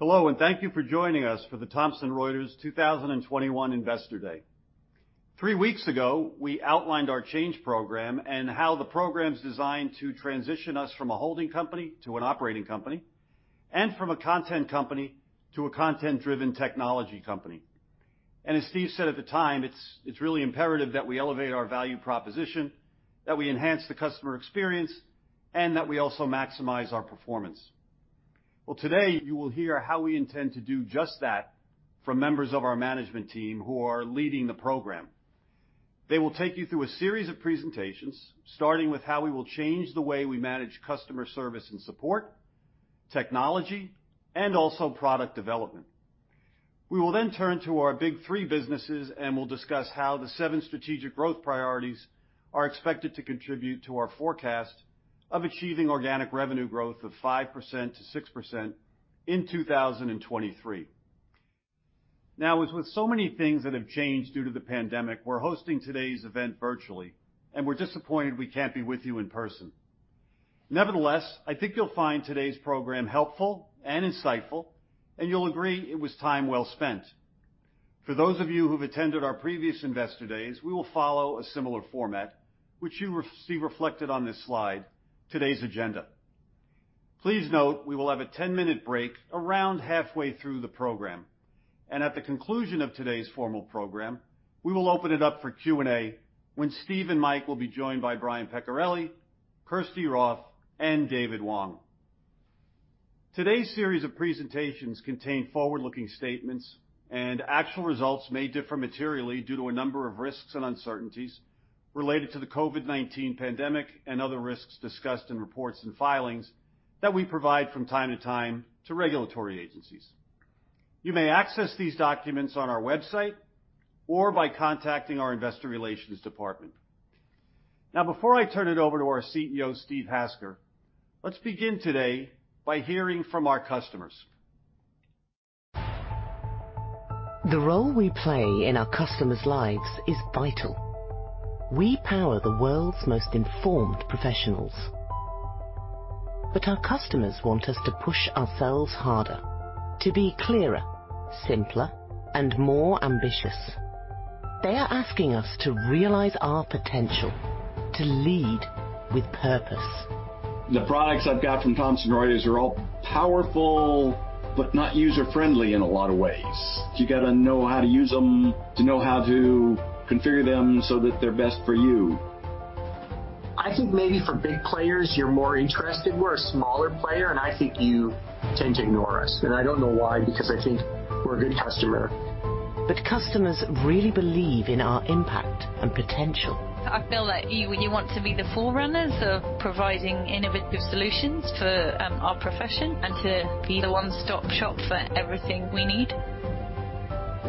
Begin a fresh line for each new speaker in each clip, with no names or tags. Hello, and thank you for joining us for the Thomson Reuters 2021 Investor Day. Three weeks ago, we outlined our Change Program and how the program's designed to transition us from a holding company to an operating company, and from a content company to a content-driven technology company, and as Steve said at the time, it's really imperative that we elevate our value proposition, that we enhance the customer experience, and that we also maximize our performance. Today, you will hear how we intend to do just that from members of our management team who are leading the program. They will take you through a series of presentations, starting with how we will change the way we manage customer service and support, technology, and also product development. We will then turn to our big three businesses and we'll discuss how the seven strategic growth priorities are expected to contribute to our forecast of achieving organic revenue growth of 5% to 6% in 2023. Now, as with so many things that have changed due to the pandemic, we're hosting today's event virtually, and we're disappointed we can't be with you in person. Nevertheless, I think you'll find today's program helpful and insightful, and you'll agree it was time well spent. For those of you who've attended our previous investor days, we will follow a similar format, which you see reflected on this slide, today's agenda. Please note we will have a 10-minute break around halfway through the program, and at the conclusion of today's formal program, we will open it up for Q&A when Steve and Mike will be joined by Brian Peccarelli, Kirsty Roth, and David Wong. Today's series of presentations contain forward-looking statements, and actual results may differ materially due to a number of risks and uncertainties related to the COVID-19 pandemic and other risks discussed in reports and filings that we provide from time to time to regulatory agencies. You may access these documents on our website or by contacting our investor relations department. Now, before I turn it over to our CEO, Steve Hasker, let's begin today by hearing from our customers.
The role we play in our customers' lives is vital. We power the world's most informed professionals. But our customers want us to push ourselves harder, to be clearer, simpler, and more ambitious. They are asking us to realize our potential, to lead with purpose.
The products I've got from Thomson Reuters are all powerful but not user-friendly in a lot of ways. You've got to know how to use them, to know how to configure them so that they're best for you.
I think maybe for big players, you're more interested. We're a smaller player, and I think you tend to ignore us, and I don't know why, because I think we're a good customer.
But customers really believe in our impact and potential.
I feel that you want to be the forerunners of providing innovative solutions for our profession and to be the one-stop shop for everything we need.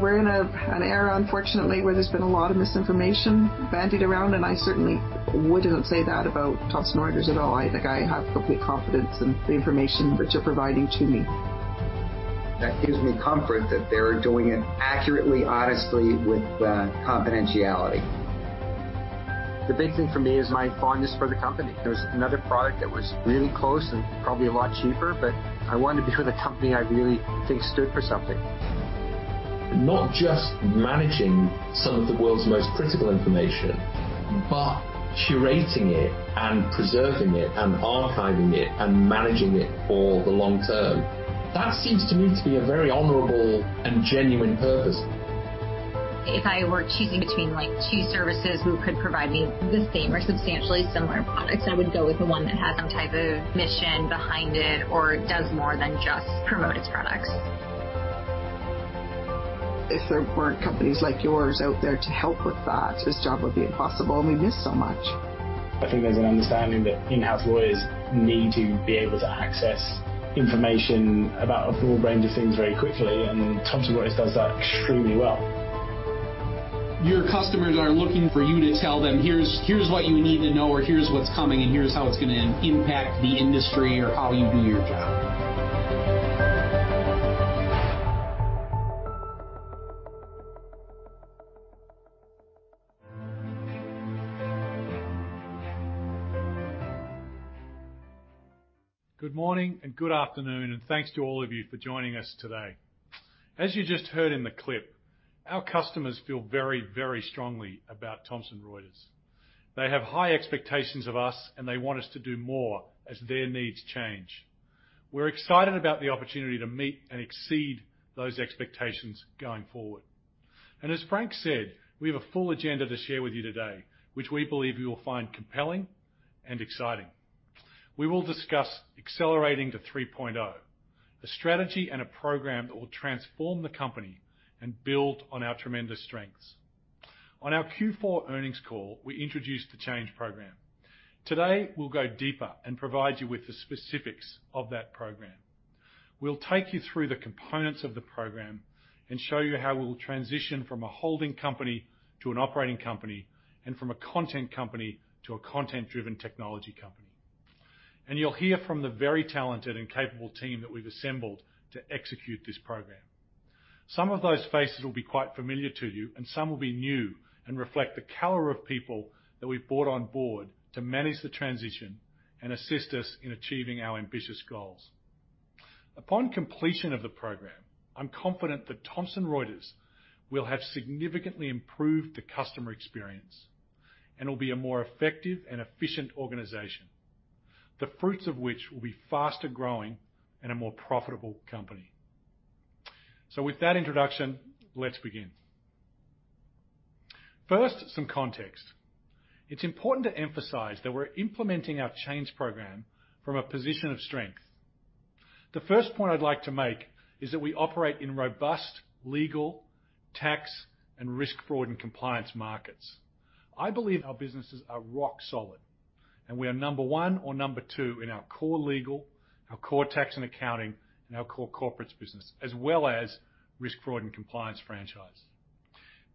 We're in an era, unfortunately, where there's been a lot of misinformation bandied around, and I certainly wouldn't say that about Thomson Reuters at all. I think I have complete confidence in the information that you're providing to me.
That gives me comfort that they're doing it accurately, honestly, with confidentiality.
The big thing for me is my fondness for the company. There was another product that was really close and probably a lot cheaper, but I wanted to be with a company I really think stood for something.
Not just managing some of the world's most critical information, but curating it and preserving it and archiving it and managing it for the long term. That seems to me to be a very honorable and genuine purpose.
If I were choosing between two services who could provide me the same or substantially similar products, I would go with the one that has some type of mission behind it or does more than just promote its products.
If there weren't companies like yours out there to help with that, this job would be impossible, and we miss so much.
I think there's an understanding that in-house lawyers need to be able to access information about a broad range of things very quickly, and Thomson Reuters does that extremely well.
Your customers are looking for you to tell them, "Here's what you need to know," or, "Here's what's coming," and, "Here's how it's going to impact the industry," or, "How you do your job.
Good morning and good afternoon, and thanks to all of you for joining us today. As you just heard in the clip, our customers feel very, very strongly about Thomson Reuters. They have high expectations of us, and they want us to do more as their needs change. We're excited about the opportunity to meet and exceed those expectations going forward. And as Frank said, we have a full agenda to share with you today, which we believe you will find compelling and exciting. We will discuss accelerating to 3.0, a strategy and a program that will transform the company and build on our tremendous strengths. On our Q4 earnings call, we introduced the change program. Today, we'll go deeper and provide you with the specifics of that program. We'll take you through the components of the program and show you how we will transition from a holding company to an operating company and from a content company to a content-driven technology company. And you'll hear from the very talented and capable team that we've assembled to execute this program. Some of those faces will be quite familiar to you, and some will be new and reflect the caliber of people that we've brought on board to manage the transition and assist us in achieving our ambitious goals. Upon completion of the program, I'm confident that Thomson Reuters will have significantly improved the customer experience and will be a more effective and efficient organization, the fruits of which will be faster growing and a more profitable company. So with that introduction, let's begin. First, some context. It's important to emphasize that we're implementing our Change Program from a position of strength. The first point I'd like to make is that we operate in robust legal, tax, and risk, fraud, and compliance markets. I believe our businesses are rock solid, and we are number one or number two in our core legal, our core tax and accounting, and our core corporates business, as well as risk, fraud, and compliance franchise.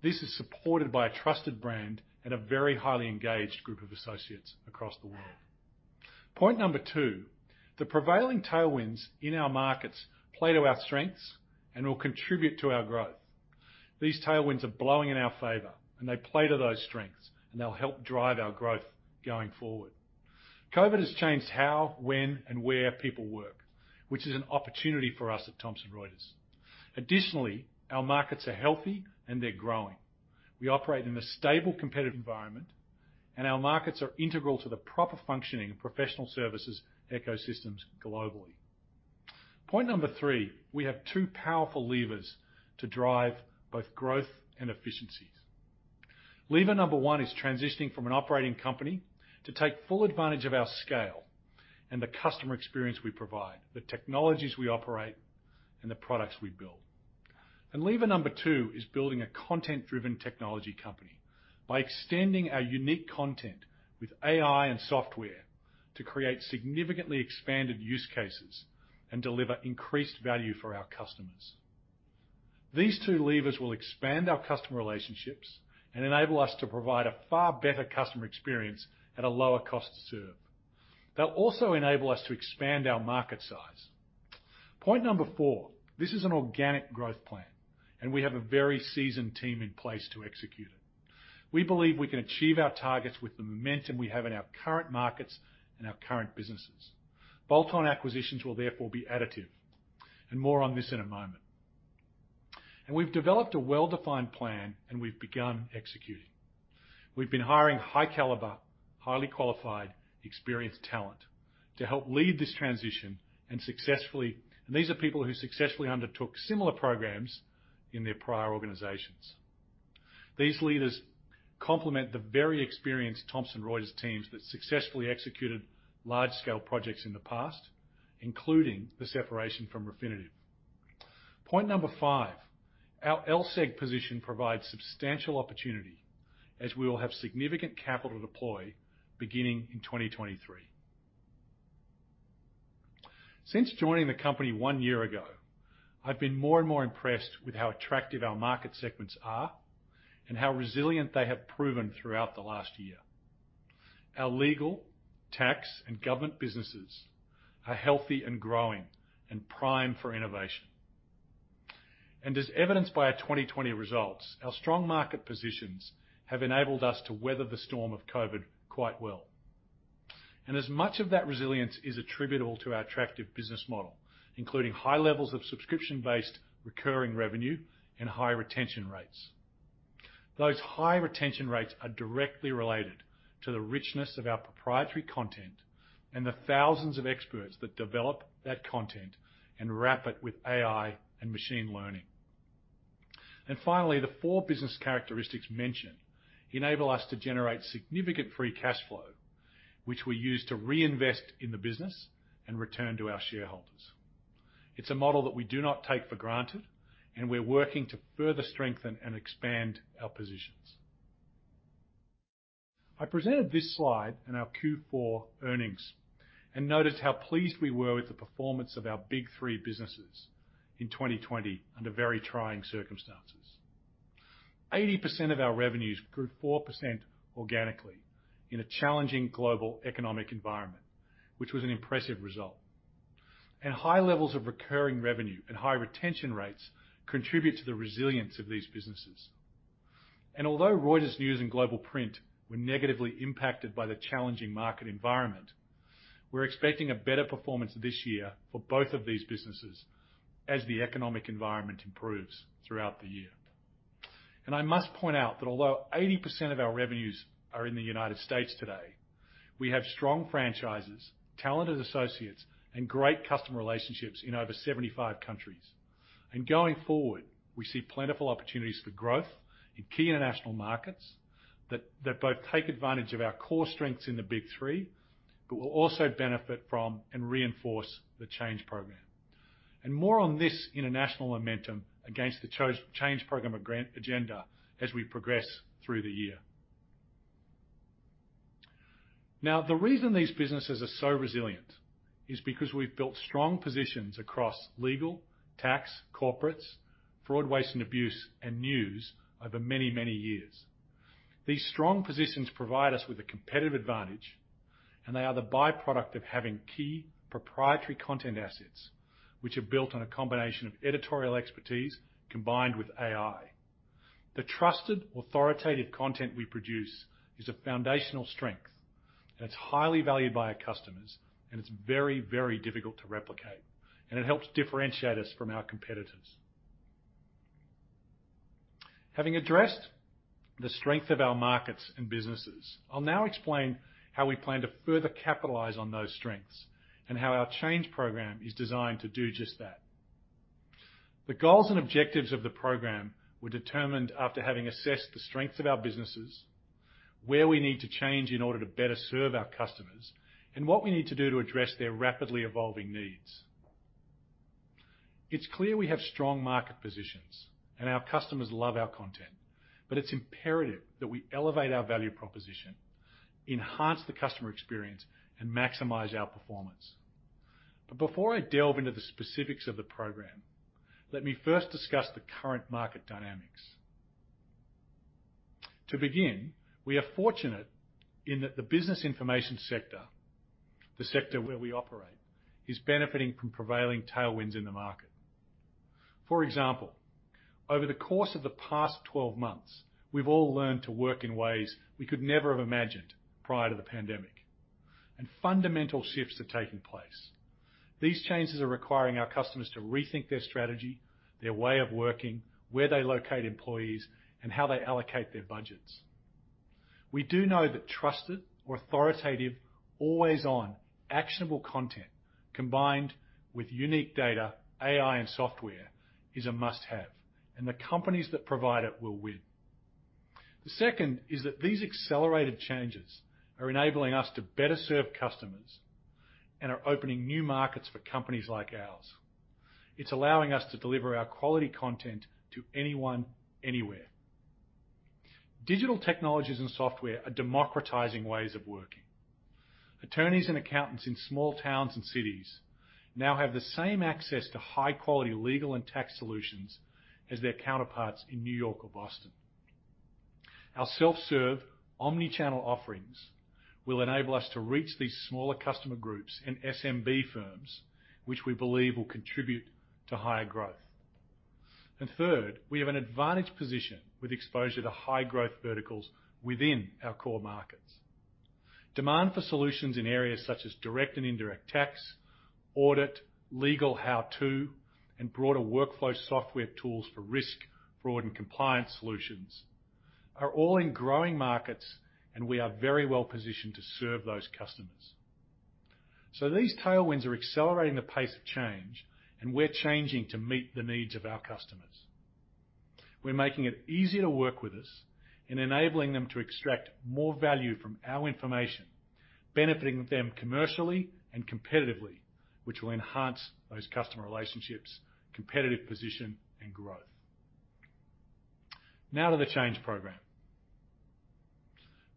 This is supported by a trusted brand and a very highly engaged group of associates across the world. Point number two, the prevailing tailwinds in our markets play to our strengths and will contribute to our growth. These tailwinds are blowing in our favor, and they play to those strengths, and they'll help drive our growth going forward. COVID has changed how, when, and where people work, which is an opportunity for us at Thomson Reuters. Additionally, our markets are healthy, and they're growing. We operate in a stable competitive environment, and our markets are integral to the proper functioning of professional services ecosystems globally. Point number three, we have two powerful levers to drive both growth and efficiencies. Lever number one is transitioning to an operating company to take full advantage of our scale and the customer experience we provide, the technologies we operate, and the products we build, and lever number two is building a content-driven technology company by extending our unique content with AI and software to create significantly expanded use cases and deliver increased value for our customers. These two levers will expand our customer relationships and enable us to provide a far better customer experience at a lower cost to serve. They'll also enable us to expand our market size. Point number four, this is an organic growth plan, and we have a very seasoned team in place to execute it. We believe we can achieve our targets with the momentum we have in our current markets and our current businesses. Bolt-on acquisitions will therefore be additive, and more on this in a moment. We've developed a well-defined plan, and we've begun executing. We've been hiring high-caliber, highly qualified, experienced talent to help lead this transition and successfully. These are people who successfully undertook similar programs in their prior organizations. These leaders complement the very experienced Thomson Reuters teams that successfully executed large-scale projects in the past, including the separation from Refinitiv. Point number five, our LSEG position provides substantial opportunity as we will have significant capital to deploy beginning in 2023. Since joining the company one year ago, I've been more and more impressed with how attractive our market segments are and how resilient they have proven throughout the last year. Our legal, tax, and government businesses are healthy and growing and prime for innovation. And as evidenced by our 2020 results, our strong market positions have enabled us to weather the storm of COVID quite well. And as much of that resilience is attributable to our attractive business model, including high levels of subscription-based recurring revenue and high retention rates. Those high retention rates are directly related to the richness of our proprietary content and the thousands of experts that develop that content and wrap it with AI and machine learning. And finally, the four business characteristics mentioned enable us to generate significant free cash flow, which we use to reinvest in the business and return to our shareholders. It's a model that we do not take for granted, and we're working to further strengthen and expand our positions. I presented this slide in our Q4 earnings and noticed how pleased we were with the performance of our Big Three businesses in 2020 under very trying circumstances. 80% of our revenues grew 4% organically in a challenging global economic environment, which was an impressive result, and high levels of recurring revenue and high retention rates contribute to the resilience of these businesses. And although Reuters News and Global Print were negatively impacted by the challenging market environment, we're expecting a better performance this year for both of these businesses as the economic environment improves throughout the year. And I must point out that although 80% of our revenues are in the United States today, we have strong franchises, talented associates, and great customer relationships in over 75 countries. Going forward, we see plentiful opportunities for growth in key international markets that both take advantage of our core strengths in the Big Three, but will also benefit from and reinforce the Change Program, and more on this international momentum against the Change Program agenda as we progress through the year. Now, the reason these businesses are so resilient is because we've built strong positions across legal, tax, corporates, fraud, waste, and abuse, and news over many, many years. These strong positions provide us with a competitive advantage, and they are the byproduct of having key proprietary content assets, which are built on a combination of editorial expertise combined with AI. The trusted, authoritative content we produce is a foundational strength, and it's highly valued by our customers, and it's very, very difficult to replicate. It helps differentiate us from our competitors. Having addressed the strength of our markets and businesses, I'll now explain how we plan to further capitalize on those strengths and how our Change Program is designed to do just that. The goals and objectives of the program were determined after having assessed the strengths of our businesses, where we need to change in order to better serve our customers, and what we need to do to address their rapidly evolving needs. It's clear we have strong market positions, and our customers love our content, but it's imperative that we elevate our value proposition, enhance the customer experience, and maximize our performance. But before I delve into the specifics of the program, let me first discuss the current market dynamics. To begin, we are fortunate in that the business information sector, the sector where we operate, is benefiting from prevailing tailwinds in the market. For example, over the course of the past 12 months, we've all learned to work in ways we could never have imagined prior to the pandemic, and fundamental shifts are taking place. These changes are requiring our customers to rethink their strategy, their way of working, where they locate employees, and how they allocate their budgets. We do know that trusted, authoritative, always-on, actionable content combined with unique data, AI, and software is a must-have, and the companies that provide it will win. The second is that these accelerated changes are enabling us to better serve customers and are opening new markets for companies like ours. It's allowing us to deliver our quality content to anyone, anywhere. Digital technologies and software are democratizing ways of working. Attorneys and accountants in small towns and cities now have the same access to high-quality legal and tax solutions as their counterparts in New York or Boston. Our self-serve omnichannel offerings will enable us to reach these smaller customer groups and SMB firms, which we believe will contribute to higher growth, and third, we have an advantage position with exposure to high-growth verticals within our core markets. Demand for solutions in areas such as direct and indirect tax, audit, legal how-to, and broader workflow software tools for Risk, Fraud, and Compliance solutions are all in growing markets, and we are very well positioned to serve those customers, so these tailwinds are accelerating the pace of change, and we're changing to meet the needs of our customers. We're making it easier to work with us and enabling them to extract more value from our information, benefiting them commercially and competitively, which will enhance those customer relationships, competitive position, and growth. Now to the Change Program.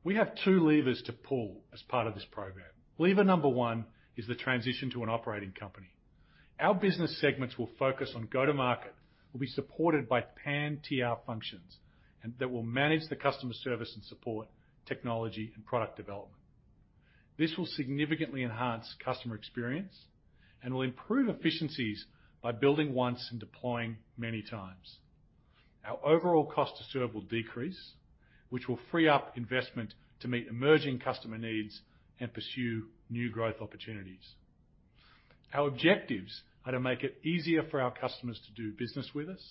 We have two levers to pull as part of this program. Lever number one is the transition to an operating company. Our business segments will focus on go-to-market. Will be supported by pan-TR functions that will manage the customer service and support technology and product development. This will significantly enhance customer experience and will improve efficiencies by building once and deploying many times. Our overall cost to serve will decrease, which will free up investment to meet emerging customer needs and pursue new growth opportunities. Our objectives are to make it easier for our customers to do business with us,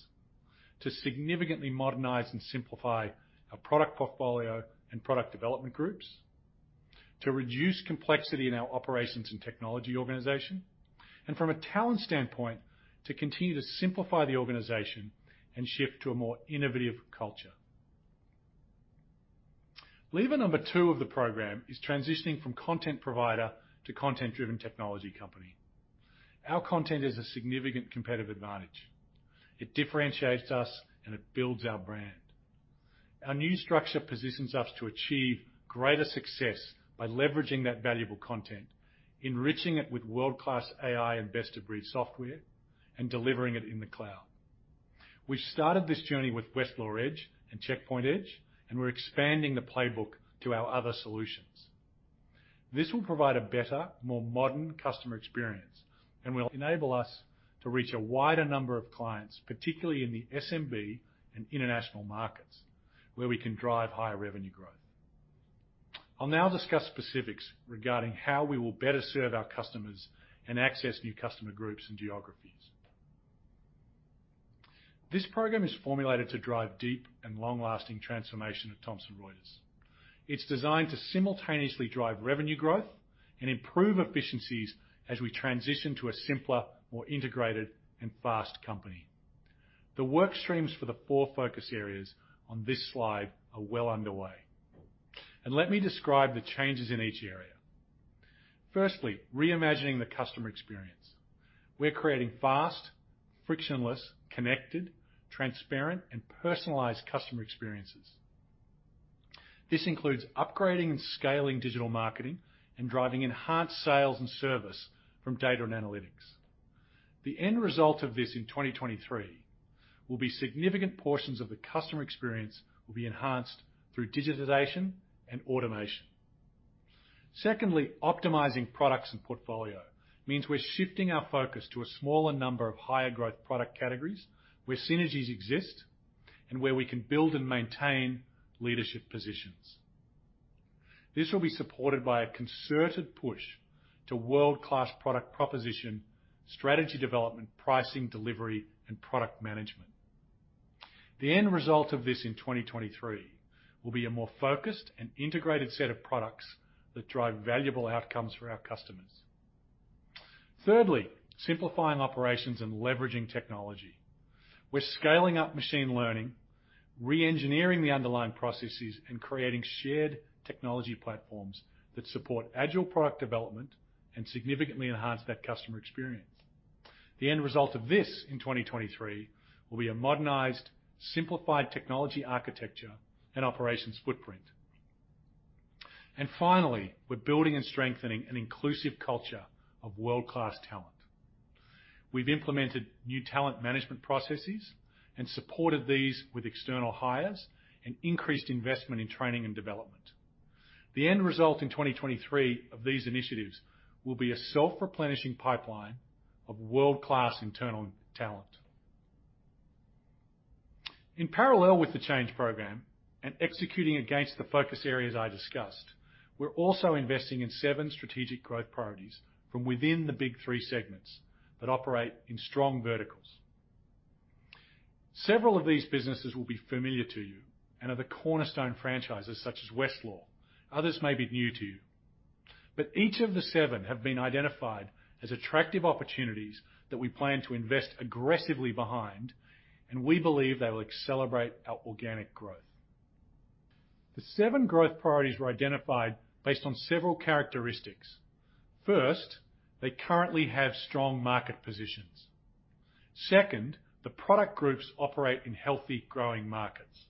to significantly modernize and simplify our product portfolio and product development groups, to reduce complexity in our operations and technology organization, and from a talent standpoint, to continue to simplify the organization and shift to a more innovative culture. Lever number two of the program is transitioning from content provider to content-driven technology company. Our content is a significant competitive advantage. It differentiates us, and it builds our brand. Our new structure positions us to achieve greater success by leveraging that valuable content, enriching it with world-class AI and best-of-breed software, and delivering it in the cloud. We've started this journey with Westlaw Edge and Checkpoint Edge, and we're expanding the playbook to our other solutions. This will provide a better, more modern customer experience and will enable us to reach a wider number of clients, particularly in the SMB and international market, where we can drive higher revenue growth. I'll now discuss specifics regarding how we will better serve our customers and access new customer groups and geographies. This program is formulated to drive deep and long-lasting transformation at Thomson Reuters. It's designed to simultaneously drive revenue growth and improve efficiencies as we transition to a simpler, more integrated, and fast company. The work streams for the four focus areas on this slide are well underway. Let me describe the changes in each area. Firstly, reimagining the customer experience. We're creating fast, frictionless, connected, transparent, and personalized customer experiences. This includes upgrading and scaling digital marketing and driving enhanced sales and service from data and analytics. The end result of this in 2023 will be significant portions of the customer experience will be enhanced through digitization and automation. Secondly, optimizing products and portfolio means we're shifting our focus to a smaller number of higher-growth product categories where synergies exist and where we can build and maintain leadership positions. This will be supported by a concerted push to world-class product proposition, strategy development, pricing, delivery, and product management. The end result of this in 2023 will be a more focused and integrated set of products that drive valuable outcomes for our customers. Thirdly, simplifying operations and leveraging technology. We're scaling up machine learning, re-engineering the underlying processes, and creating shared technology platforms that support agile product development and significantly enhance that customer experience. The end result of this in 2023 will be a modernized, simplified technology architecture and operations footprint. And finally, we're building and strengthening an inclusive culture of world-class talent. We've implemented new talent management processes and supported these with external hires and increased investment in training and development. The end result in 2023 of these initiatives will be a self-replenishing pipeline of world-class internal talent. In parallel with the change program and executing against the focus areas I discussed, we're also investing in seven strategic growth priorities from within the big three segments that operate in strong verticals. Several of these businesses will be familiar to you and are the cornerstone franchises such as Westlaw. Others may be new to you. But each of the seven have been identified as attractive opportunities that we plan to invest aggressively behind, and we believe they will accelerate our organic growth. The seven growth priorities were identified based on several characteristics. First, they currently have strong market positions. Second, the product groups operate in healthy growing markets.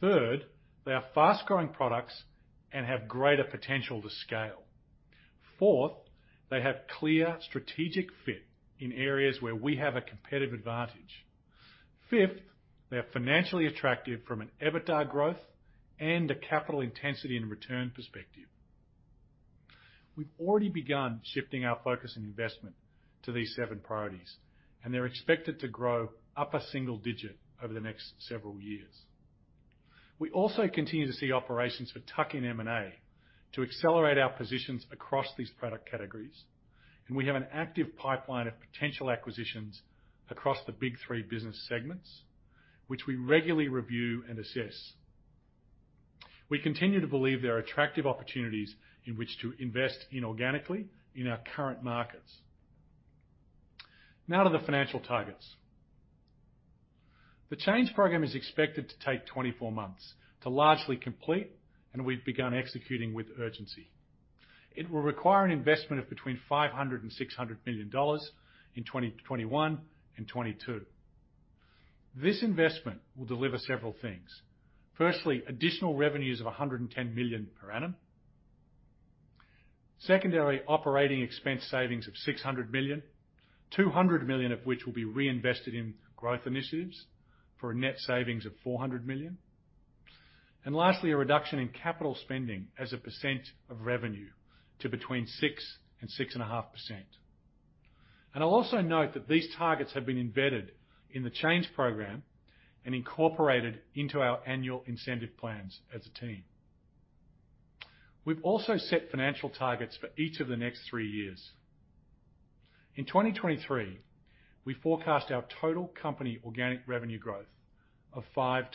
Third, they are fast-growing products and have greater potential to scale. Fourth, they have clear strategic fit in areas where we have a competitive advantage. Fifth, they are financially attractive from an EBITDA growth and a capital intensity and return perspective. We've already begun shifting our focus and investment to these seven priorities, and they're expected to grow at a single digit over the next several years. We also continue to see opportunities for tuck-ins and M&A to accelerate our positions across these product categories, and we have an active pipeline of potential acquisitions across the Big Three business segments, which we regularly review and assess. We continue to believe there are attractive opportunities in which to invest inorganically in our current markets. Now to the financial targets. The Change Program is expected to take 24 months to largely complete, and we've begun executing with urgency. It will require an investment of between $500 to $600 million in 2021 and 2022. This investment will deliver several things. Firstly, additional revenues of $110 million per annum. Secondarily, operating expense savings of $600 million, $200 million of which will be reinvested in growth initiatives for a net savings of $400 million, and lastly, a reduction in capital spending as a percent of revenue to between 6% and 6.5%, and I'll also note that these targets have been embedded in the Change Program and incorporated into our annual incentive plans as a team. We've also set financial targets for each of the next three years. In 2023, we forecast our total company organic revenue growth of 5-6%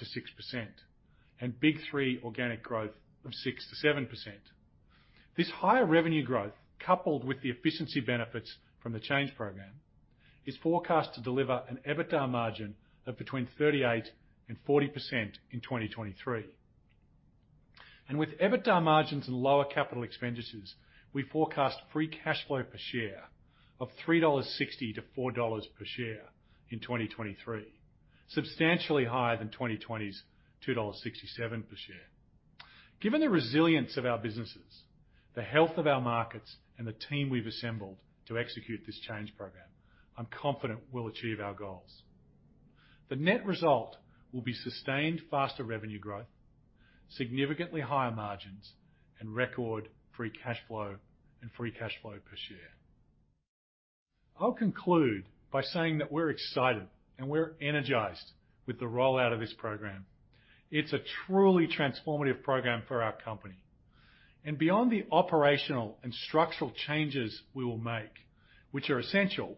and Big Three organic growth of 6-7%. This higher revenue growth, coupled with the efficiency benefits from the Change Program, is forecast to deliver an EBITDA margin of between 38% and 40% in 2023, and with EBITDA margins and lower capital expenditures, we forecast free cash flow per share of $3.60 to $4 per share in 2023, substantially higher than 2020's $2.67 per share. Given the resilience of our businesses, the health of our markets, and the team we've assembled to execute this Change Program, I'm confident we'll achieve our goals. The net result will be sustained faster revenue growth, significantly higher margins, and record free cash flow and free cash flow per share. I'll conclude by saying that we're excited and we're energized with the rollout of this program. It's a truly transformative program for our company. And beyond the operational and structural changes we will make, which are essential,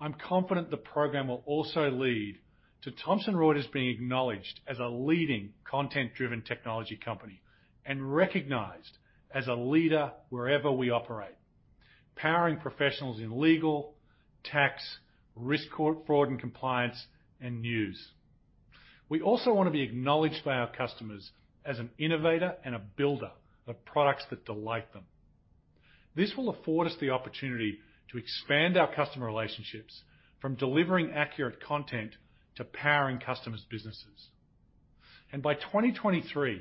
I'm confident the program will also lead to Thomson Reuters being acknowledged as a leading content-driven technology company and recognized as a leader wherever we operate, powering professionals in legal, tax, risk, fraud, and compliance, and news. We also want to be acknowledged by our customers as an innovator and a builder of products that delight them. This will afford us the opportunity to expand our customer relationships from delivering accurate content to powering customers' businesses, and by 2023,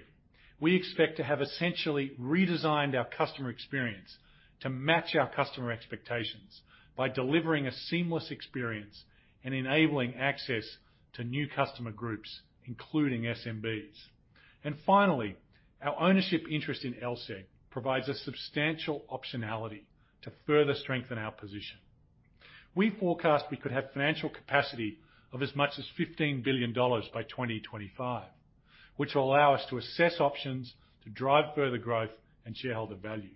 we expect to have essentially redesigned our customer experience to match our customer expectations by delivering a seamless experience and enabling access to new customer groups, including SMBs. Finally, our ownership interest in LSEG provides a substantial optionality to further strengthen our position. We forecast we could have financial capacity of as much as $15 billion by 2025, which will allow us to assess options to drive further growth and shareholder value.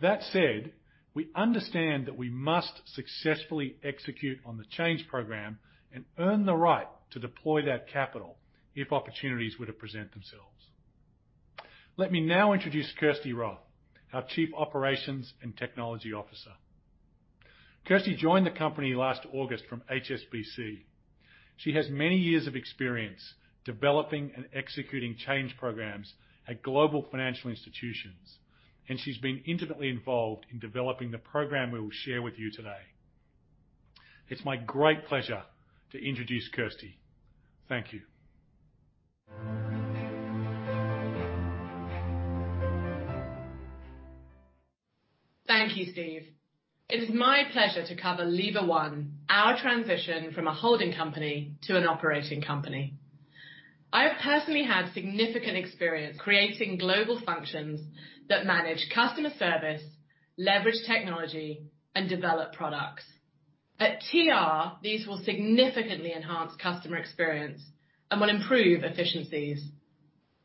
That said, we understand that we must successfully execute on the Change Program and earn the right to deploy that capital if opportunities were to present themselves. Let me now introduce Kirsty Roth, our Chief Operations and Technology Officer. Kirsty joined the company last August from HSBC. She has many years of experience developing and executing change programs at global financial institutions, and she's been intimately involved in developing the program we will share with you today. It's my great pleasure to introduce Kirsty. Thank you.
Thank you, Steve. It is my pleasure to cover Lever One, our transition from a holding company to an operating company. I have personally had significant experience creating global functions that manage customer service, leverage technology, and develop products. At TR, these will significantly enhance customer experience and will improve efficiencies.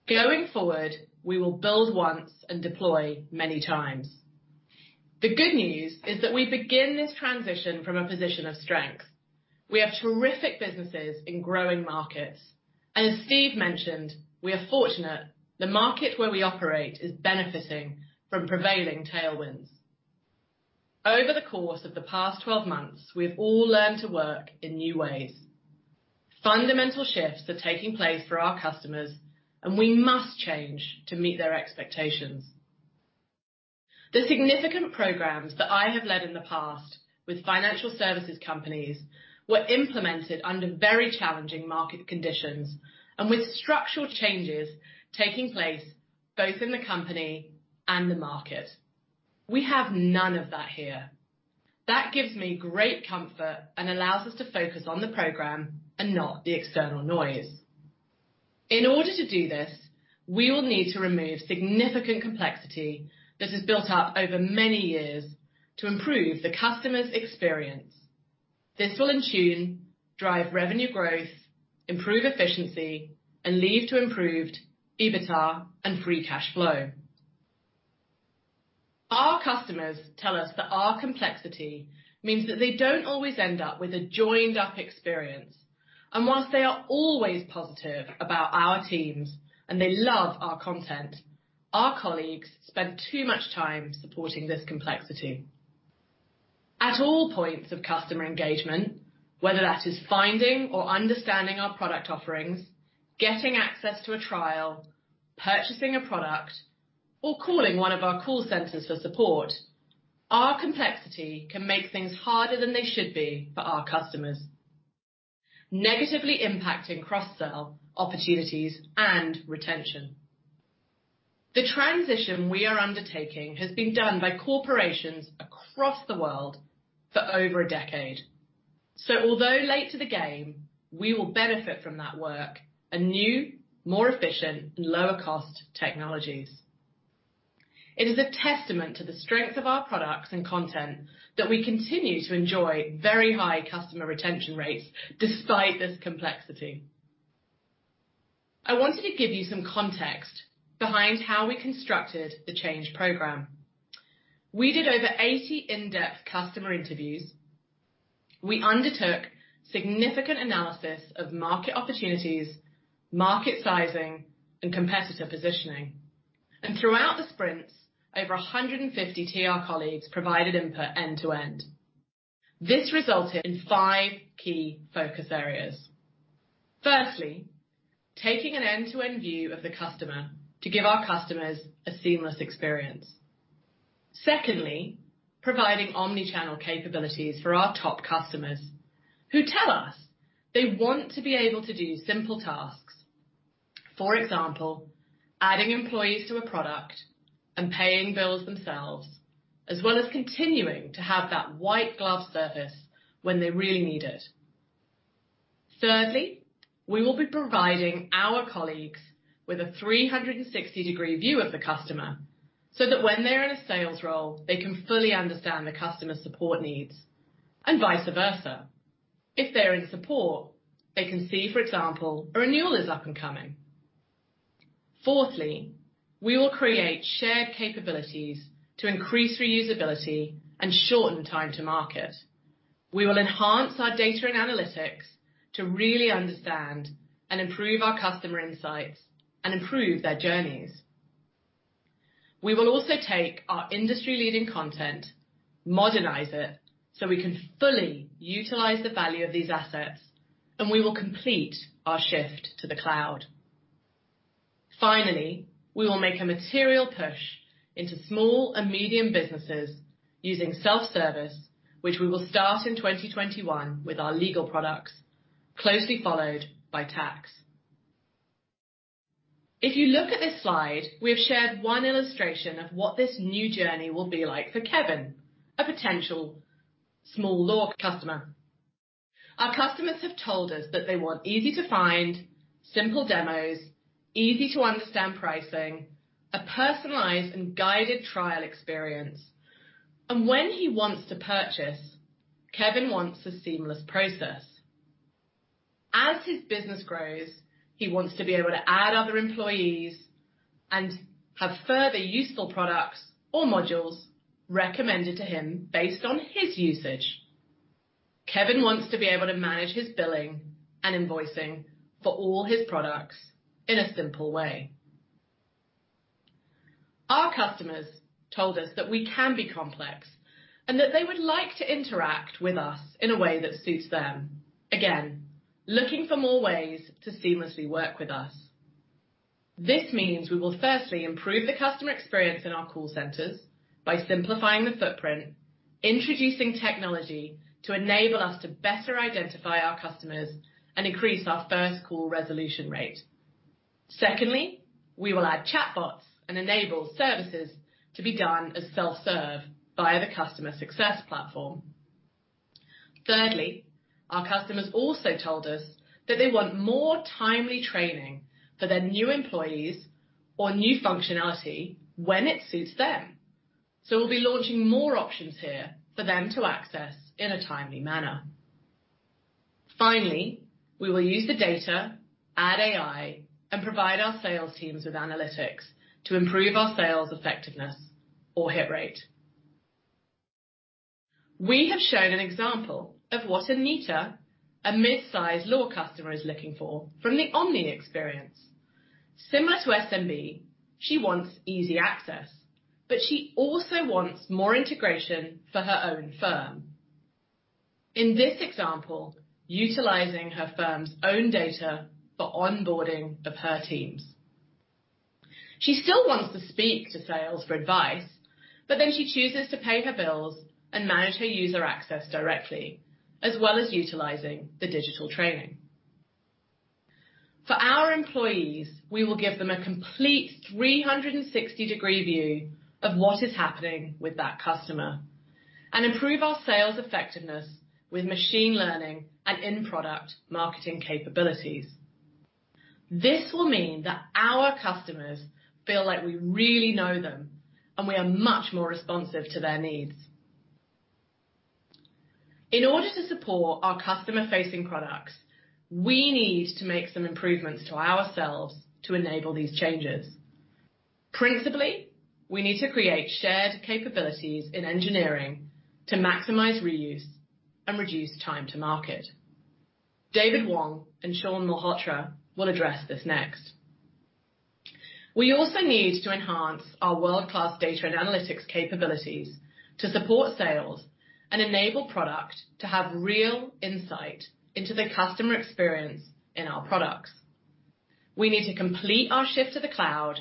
Going forward, we will build once and deploy many times. The good news is that we begin this transition from a position of strength. We have terrific businesses in growing markets, and as Steve mentioned, we are fortunate. The market where we operate is benefiting from prevailing tailwinds. Over the course of the past 12 months, we've all learned to work in new ways. Fundamental shifts are taking place for our customers, and we must change to meet their expectations. The significant programs that I have led in the past with financial services companies were implemented under very challenging market conditions and with structural changes taking place both in the company and the market. We have none of that here. That gives me great comfort and allows us to focus on the program and not the external noise. In order to do this, we will need to remove significant complexity that has built up over many years to improve the customer's experience. This will in turn drive revenue growth, improve effiency, and lead to improved EBITDA and Free Cash Flow. Our customers tell us that our complexity means that they don't always end up with a joined-up experience. While they are always positive about our teams and they love our content, our colleagues spend too much time supporting this complexity. At all points of customer engagement, whether that is finding or understanding our product offerings, getting access to a trial, purchasing a product, or calling one of our call centers for support, our complexity can make things harder than they should be for our customers, negatively impacting cross-sell opportunities and retention. The transition we are undertaking has been done by corporations across the world for over a decade. So although late to the game, we will benefit from that work and new, more efficient, and lower-cost technologies. It is a testament to the strength of our products and content that we continue to enjoy very high customer retention rates despite this complexity. I wanted to give you some context behind how we constructed the change program. We did over 80 in-depth customer interviews. We undertook significant analysis of market opportunities, market sizing, and competitor positioning. And throughout the sprints, over 150 TR colleagues provided input end-to-end. This resulted in five key focus areas. Firstly, taking an end-to-end view of the customer to give our customers a seamless experience. Secondly, providing omnichannel capabilities for our top customers who tell us they want to be able to do simple tasks. For example, adding employees to a product and paying bills themselves, as well as continuing to have that white glove service when they really need it. Thirdly, we will be providing our colleagues with a 360-degree view of the customer so that when they're in a sales role, they can fully understand the customer support needs and vice versa. If they're in support, they can see, for example, a renewal is up and coming. Fourthly, we will create shared capabilities to increase reusability and shorten time to market. We will enhance our data and analytics to really understand and improve our customer insights and improve their journeys. We will also take our industry-leading content, modernize it so we can fully utilize the value of these assets, and we will complete our shift to the cloud. Finally, we will make a material push into small and medium businesses using self-service, which we will start in 2021 with our legal products, closely followed by tax. If you look at this slide, we have shared one illustration of what this new journey will be like for Kevin, a potential small law customer. Our customers have told us that they want easy-to-find, simple demos, easy-to-understand pricing, a personalized and guided trial experience, and when he wants to purchase, Kevin wants a seamless process. As his business grows, he wants to be able to add other employees and have further useful products or modules recommended to him based on his usage. Kevin wants to be able to manage his billing and invoicing for all his products in a simple way. Our customers told us that we can be complex and that they would like to interact with us in a way that suits them. Again, looking for more ways to seamlessly work with us. This means we will firstly improve the customer experience in our call centers by simplifying the footprint, introducing technology to enable us to better identify our customers and increase our first call resolution rate. Secondly, we will add chatbots and enable services to be done as self-serve via the customer success platform. Thirdly, our customers also told us that they want more timely training for their new employees or new functionality when it suits them. So we'll be launching more options here for them to access in a timely manner. Finally, we will use the data, add AI, and provide our sales teams with analytics to improve our sales effectiveness or hit rate. We have shown an example of what Anita, a mid-size law customer, is looking for from the omni experience. Similar to SMB, she wants easy access, but she also wants more integration for her own firm. In this example, utilizing her firm's own data for onboarding of her teams. She still wants to speak to sales for advice, but then she chooses to pay her bills and manage her user access directly, as well as utilizing the digital training. For our employees, we will give them a complete 360-degree view of what is happening with that customer and improve our sales effectiveness with machine learning and in-product marketing capabilities. This will mean that our customers feel like we really know them, and we are much more responsive to their needs. In order to support our customer-facing products, we need to make some improvements to ourselves to enable these changes. Principally, we need to create shared capabilities in engineering to maximize reuse and reduce time to market. David Wong and Shawn Malhotra will address this next. We also need to enhance our world-class data and analytics capabilities to support sales and enable product to have real insight into the customer experience in our products. We need to complete our shift to the cloud,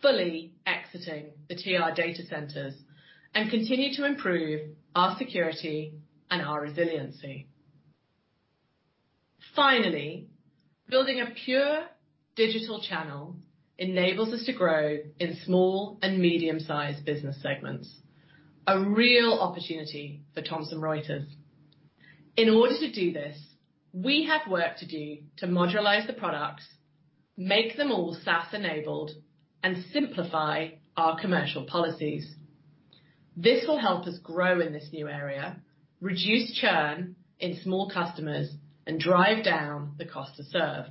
fully exiting the TR data centers, and continue to improve our security and our resiliency. Finally, building a pure digital channel enables us to grow in small and medium-sized business segments, a real opportunity for Thomson Reuters. In order to do this, we have work to do to modernize the products, make them all SaaS-enabled, and simplify our commercial policies. This will help us grow in this new area, reduce churn in small customers, and drive down the cost to serve.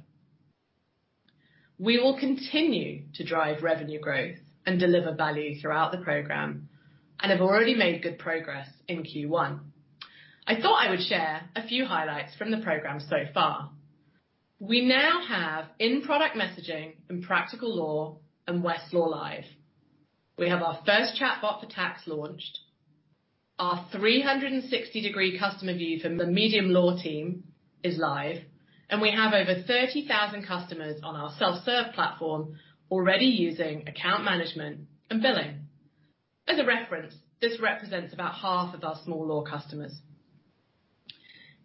We will continue to drive revenue growth and deliver value throughout the program and have already made good progress in Q1. I thought I would share a few highlights from the program so far. We now have in-product messaging and Practical Law and Westlaw Live. We have our first chatbot for tax launched. Our 360-degree customer view for the medium law team is live, and we have over 30,000 customers on our self-serve platform already using account management and billing. As a reference, this represents about half of our small law customers.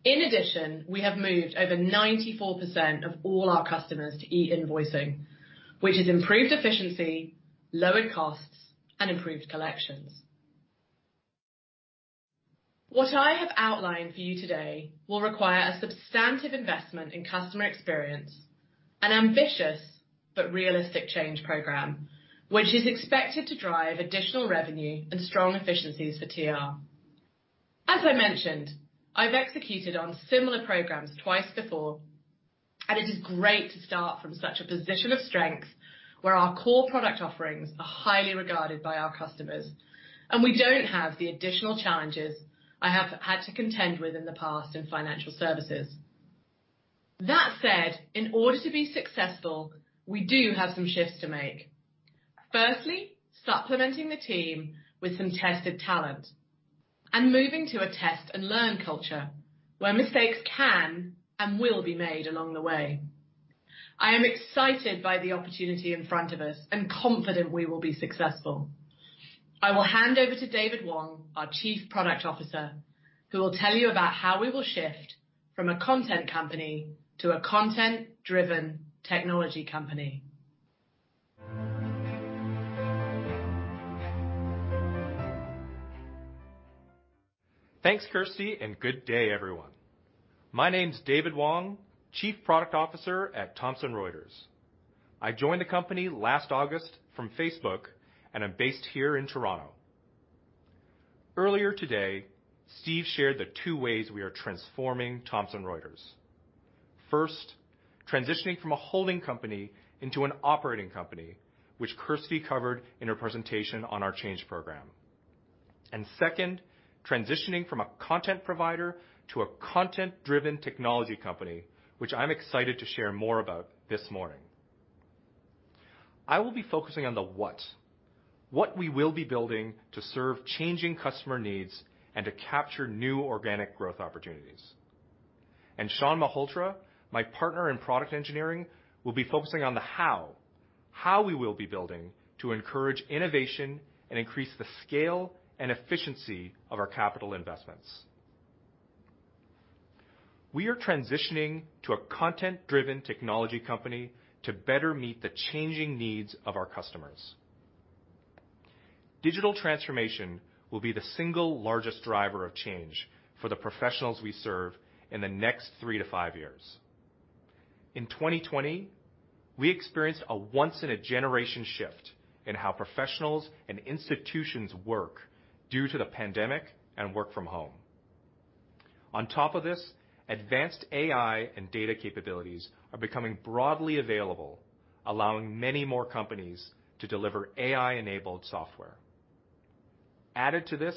In addition, we have moved over 94% of all our customers to e-invoicing, which has improved efficiency, lowered costs, and improved collections. What I have outlined for you today will require a substantive investment in customer experience, an ambitious but realistic change program, which is expected to drive additional revenue and strong efficiencies for TR. As I mentioned, I've executed on similar programs twice before, and it is great to start from such a position of strength where our core product offerings are highly regarded by our customers, and we don't have the additional challenges I have had to contend with in the past in financial services. That said, in order to be successful, we do have some shifts to make. Firstly, supplementing the team with some tested talent and moving to a test-and-learn culture where mistakes can and will be made along the way. I am excited by the opportunity in front of us and confident we will be successful. I will hand over to David Wong, our Chief Product Officer, who will tell you about how we will shift from a content company to a content-driven technology company.
Thanks, Kirsty, and good day, everyone. My name's David Wong, Chief Product Officer at Thomson Reuters. I joined the company last August from Facebook and I'm based here in Toronto. Earlier today, Steve shared the two ways we are transforming Thomson Reuters. First, transitioning from a holding company into an operating company, which Kirsty covered in her presentation on our change program. Second, transitioning from a content provider to a content-driven technology company, which I'm excited to share more about this morning. I will be focusing on the what, what we will be building to serve changing customer needs and to capture new organic growth opportunities, and Shawn Malhotra, my partner in product engineering, will be focusing on the how, how we will be building to encourage innovation and increase the scale and efficiency of our capital investments. We are transitioning to a content-driven technology company to better meet the changing needs of our customers. Digital transformation will be the single largest driver of change for the professionals we serve in the next three to five years. In 2020, we experienced a once-in-a-generation shift in how professionals and institutions work due to the pandemic and work from home. On top of this, advanced AI and data capabilities are becoming broadly available, allowing many more companies to deliver AI-enabled software. Added to this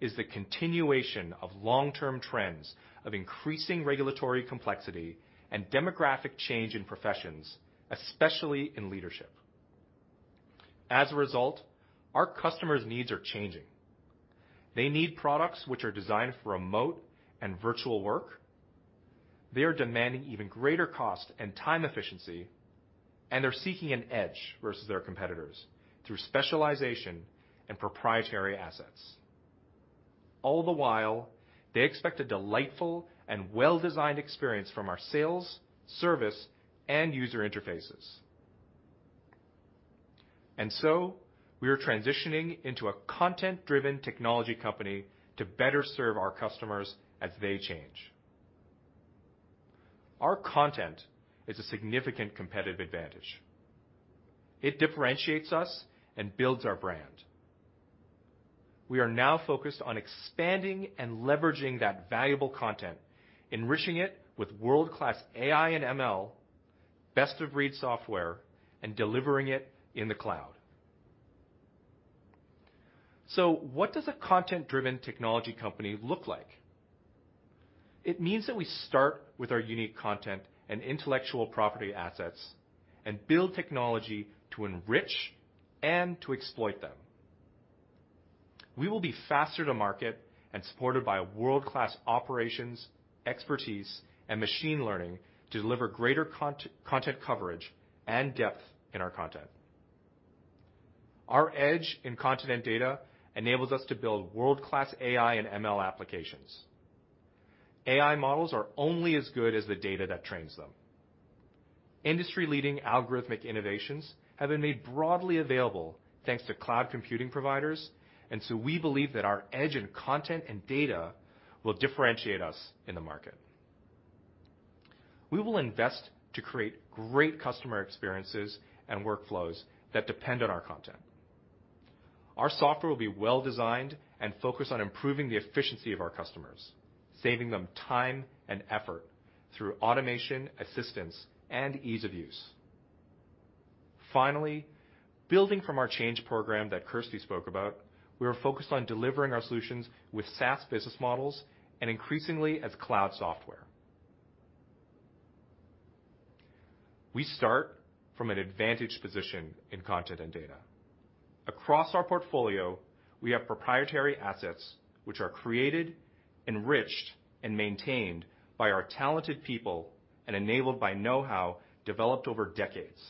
is the continuation of long-term trends of increasing regulatory complexity and demographic change in professions, especially in leadership. As a result, our customers' needs are changing. They need products which are designed for remote and virtual work. They are demanding even greater cost and time efficiency, and they're seeking an edge versus their competitors through specialization and proprietary assets. All the while, they expect a delightful and well-designed experience from our sales, service, and user interfaces. And so we are transitioning into a content-driven technology company to better serve our customers as they change. Our content is a significant competitive advantage. It differentiates us and builds our brand. We are now focused on expanding and leveraging that valuable content, enriching it with world-class AI and ML, best-of-breed software, and delivering it in the cloud. So what does a content-driven technology company look like? It means that we start with our unique content and intellectual property assets and build technology to enrich and to exploit them. We will be faster to market and supported by world-class operations, expertise, and machine learning to deliver greater content coverage and depth in our content. Our edge in content and data enables us to build world-class AI and ML applications. AI models are only as good as the data that trains them. Industry-leading algorithmic innovations have been made broadly available thanks to cloud computing providers, and so we believe that our edge in content and data will differentiate us in the market. We will invest to create great customer experiences and workflows that depend on our content. Our software will be well-designed and focused on improving the efficiency of our customers, saving them time and effort through automation, assistance, and ease of use. Finally, building from our Change Program that Kirsty spoke about, we are focused on delivering our solutions with SaaS business models and increasingly as cloud software. We start from an advantaged position in content and data. Across our portfolio, we have proprietary assets which are created, enriched, and maintained by our talented people and enabled by know-how developed over decades.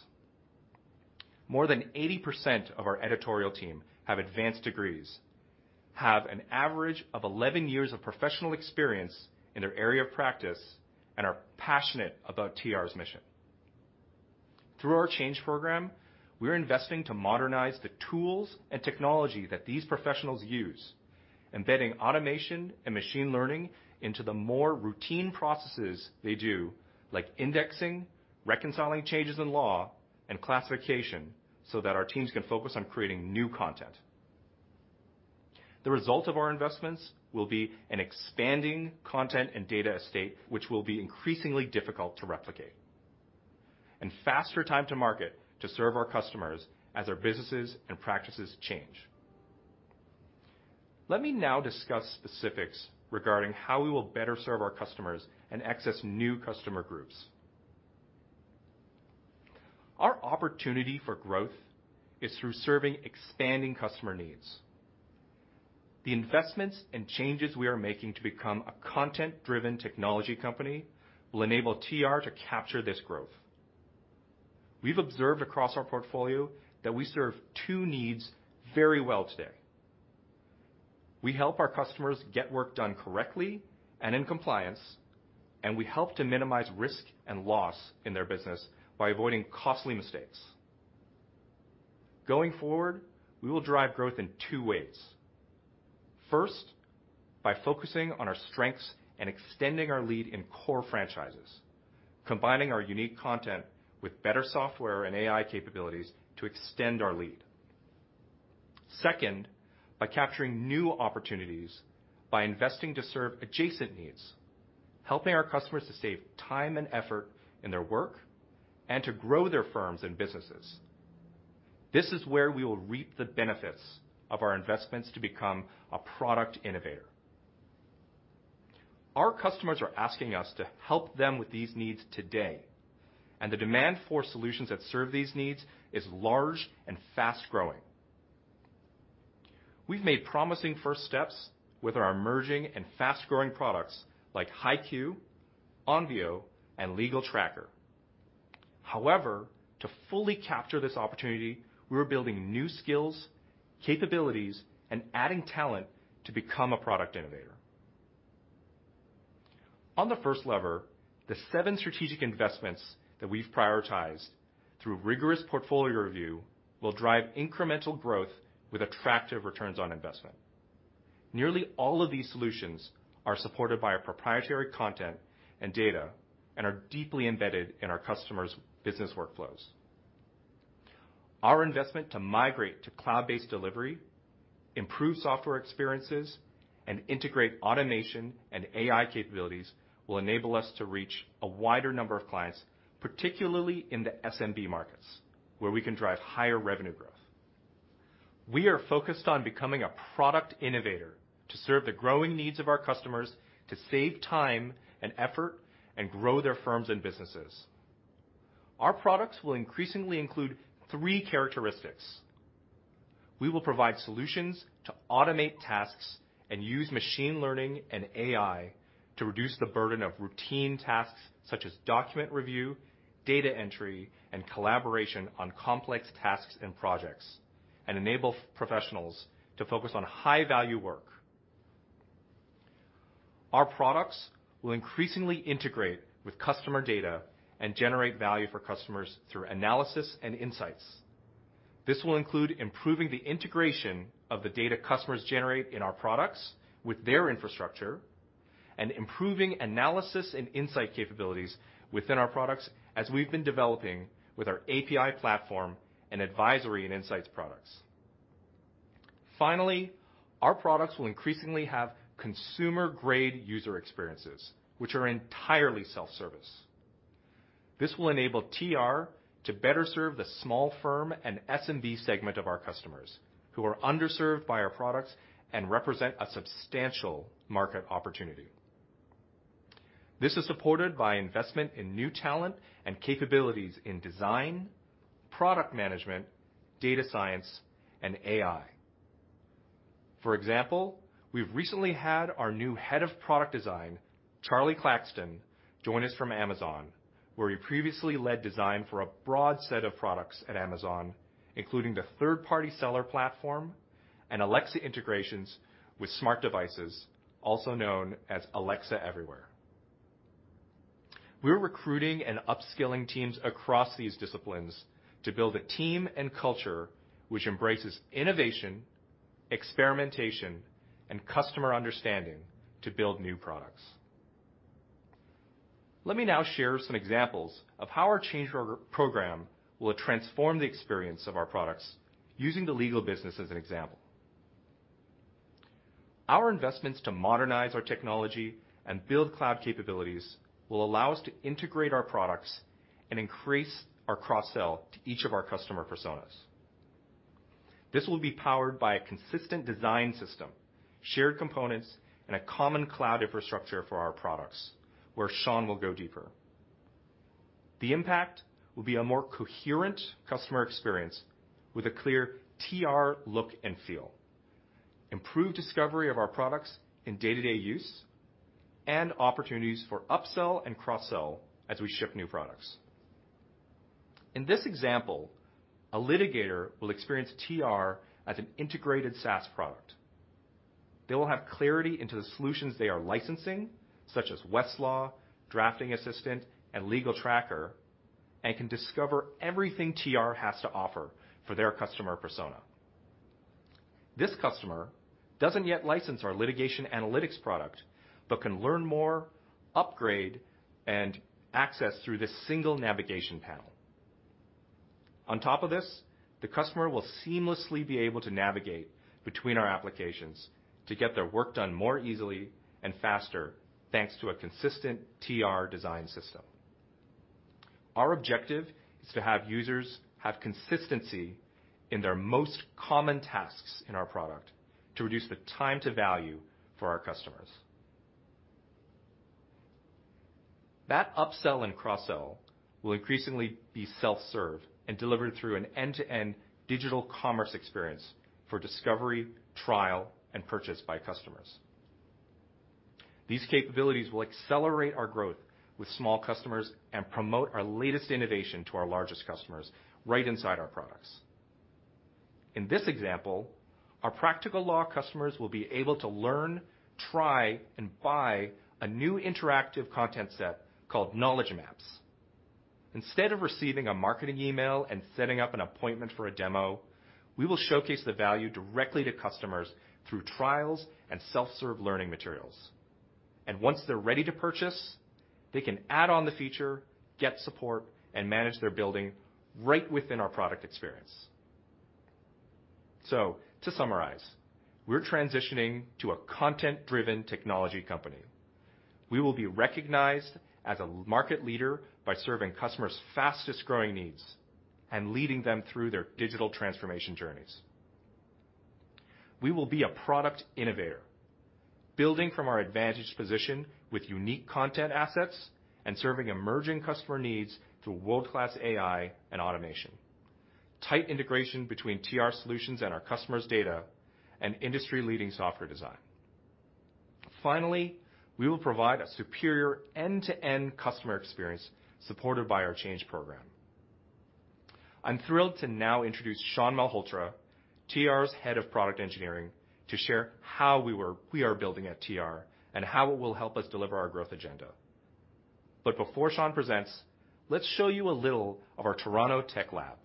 More than 80% of our editorial team have advanced degrees, have an average of 11 years of professional experience in their area of practice, and are passionate about TR's mission. Through our Change Program, we are investing to modernize the tools and technology that these professionals use, embedding automation and machine learning into the more routine processes they do, like indexing, reconciling changes in law, and classification so that our teams can focus on creating new content. The result of our investments will be an expanding content and data estate, which will be increasingly difficult to replicate, and faster time to market to serve our customers as our businesses and practices change. Let me now discuss specifics regarding how we will better serve our customers and access new customer groups. Our opportunity for growth is through serving expanding customer needs. The investments and changes we are making to become a content-driven technology company will enable TR to capture this growth. We've observed across our portfolio that we serve two needs very well today. We help our customers get work done correctly and in compliance, and we help to minimize risk and loss in their business by avoiding costly mistakes. Going forward, we will drive growth in two ways. First, by focusing on our strengths and extending our lead in core franchises, combining our unique content with better software and AI capabilities to extend our lead. Second, by capturing new opportunities by investing to serve adjacent needs, helping our customers to save time and effort in their work and to grow their firms and businesses. This is where we will reap the benefits of our investments to become a product innovator. Our customers are asking us to help them with these needs today, and the demand for solutions that serve these needs is large and fast-growing. We've made promising first steps with our emerging and fast-growing products like HighQ, Onvio, and Legal Tracker. However, to fully capture this opportunity, we are building new skills, capabilities, and adding talent to become a product innovator. On the first lever, the seven strategic investments that we've prioritized through rigorous portfolio review will drive incremental growth with attractive returns on investment. Nearly all of these solutions are supported by our proprietary content and data and are deeply embedded in our customers' business workflows. Our investment to migrate to cloud-based delivery, improve software experiences, and integrate automation and AI capabilities will enable us to reach a wider number of clients, particularly in the SMB markets, where we can drive higher revenue growth. We are focused on becoming a product innovator to serve the growing needs of our customers to save time and effort and grow their firms and businesses. Our products will increasingly include three characteristics. We will provide solutions to automate tasks and use machine learning and AI to reduce the burden of routine tasks such as document review, data entry, and collaboration on complex tasks and projects, and enable professionals to focus on high-value work. Our products will increasingly integrate with customer data and generate value for customers through analysis and insights. This will include improving the integration of the data customers generate in our products with their infrastructure and improving analysis and insight capabilities within our products as we've been developing with our API platform and advisory and insights products. Finally, our products will increasingly have consumer-grade user experiences, which are entirely self-service. This will enable TR to better serve the small firm and SMB segment of our customers who are underserved by our products and represent a substantial market opportunity. This is supported by investment in new talent and capabilities in design, product management, data science, and AI. For example, we've recently had our new head of product design, Charlie Claxton, joined us from Amazon, where he previously led design for a broad set of products at Amazon, including the third-party seller platform and Alexa integrations with smart devices, also known as Alexa Everywhere. We're recruiting and upskilling teams across these disciplines to build a team and culture which embraces innovation, experimentation, and customer understanding to build new products. Let me now share some examples of how our change program will transform the experience of our products using the legal business as an example. Our investments to modernize our technology and build cloud capabilities will allow us to integrate our products and increase our cross-sell to each of our customer personas. This will be powered by a consistent design system, shared components, and a common cloud infrastructure for our products, where Shawn will go deeper. The impact will be a more coherent customer experience with a clear TR look and feel, improved discovery of our products in day-to-day use, and opportunities for upsell and cross-sell as we ship new products. In this example, a litigator will experience TR as an integrated SaaS product. They will have clarity into the solutions they are licensing, such as Westlaw, Drafting Assistant, and Legal Tracker, and can discover everything TR has to offer for their customer persona. This customer doesn't yet license our litigation analytics product, but can learn more, upgrade, and access through this single navigation panel. On top of this, the customer will seamlessly be able to navigate between our applications to get their work done more easily and faster thanks to a consistent TR design system. Our objective is to have users have consistency in their most common tasks in our product to reduce the time to value for our customers. That upsell and cross-sell will increasingly be self-served and delivered through an end-to-end digital commerce experience for discovery, trial, and purchase by customers. These capabilities will accelerate our growth with small customers and promote our latest innovation to our largest customers right inside our products. In this example, our Practical Law customers will be able to learn, try, and buy a new interactive content set called Knowledge Maps. Instead of receiving a marketing email and setting up an appointment for a demo, we will showcase the value directly to customers through trials and self-serve learning materials, and once they're ready to purchase, they can add on the feature, get support, and manage their building right within our product experience. To summarize, we're transitioning to a content-driven technology company. We will be recognized as a market leader by serving customers' fastest-growing needs and leading them through their digital transformation journeys. We will be a product innovator, building from our advantage position with unique content assets and serving emerging customer needs through world-class AI and automation, tight integration between TR solutions and our customers' data, and industry-leading software design. Finally, we will provide a superior end-to-end customer experience supported by our change program. I'm thrilled to now introduce Shawn Malhotra, TR's head of product engineering, to share how we are building at TR and how it will help us deliver our growth agenda. But before Shawn presents, let's show you a little of our Toronto Tech Lab.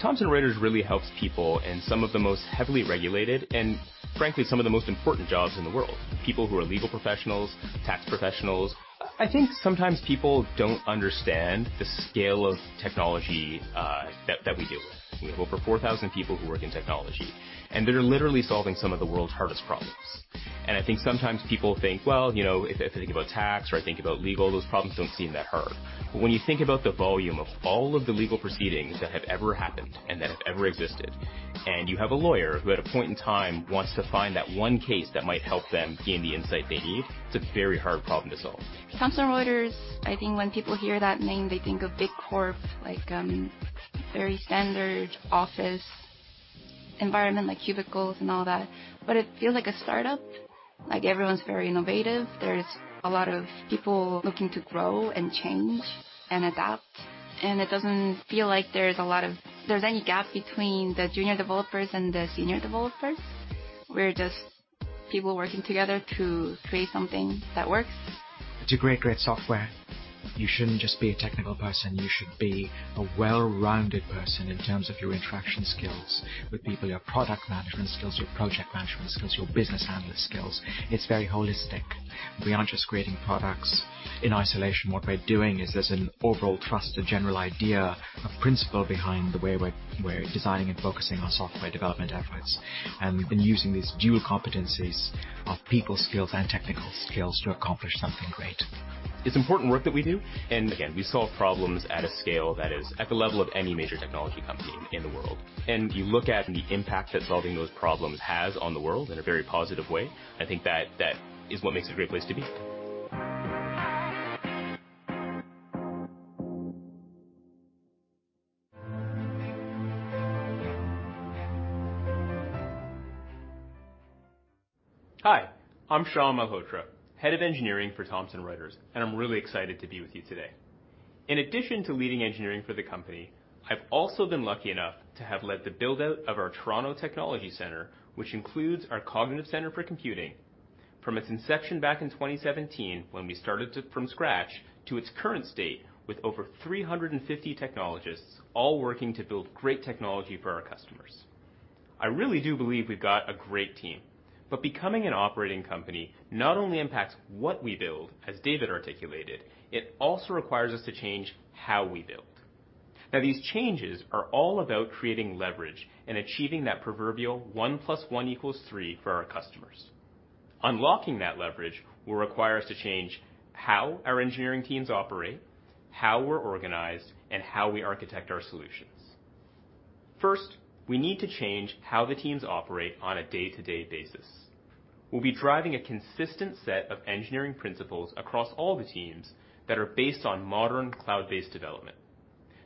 Thomson Reuters really helps people in some of the most heavily regulated and, frankly, some of the most important jobs in the world: people who are legal professionals, tax professionals. I think sometimes people don't understand the scale of technology that we deal with. We have over 4,000 people who work in technology, and they're literally solving some of the world's hardest problems. I think sometimes people think, "Well, you know, if I think about tax or I think about legal, those problems don't seem that hard." When you think about the volume of all of the legal proceedings that have ever happened and that have ever existed, and you have a lawyer who at a point in time wants to find that one case that might help them gain the insight they need, it's a very hard problem to solve.
Thomson Reuters, I think when people hear that name, they think of big corp, like a very standard office environment like cubicles and all that. It feels like a startup. Like everyone's very innovative. There's a lot of people looking to grow and change and adapt. It doesn't feel like there's any gap between the junior developers and the senior developers. We're just people working together to create something that works.
It's a great, great software. You shouldn't just be a technical person. You should be a well-rounded person in terms of your interaction skills with people, your product management skills, your project management skills, your business analyst skills. It's very holistic. We aren't just creating products in isolation. What we're doing is there's an overall trust, a general idea, a principle behind the way we're designing and focusing our software development efforts, and we've been using these dual competencies of people skills and technical skills to accomplish something great.
It's important work that we do. And again, we solve problems at a scale that is at the level of any major technology company in the world, and you look at the impact that solving those problems has on the world in a very positive way. I think that is what makes it a great place to be.
Hi, I'm Shawn Malhotra, Head of Engineering for Thomson Reuters, and I'm really excited to be with you today. In addition to leading engineering for the company, I've also been lucky enough to have led the build-out of our Toronto Technology Center, which includes our Cognitive Center for Computing. From its inception back in 2017, when we started from scratch, to its current state with over 350 technologists all working to build great technology for our customers. I really do believe we've got a great team, but becoming an operating company not only impacts what we build, as David articulated, it also requires us to change how we build. Now, these changes are all about creating leverage and achieving that proverbial 1 plus 1 equals 3 for our customers. Unlocking that leverage will require us to change how our engineering teams operate, how we're organized, and how we architect our solutions. First, we need to change how the teams operate on a day-to-day basis. We'll be driving a consistent set of engineering principles across all the teams that are based on modern cloud-based development.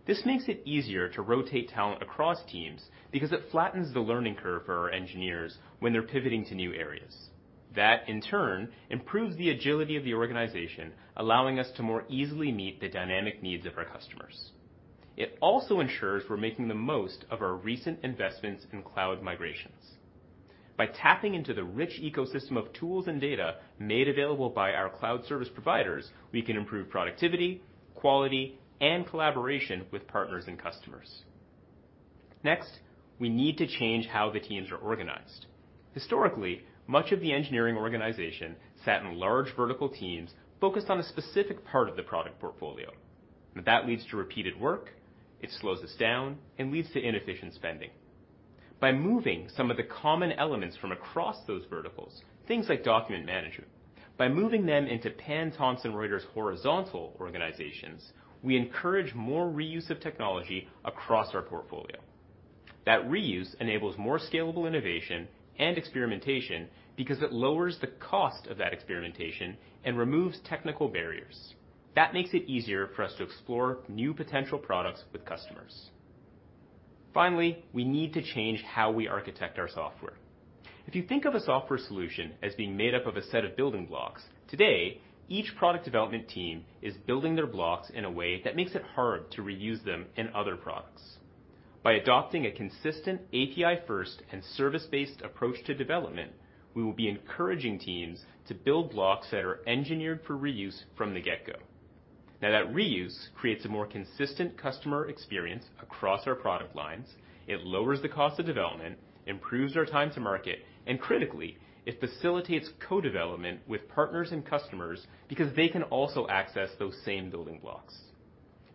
This makes it easier to rotate talent across teams because it flattens the learning curve for our engineers when they're pivoting to new areas. That, in turn, improves the agility of the organization, allowing us to more easily meet the dynamic needs of our customers. It also ensures we're making the most of our recent investments in cloud migrations. By tapping into the rich ecosystem of tools and data made available by our cloud service providers, we can improve productivity, quality, and collaboration with partners and customers. Next, we need to change how the teams are organized. Historically, much of the engineering organization sat in large vertical teams focused on a specific part of the product portfolio. That leads to repeated work. It slows us down and leads to inefficient spending. By moving some of the common elements from across those verticals, things like document management, by moving them into pan-Thomson Reuters horizontal organizations, we encourage more reuse of technology across our portfolio. That reuse enables more scalable innovation and experimentation because it lowers the cost of that experimentation and removes technical barriers. That makes it easier for us to explore new potential products with customers. Finally, we need to change how we architect our software. If you think of a software solution as being made up of a set of building blocks, today, each product development team is building their blocks in a way that makes it hard to reuse them in other products. By adopting a consistent API-first and service-based approach to development, we will be encouraging teams to build blocks that are engineered for reuse from the get-go. Now, that reuse creates a more consistent customer experience across our product lines. It lowers the cost of development, improves our time to market, and critically, it facilitates co-development with partners and customers because they can also access those same building blocks.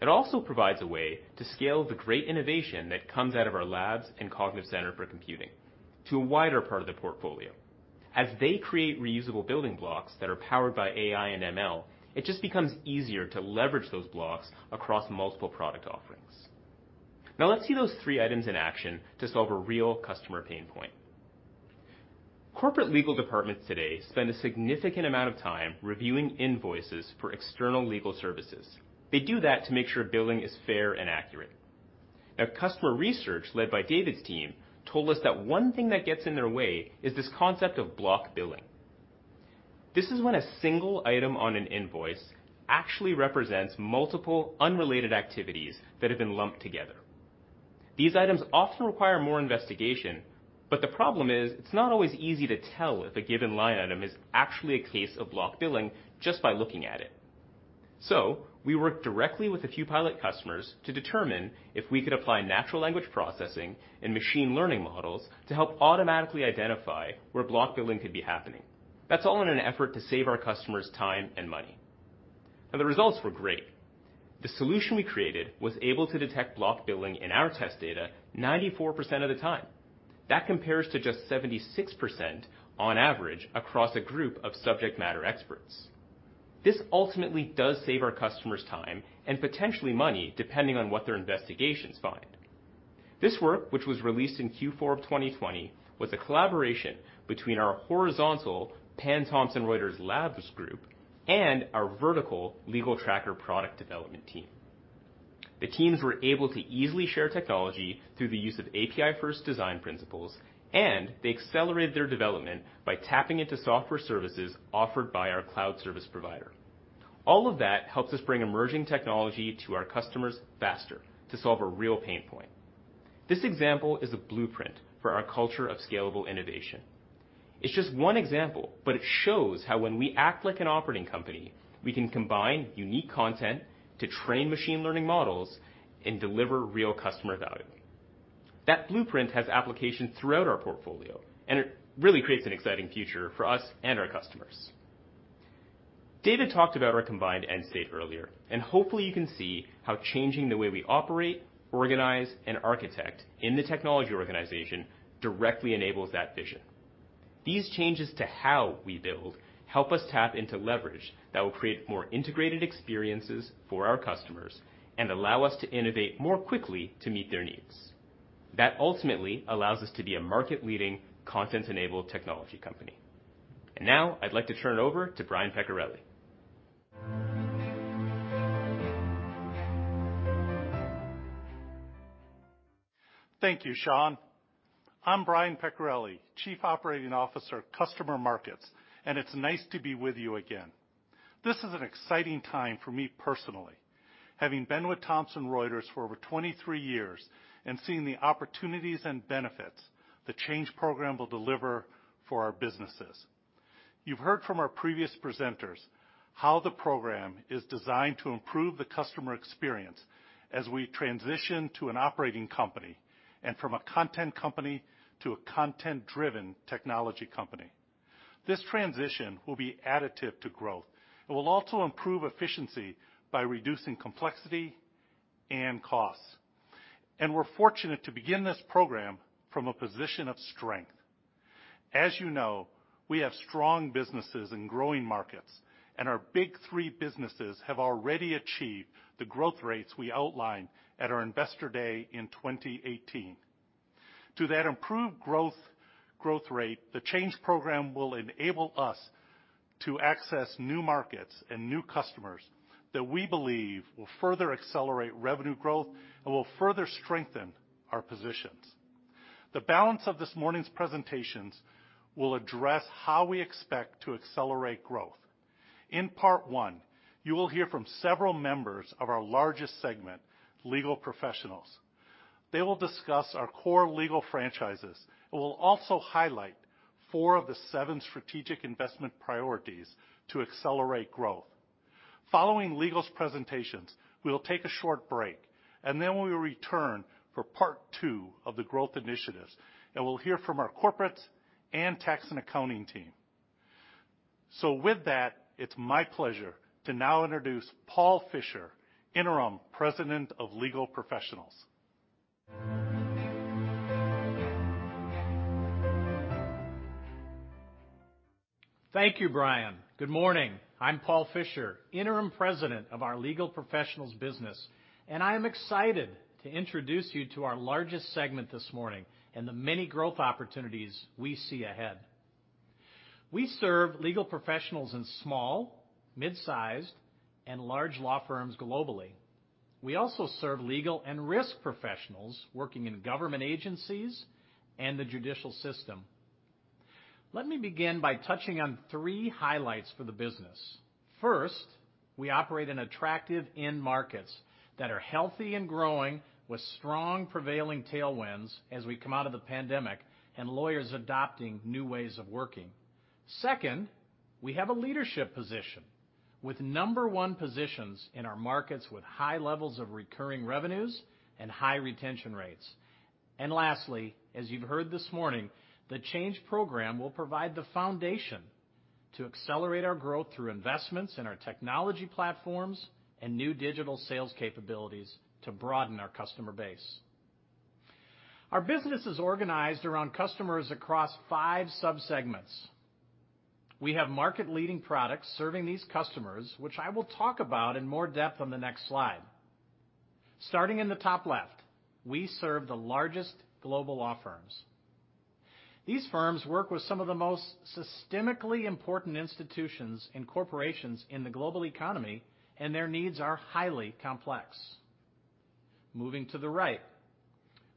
It also provides a way to scale the great innovation that comes out of our labs and Cognitive Center for Computing to a wider part of the portfolio. As they create reusable building blocks that are powered by AI and ML, it just becomes easier to leverage those blocks across multiple product offerings. Now, let's see those three items in action to solve a real customer pain point. Corporate legal departments today spend a significant amount of time reviewing invoices for external legal services. They do that to make sure billing is fair and accurate. Now, customer research led by David's team told us that one thing that gets in their way is this concept of block billing. This is when a single item on an invoice actually represents multiple unrelated activities that have been lumped together. These items often require more investigation, but the problem is it's not always easy to tell if a given line item is actually a case of block billing just by looking at it. So we worked directly with a few pilot customers to determine if we could apply natural language processing and machine learning models to help automatically identify where block billing could be happening. That's all in an effort to save our customers time and money. Now, the results were great. The solution we created was able to detect block billing in our test data 94% of the time. That compares to just 76% on average across a group of subject matter experts. This ultimately does save our customers time and potentially money depending on what their investigations find. This work, which was released in Q4 of 2020, was a collaboration between our horizontal pan-Thomson Reuters Labs group and our vertical Legal Tracker product development team. The teams were able to easily share technology through the use of API-first design principles, and they accelerated their development by tapping into software services offered by our cloud service provider. All of that helps us bring emerging technology to our customers faster to solve a real pain point. This example is a blueprint for our culture of scalable innovation. It's just one example, but it shows how when we act like an operating company, we can combine unique content to train machine learning models and deliver real customer value. That blueprint has applications throughout our portfolio, and it really creates an exciting future for us and our customers. David talked about our combined end state earlier, and hopefully you can see how changing the way we operate, organize, and architect in the technology organization directly enables that vision. These changes to how we build help us tap into leverage that will create more integrated experiences for our customers and allow us to innovate more quickly to meet their needs. That ultimately allows us to be a market-leading content-enabled technology company. And now I'd like to turn it over to Brian Peccarelli.
Thank you, Shawn. I'm Brian Peccarelli, Chief Operating Officer, Customer Markets, and it's nice to be with you again. This is an exciting time for me personally, having been with Thomson Reuters for over 23 years and seeing the opportunities and benefits the Change Program will deliver for our businesses. You've heard from our previous presenters how the program is designed to improve the customer experience as we transition to an operating company and from a content company to a content-driven technology company. This transition will be additive to growth. It will also improve efficiency by reducing complexity and costs. And we're fortunate to begin this program from a position of strength. As you know, we have strong businesses in growing markets, and our Big Three businesses have already achieved the growth rates we outlined at our investor day in 2018. To that improved growth rate, the Change Program will enable us to access new markets and new customers that we believe will further accelerate revenue growth and will further strengthen our positions. The balance of this morning's presentations will address how we expect to accelerate growth. In part one, you will hear from several members of our largest segment, Legal Professionals. They will discuss our core legal franchises and will also highlight four of the seven strategic investment priorities to accelerate growth. Following Legal's presentations, we'll take a short break, and then we will return for part two of the growth initiatives, and we'll hear from our Corporates and Tax and Accounting team. So with that, it's my pleasure to now introduce Paul Fischer, Interim President of Legal Professionals.
Thank you, Brian. Good morning. I'm Paul Fisher, Interim President of our Legal Professionals business, and I am excited to introduce you to our largest segment this morning and the many growth opportunities we see ahead. We serve legal professionals in small, midsized, and large law firms globally. We also serve legal and risk professionals working in government agencies and the judicial system. Let me begin by touching on three highlights for the business. First, we operate in attractive end markets that are healthy and growing with strong prevailing tailwinds as we come out of the pandemic and lawyers adopting new ways of working. Second, we have a leadership position with number-one positions in our markets with high levels of recurring revenues and high retention rates. And lastly, as you've heard this morning, the Change Program will provide the foundation to accelerate our growth through investments in our technology platforms and new digital sales capabilities to broaden our customer base. Our business is organized around customers across five subsegments. We have market-leading products serving these customers, which I will talk about in more depth on the next slide. Starting in the top left, we serve the largest global law firms. These firms work with some of the most systemically important institutions and corporations in the global economy, and their needs are highly complex. Moving to the right,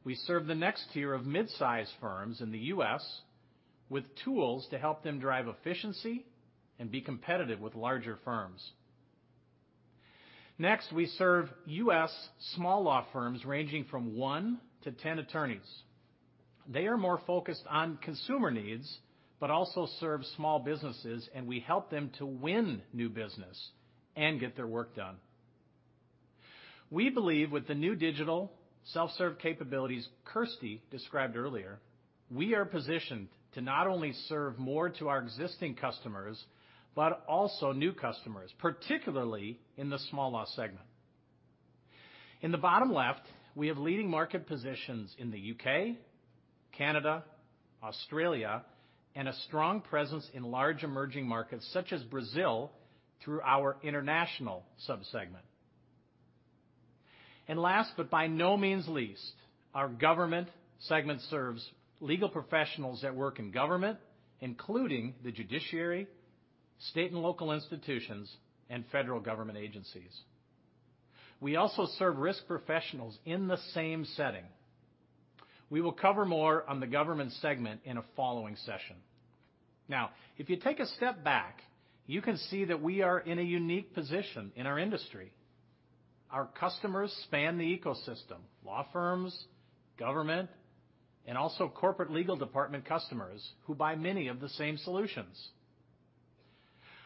we serve the next tier of midsize firms in the U.S. with tools to help them drive efficiency and be competitive with larger firms. Next, we serve U.S. small law firms ranging from one to 10 attorneys. They are more focused on consumer needs, but also serve small businesses, and we help them to win new business and get their work done. We believe with the new digital self-serve capabilities Kirsty described earlier, we are positioned to not only serve more to our existing customers, but also new customers, particularly in the small law segment. In the bottom left, we have leading market positions in the U.K., Canada, Australia, and a strong presence in large emerging markets such as Brazil through our international subsegment. Last, but by no means least, our government segment serves legal professionals that work in government, including the judiciary, state and local institutions, and federal government agencies. We also serve risk professionals in the same setting. We will cover more on the government segment in a following session. Now, if you take a step back, you can see that we are in a unique position in our industry. Our customers span the ecosystem: law firms, government, and also corporate legal department customers who buy many of the same solutions.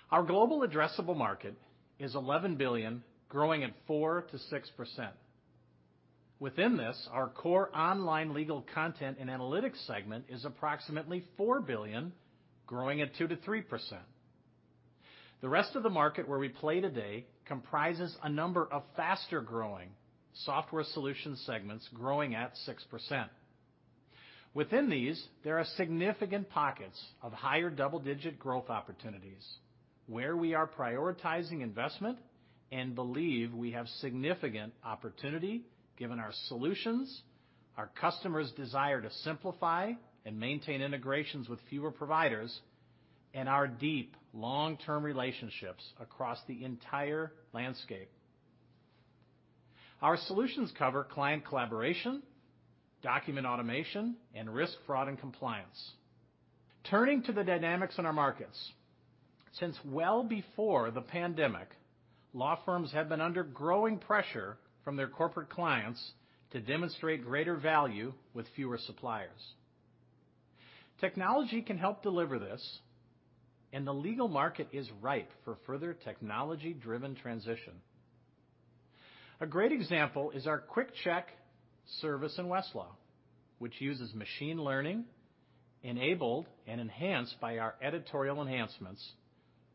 Our global addressable market is $11 billion, growing at 4%-6%. Within this, our core online legal content and analytics segment is approximately $4 billion, growing at 2%-3%. The rest of the market where we play today comprises a number of faster-growing software solution segments growing at 6%. Within these, there are significant pockets of higher double-digit growth opportunities where we are prioritizing investment and believe we have significant opportunity given our solutions, our customers' desire to simplify and maintain integrations with fewer providers, and our deep long-term relationships across the entire landscape. Our solutions cover client collaboration, document automation, and risk fraud and compliance. Turning to the dynamics in our markets, since well before the pandemic, law firms have been under growing pressure from their corporate clients to demonstrate greater value with fewer suppliers. Technology can help deliver this, and the legal market is ripe for further technology-driven transition. A great example is our Quick Check service in Westlaw, which uses machine learning, enabled and enhanced by our editorial enhancements.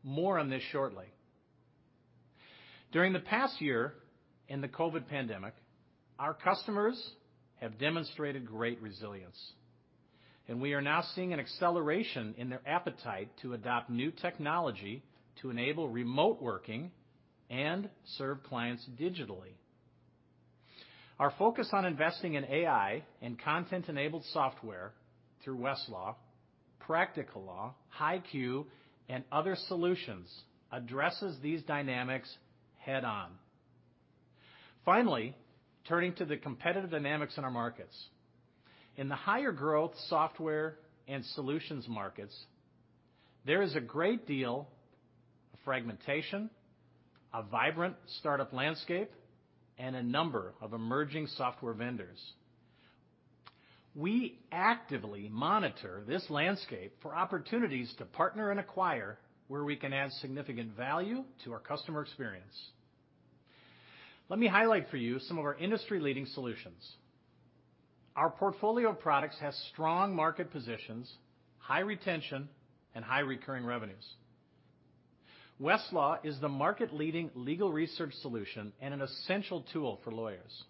More on this shortly. During the past year in the COVID pandemic, our customers have demonstrated great resilience, and we are now seeing an acceleration in their appetite to adopt new technology to enable remote working and serve clients digitally. Our focus on investing in AI and content-enabled software through Westlaw, Practical Law, HighQ, and other solutions addresses these dynamics head-on. Finally, turning to the competitive dynamics in our markets. In the higher growth software and solutions markets, there is a great deal of fragmentation, a vibrant startup landscape, and a number of emerging software vendors. We actively monitor this landscape for opportunities to partner and acquire where we can add significant value to our customer experience. Let me highlight for you some of our industry-leading solutions. Our portfolio of products has strong market positions, high retention, and high recurring revenues. Westlaw is the market-leading legal research solution and an essential tool for lawyers.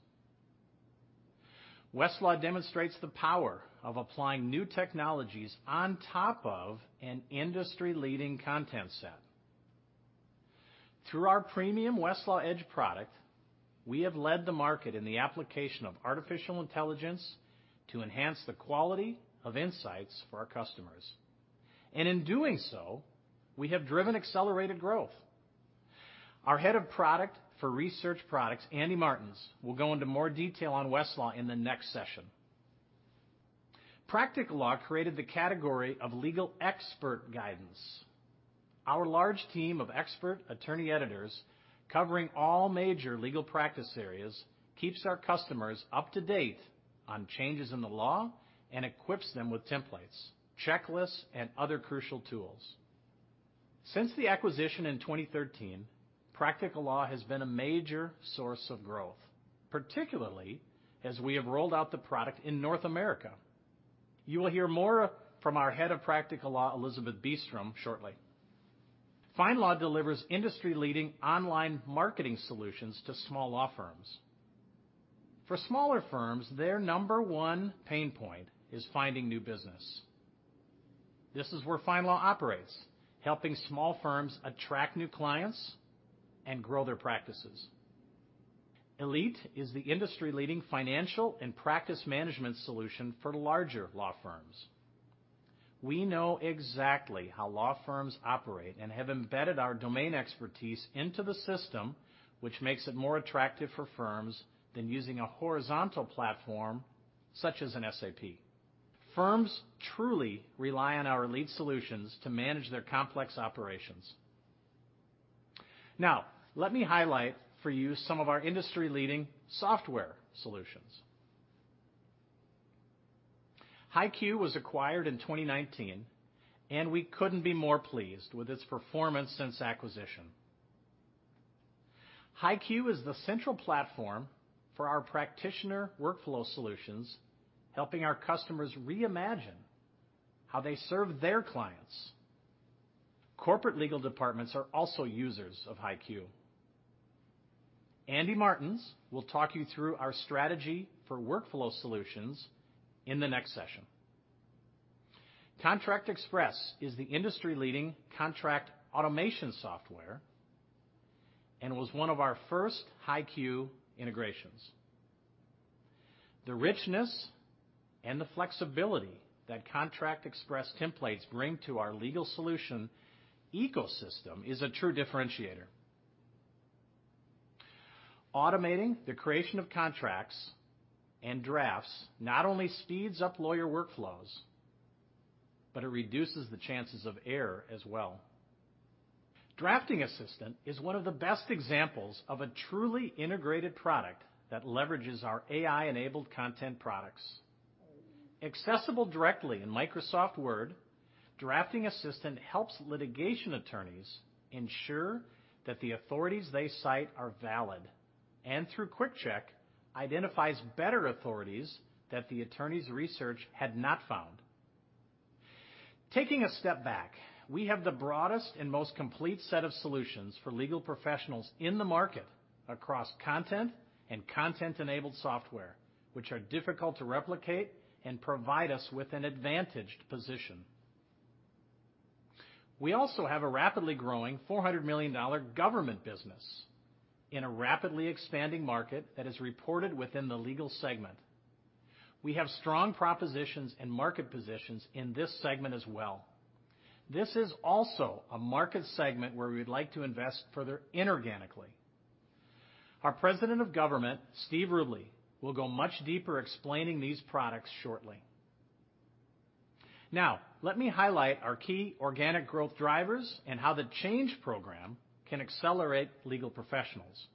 Westlaw demonstrates the power of applying new technologies on top of an industry-leading content set. Through our premium Westlaw Edge product, we have led the market in the application of artificial intelligence to enhance the quality of insights for our customers, and in doing so, we have driven accelerated growth. Our Head of Product for research products, Andy Martens, will go into more detail on Westlaw in the next session. Practical Law created the category of legal expert guidance. Our large team of expert attorney editors covering all major legal practice areas keeps our customers up to date on changes in the law and equips them with templates, checklists, and other crucial tools. Since the acquisition in 2013, Practical Law has been a major source of growth, particularly as we have rolled out the product in North America. You will hear more from our head of Practical Law, Elizabeth Beastrom, shortly. FindLaw delivers industry-leading online marketing solutions to small law firms. For smaller firms, their number one pain point is finding new business. This is where FindLaw operates, helping small firms attract new clients and grow their practices. Elite is the industry-leading financial and practice management solution for larger law firms. We know exactly how law firms operate and have embedded our domain expertise into the system, which makes it more attractive for firms than using a horizontal platform such as an SAP. Firms truly rely on our Elite solutions to manage their complex operations. Now, let me highlight for you some of our industry-leading software solutions. HighQ was acquired in 2019, and we couldn't be more pleased with its performance since acquisition. HighQ is the central platform for our practitioner workflow solutions, helping our customers reimagine how they serve their clients. Corporate legal departments are also users of HighQ. Andy Martens will talk you through our strategy for workflow solutions in the next session. Contract Express is the industry-leading contract automation software and was one of our first HighQ integrations. The richness and the flexibility that Contract Express templates bring to our legal solution ecosystem is a true differentiator. Automating the creation of contracts and drafts not only speeds up lawyer workflows, but it reduces the chances of error as well. Drafting Assistant is one of the best examples of a truly integrated product that leverages our AI-enabled content products. Accessible directly in Microsoft Word, Drafting Assistant helps litigation attorneys ensure that the authorities they cite are valid and, through Quick Check, identifies better authorities that the attorney's research had not found. Taking a step back, we have the broadest and most complete set of solutions for legal professionals in the market across content and content-enabled software, which are difficult to replicate and provide us with an advantaged position. We also have a rapidly growing $400 million government business in a rapidly expanding market that is reported within the legal segment. We have strong propositions and market positions in this segment as well. This is also a market segment where we'd like to invest further inorganically. Our President of Government, Steve Rubley, will go much deeper explaining these products shortly. Now, let me highlight our key organic growth drivers and how the Change Program can accelerate legal professionals.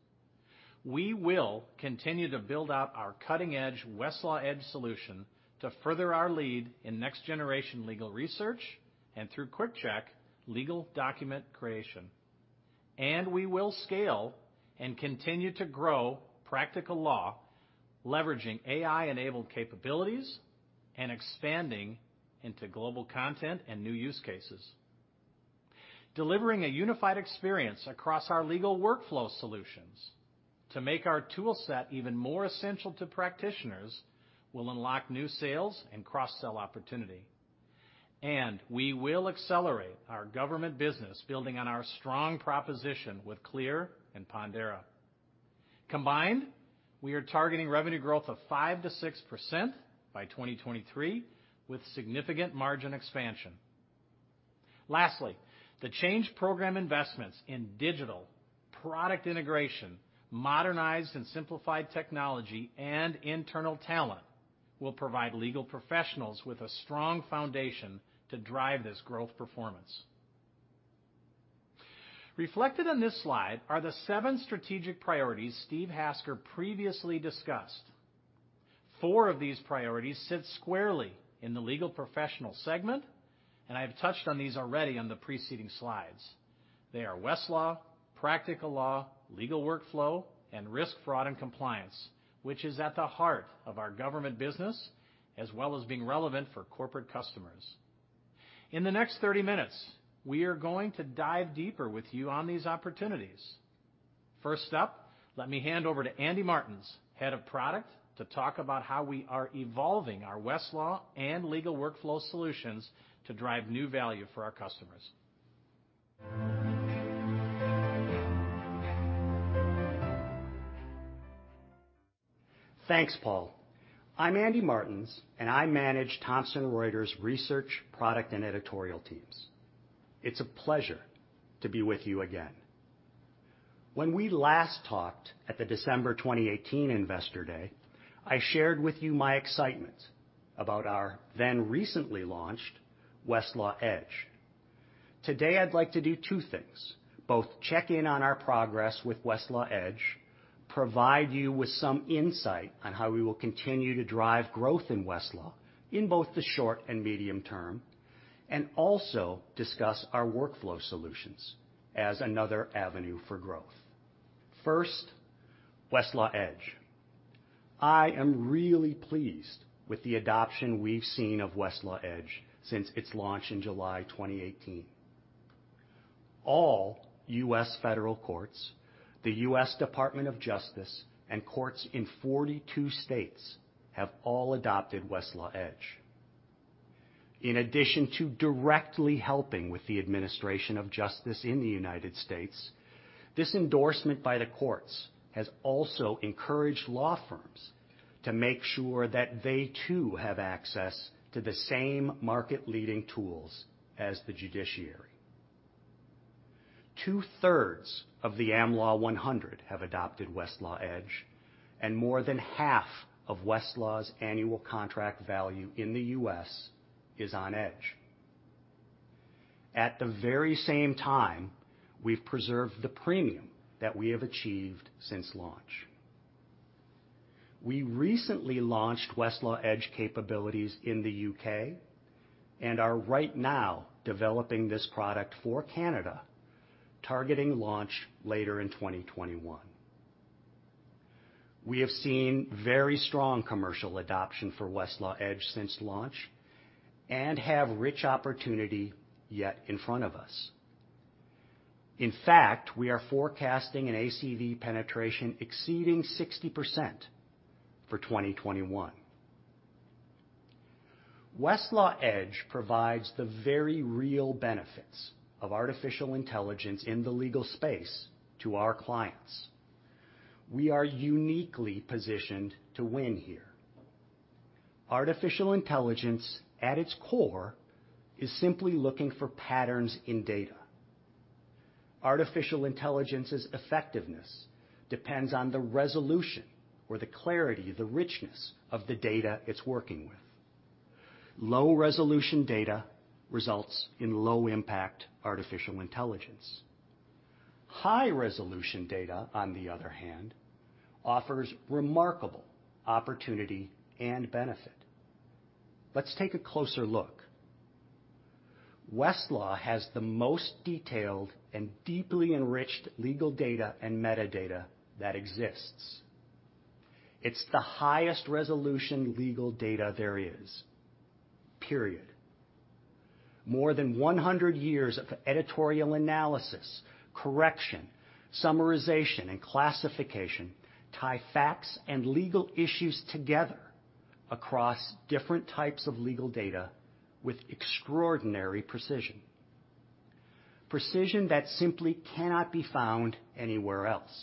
We will continue to build out our cutting-edge Westlaw Edge solution to further our lead in next-generation legal research and, through Quick Check, legal document creation. We will scale and continue to grow Practical Law, leveraging AI-enabled capabilities and expanding into global content and new use cases. Delivering a unified experience across our legal workflow solutions to make our toolset even more essential to practitioners will unlock new sales and cross-sell opportunity. We will accelerate our government business building on our strong proposition with CLEAR and Pondera. Combined, we are targeting revenue growth of 5%-6% by 2023 with significant margin expansion. Lastly, the Change Program investments in digital product integration, modernized and simplified technology, and internal talent will provide legal professionals with a strong foundation to drive this growth performance. Reflected on this slide are the seven strategic priorities Steve Hasker previously discussed. Four of these priorities sit squarely in the legal professional segment, and I have touched on these already on the preceding slides. They are Westlaw, Practical Law, legal workflow, and risk fraud and compliance, which is at the heart of our government business as well as being relevant for corporate customers. In the next 30 minutes, we are going to dive deeper with you on these opportunities. First up, let me hand over to Andy Martens, Head of Product, to talk about how we are evolving our Westlaw and legal workflow solutions to drive new value for our customers.
Thanks, Paul. I'm Andy Martens, and I manage Thomson Reuters' research, product, and editorial teams. It's a pleasure to be with you again. When we last talked at the December 2018 Investor Day, I shared with you my excitement about our then recently launched Westlaw Edge. Today, I'd like to do two things: both check in on our progress with Westlaw Edge, provide you with some insight on how we will continue to drive growth in Westlaw in both the short and medium term, and also discuss our workflow solutions as another avenue for growth. First, Westlaw Edge. I am really pleased with the adoption we've seen of Westlaw Edge since its launch in July 2018. All U.S. federal courts, the U.S. Department of Justice, and courts in 42 states have all adopted Westlaw Edge. In addition to directly helping with the administration of justice in the United States, this endorsement by the courts has also encouraged law firms to make sure that they, too, have access to the same market-leading tools as the judiciary. Two-thirds of the Am Law 100 have adopted Westlaw Edge, and more than half of Westlaw's annual contract value in the U.S. is on Edge. At the very same time, we've preserved the premium that we have achieved since launch. We recently launched Westlaw Edge capabilities in the U.K. and are right now developing this product for Canada, targeting launch later in 2021. We have seen very strong commercial adoption for Westlaw Edge since launch and have rich opportunity yet in front of us. In fact, we are forecasting an ACV penetration exceeding 60% for 2021. Westlaw Edge provides the very real benefits of artificial intelligence in the legal space to our clients. We are uniquely positioned to win here. Artificial intelligence, at its core, is simply looking for patterns in data. Artificial intelligence's effectiveness depends on the resolution or the clarity, the richness of the data it's working with. Low-resolution data results in low-impact artificial intelligence. High-resolution data, on the other hand, offers remarkable opportunity and benefit. Let's take a closer look. Westlaw has the most detailed and deeply enriched legal data and metadata that exists. It's the highest resolution legal data there is. Period. More than 100 years of editorial analysis, correction, summarization, and classification tie facts and legal issues together across different types of legal data with extraordinary precision. Precision that simply cannot be found anywhere else.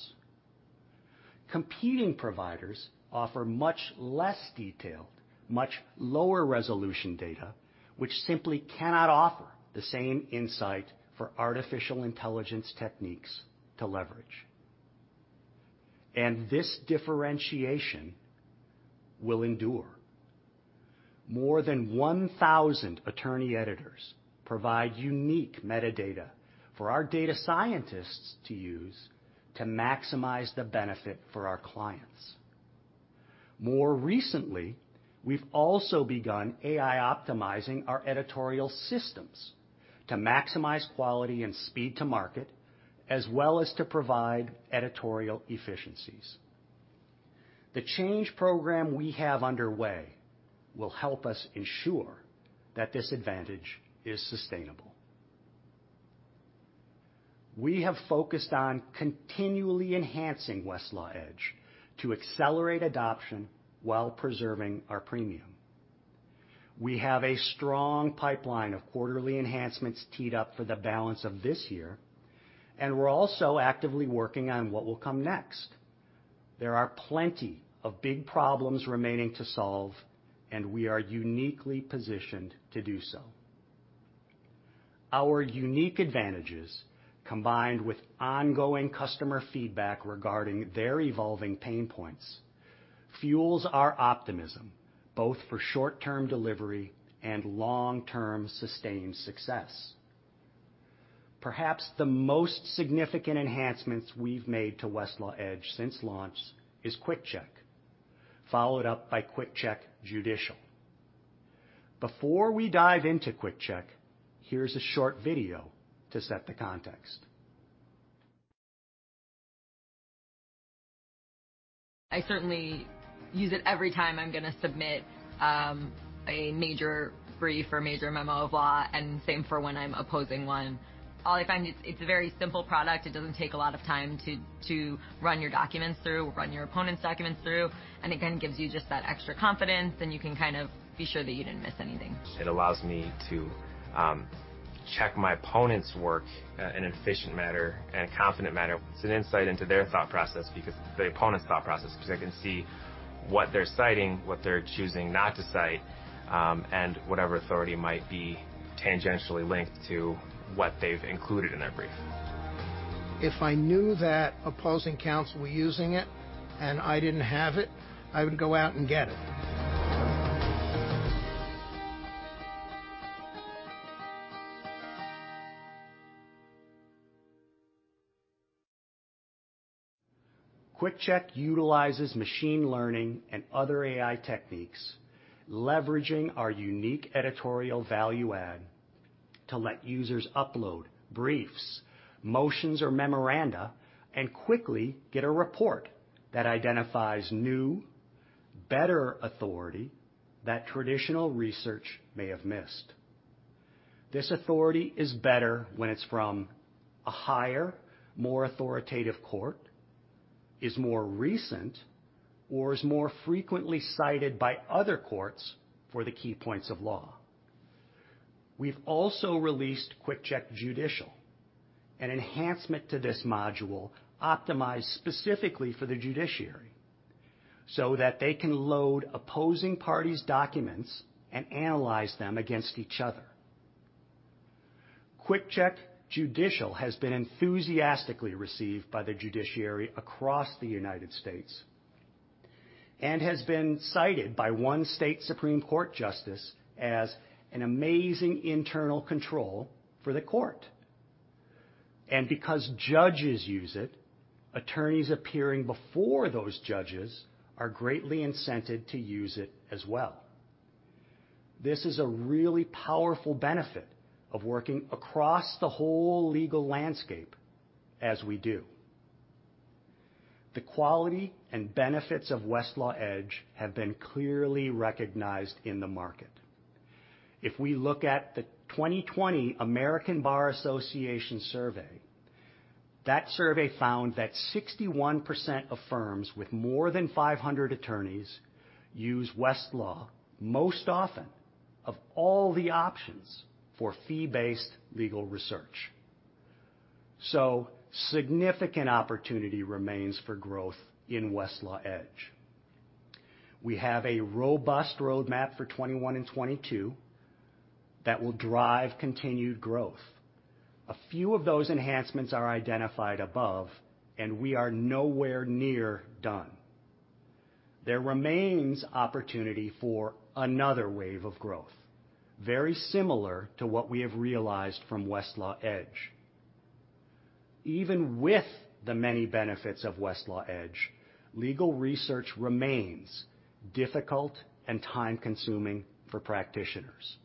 Competing providers offer much less detailed, much lower-resolution data, which simply cannot offer the same insight for artificial intelligence techniques to leverage. And this differentiation will endure. More than 1,000 attorney editors provide unique metadata for our data scientists to use to maximize the benefit for our clients. More recently, we've also begun AI-optimizing our editorial systems to maximize quality and speed to market, as well as to provide editorial efficiencies. The Change Program we have underway will help us ensure that this advantage is sustainable. We have focused on continually enhancing Westlaw Edge to accelerate adoption while preserving our premium. We have a strong pipeline of quarterly enhancements teed up for the balance of this year, and we're also actively working on what will come next. There are plenty of big problems remaining to solve, and we are uniquely positioned to do so. Our unique advantages, combined with ongoing customer feedback regarding their evolving pain points, fuels our optimism both for short-term delivery and long-term sustained success. Perhaps the most significant enhancements we've made to Westlaw Edge since launch is Quick Check, followed up by Quick Check Judicial. Before we dive int o Quick Check, here's a short video to set the context.
I certainly use it every time I'm going to submit a major brief or major memo of law, and same for when I'm opposing one. All I find, it's a very simple product. It doesn't take a lot of time to run your documents through, run your opponent's documents through, and it kind of gives you just that extra confidence, and you can kind of be sure that you didn't miss anything.
It allows me to check my opponent's work in an efficient manner and a confident manner. It's an insight into their thought process because I can see what they're citing, what they're choosing not to cite, and whatever authority might be tangentially linked to what they've included in their brief.
If I knew that opposing counsel were using it and I didn't have it, I would go out and get it.
Quick Check utilizes machine learning and other AI techniques, leveraging our unique editorial value-add to let users upload briefs, motions, or memoranda, and quickly get a report that identifies new, better authority that traditional research may have missed. This authority is better when it's from a higher, more authoritative court, is more recent, or is more frequently cited by other courts for the key points of law. We've also released Quick Check Judicial, an enhancement to this module optimized specifically for the judiciary so that they can load opposing parties' documents and analyze them against each other. Quick Check Judicial has been enthusiastically received by the judiciary across the United States and has been cited by one state Supreme Court justice as an amazing internal control for the court. And because judges use it, attorneys appearing before those judges are greatly incented to use it as well. This is a really powerful benefit of working across the whole legal landscape as we do. The quality and benefits of Westlaw Edge have been clearly recognized in the market. If we look at the 2020 American Bar Association survey, that survey found that 61% of firms with more than 500 attorneys use Westlaw most often of all the options for fee-based legal research. So significant opportunity remains for growth in Westlaw Edge. We have a robust roadmap for 2021 and 2022 that will drive continued growth. A few of those enhancements are identified above, and we are nowhere near done. There remains opportunity for another wave of growth, very similar to what we have realized from Westlaw Edge. Even with the many benefits of Westlaw Edge, legal research remains difficult and time-consuming for practitioners.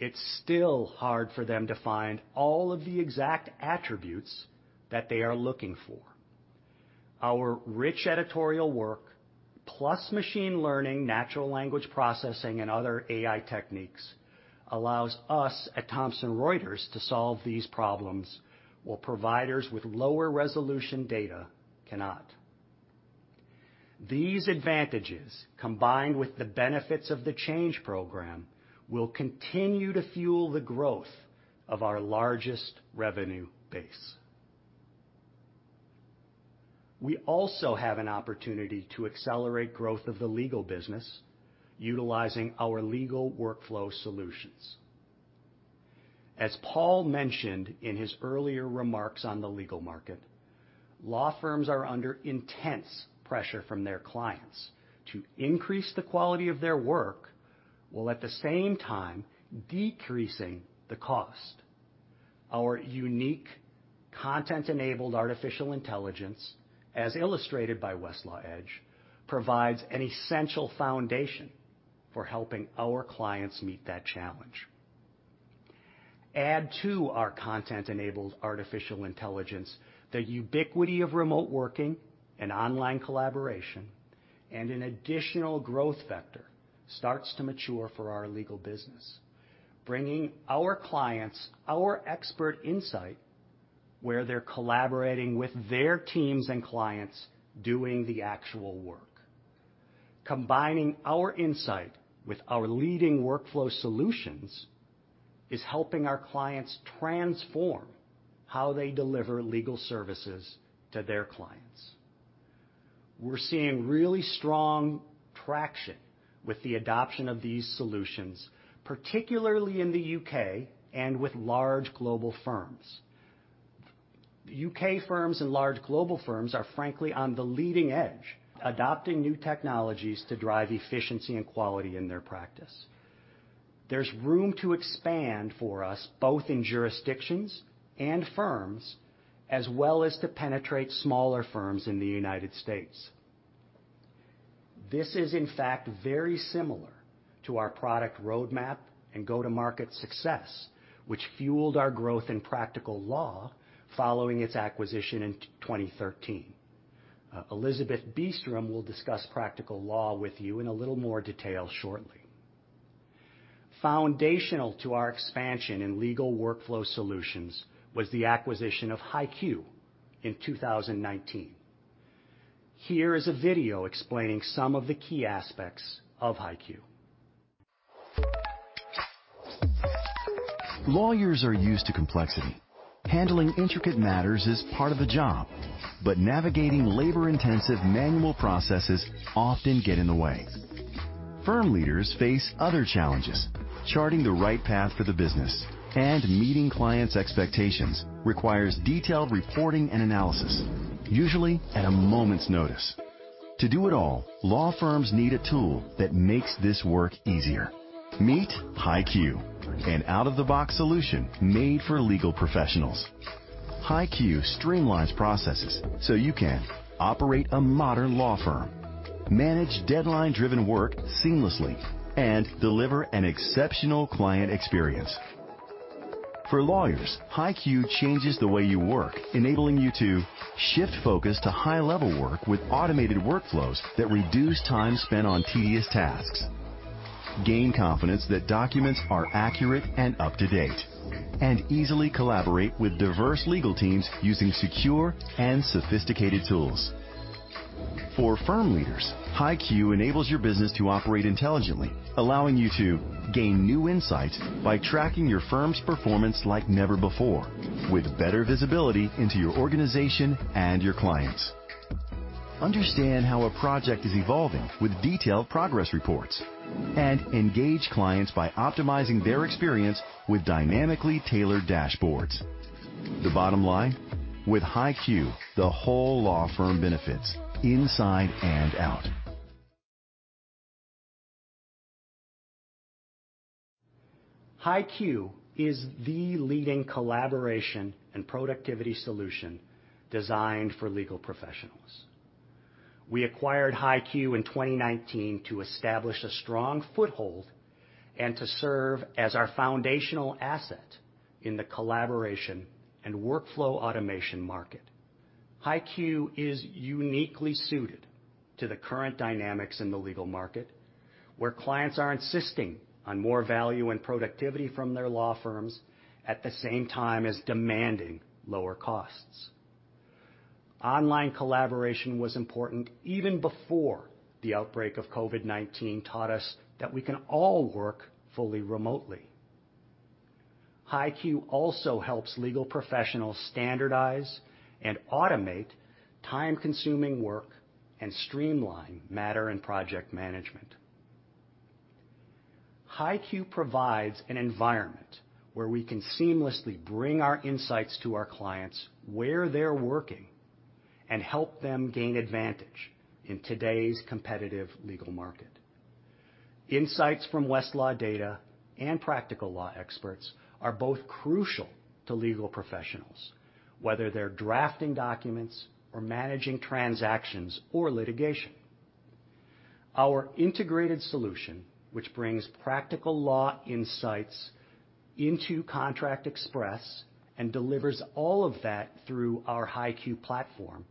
It's still hard for them to find all of the exact attributes that they are looking for. Our rich editorial work, plus machine learning, natural language processing, and other AI techniques, allows us at Thomson Reuters to solve these problems while providers with lower resolution data cannot. These advantages, combined with the benefits of the change program, will continue to fuel the growth of our largest revenue base. We also have an opportunity to accelerate growth of the legal business utilizing our legal workflow solutions. As Paul mentioned in his earlier remarks on the legal market, law firms are under intense pressure from their clients to increase the quality of their work while at the same time decreasing the cost. Our unique content-enabled artificial intelligence, as illustrated by Westlaw Edge, provides an essential foundation for helping our clients meet that challenge. Add to our content-enabled artificial intelligence the ubiquity of remote working and online collaboration, and an additional growth vector starts to mature for our legal business, bringing our clients our expert insight where they're collaborating with their teams and clients doing the actual work. Combining our insight with our leading workflow solutions is helping our clients transform how they deliver legal services to their clients. We're seeing really strong traction with the adoption of these solutions, particularly in the U.K. and with large global firms. U.K. firms and large global firms are, frankly, on the leading edge, adopting new technologies to drive efficiency and quality in their practice. There's room to expand for us both in jurisdictions and firms, as well as to penetrate smaller firms in the United States. This is, in fact, very similar to our product roadmap and go-to-market success, which fueled our growth in Practical Law following its acquisition in 2013. Elizabeth Beastrom will discuss Practical Law with you in a little more detail shortly. Foundational to our expansion in legal workflow solutions was the acquisition of HighQ in 2019. Here is a video explaining some of the key aspects of HighQ.
Lawyers are used to complexity. Handling intricate matters is part of the job, but navigating labor-intensive manual processes often get in the way. Firm leaders face other challenges. Charting the right path for the business and meeting clients' expectations requires detailed reporting and analysis, usually at a moment's notice. To do it all, law firms need a tool that makes this work easier. Meet HighQ, an out-of-the-box solution made for legal professionals. HighQ streamlines processes so you can operate a modern law firm, manage deadline-driven work seamlessly, and deliver an exceptional client experience. For lawyers, HighQ changes the way you work, enabling you to shift focus to high-level work with automated workflows that reduce time spent on tedious tasks, gain confidence that documents are accurate and up-to-date, and easily collaborate with diverse legal teams using secure and sophisticated tools. For firm leaders, HighQ enables your business to operate intelligently, allowing you to gain new insights by tracking your firm's performance like never before, with better visibility into your organization and your clients. Understand how a project is evolving with detailed progress reports and engage clients by optimizing their experience with dynamically tailored dashboards. The bottom line? With HighQ, the whole law firm benefits inside and out.
HighQ is the leading collaboration and productivity solution designed for legal professionals. We acquired HighQ in 2019 to establish a strong foothold and to serve as our foundational asset in the collaboration and workflow automation market. HighQ is uniquely suited to the current dynamics in the legal market, where clients are insisting on more value and productivity from their law firms at the same time as demanding lower costs. Online collaboration was important even before the outbreak of COVID-19 taught us that we can all work fully remotely. HighQ also helps legal professionals standardize and automate time-consuming work and streamline matter and project management. HighQ provides an environment where we can seamlessly bring our insights to our clients where they're working and help them gain advantage in today's competitive legal market. Insights from Westlaw data and Practical Law experts are both crucial to legal professionals, whether they're drafting documents or managing transactions or litigation. Our integrated solution, which brings Practical Law insights into Contract Express and delivers all of that through our HighQ platform,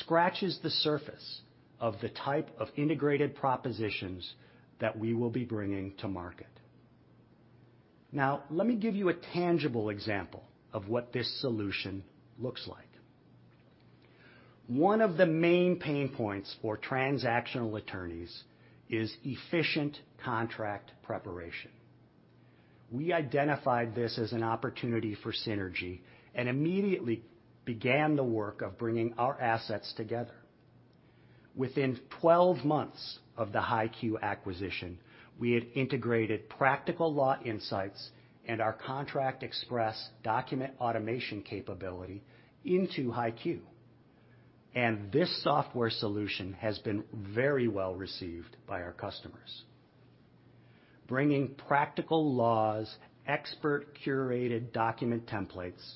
scratches the surface of the type of integrated propositions that we will be bringing to market. Now, let me give you a tangible example of what this solution looks like. One of the main pain points for transactional attorneys is efficient contract preparation. We identified this as an opportunity for synergy and immediately began the work of bringing our assets together. Within 12 months of the HighQ acquisition, we had integrated Practical Law insights and our Contract Express document automation capability into HighQ, and this software solution has been very well received by our customers. Bringing Practical Law's expert-curated document templates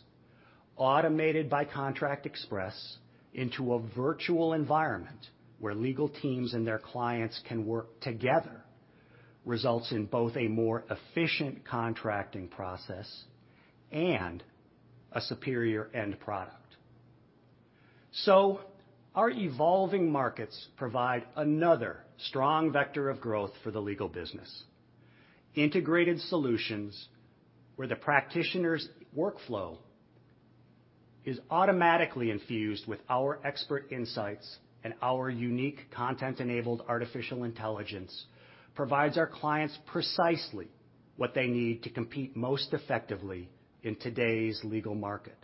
automated by Contract Express into a virtual environment where legal teams and their clients can work together results in both a more efficient contracting process and a superior end product, so our evolving markets provide another strong vector of growth for the legal business. Integrated solutions where the practitioner's workflow is automatically infused with our expert insights and our unique content-enabled artificial intelligence provides our clients precisely what they need to compete most effectively in today's legal market.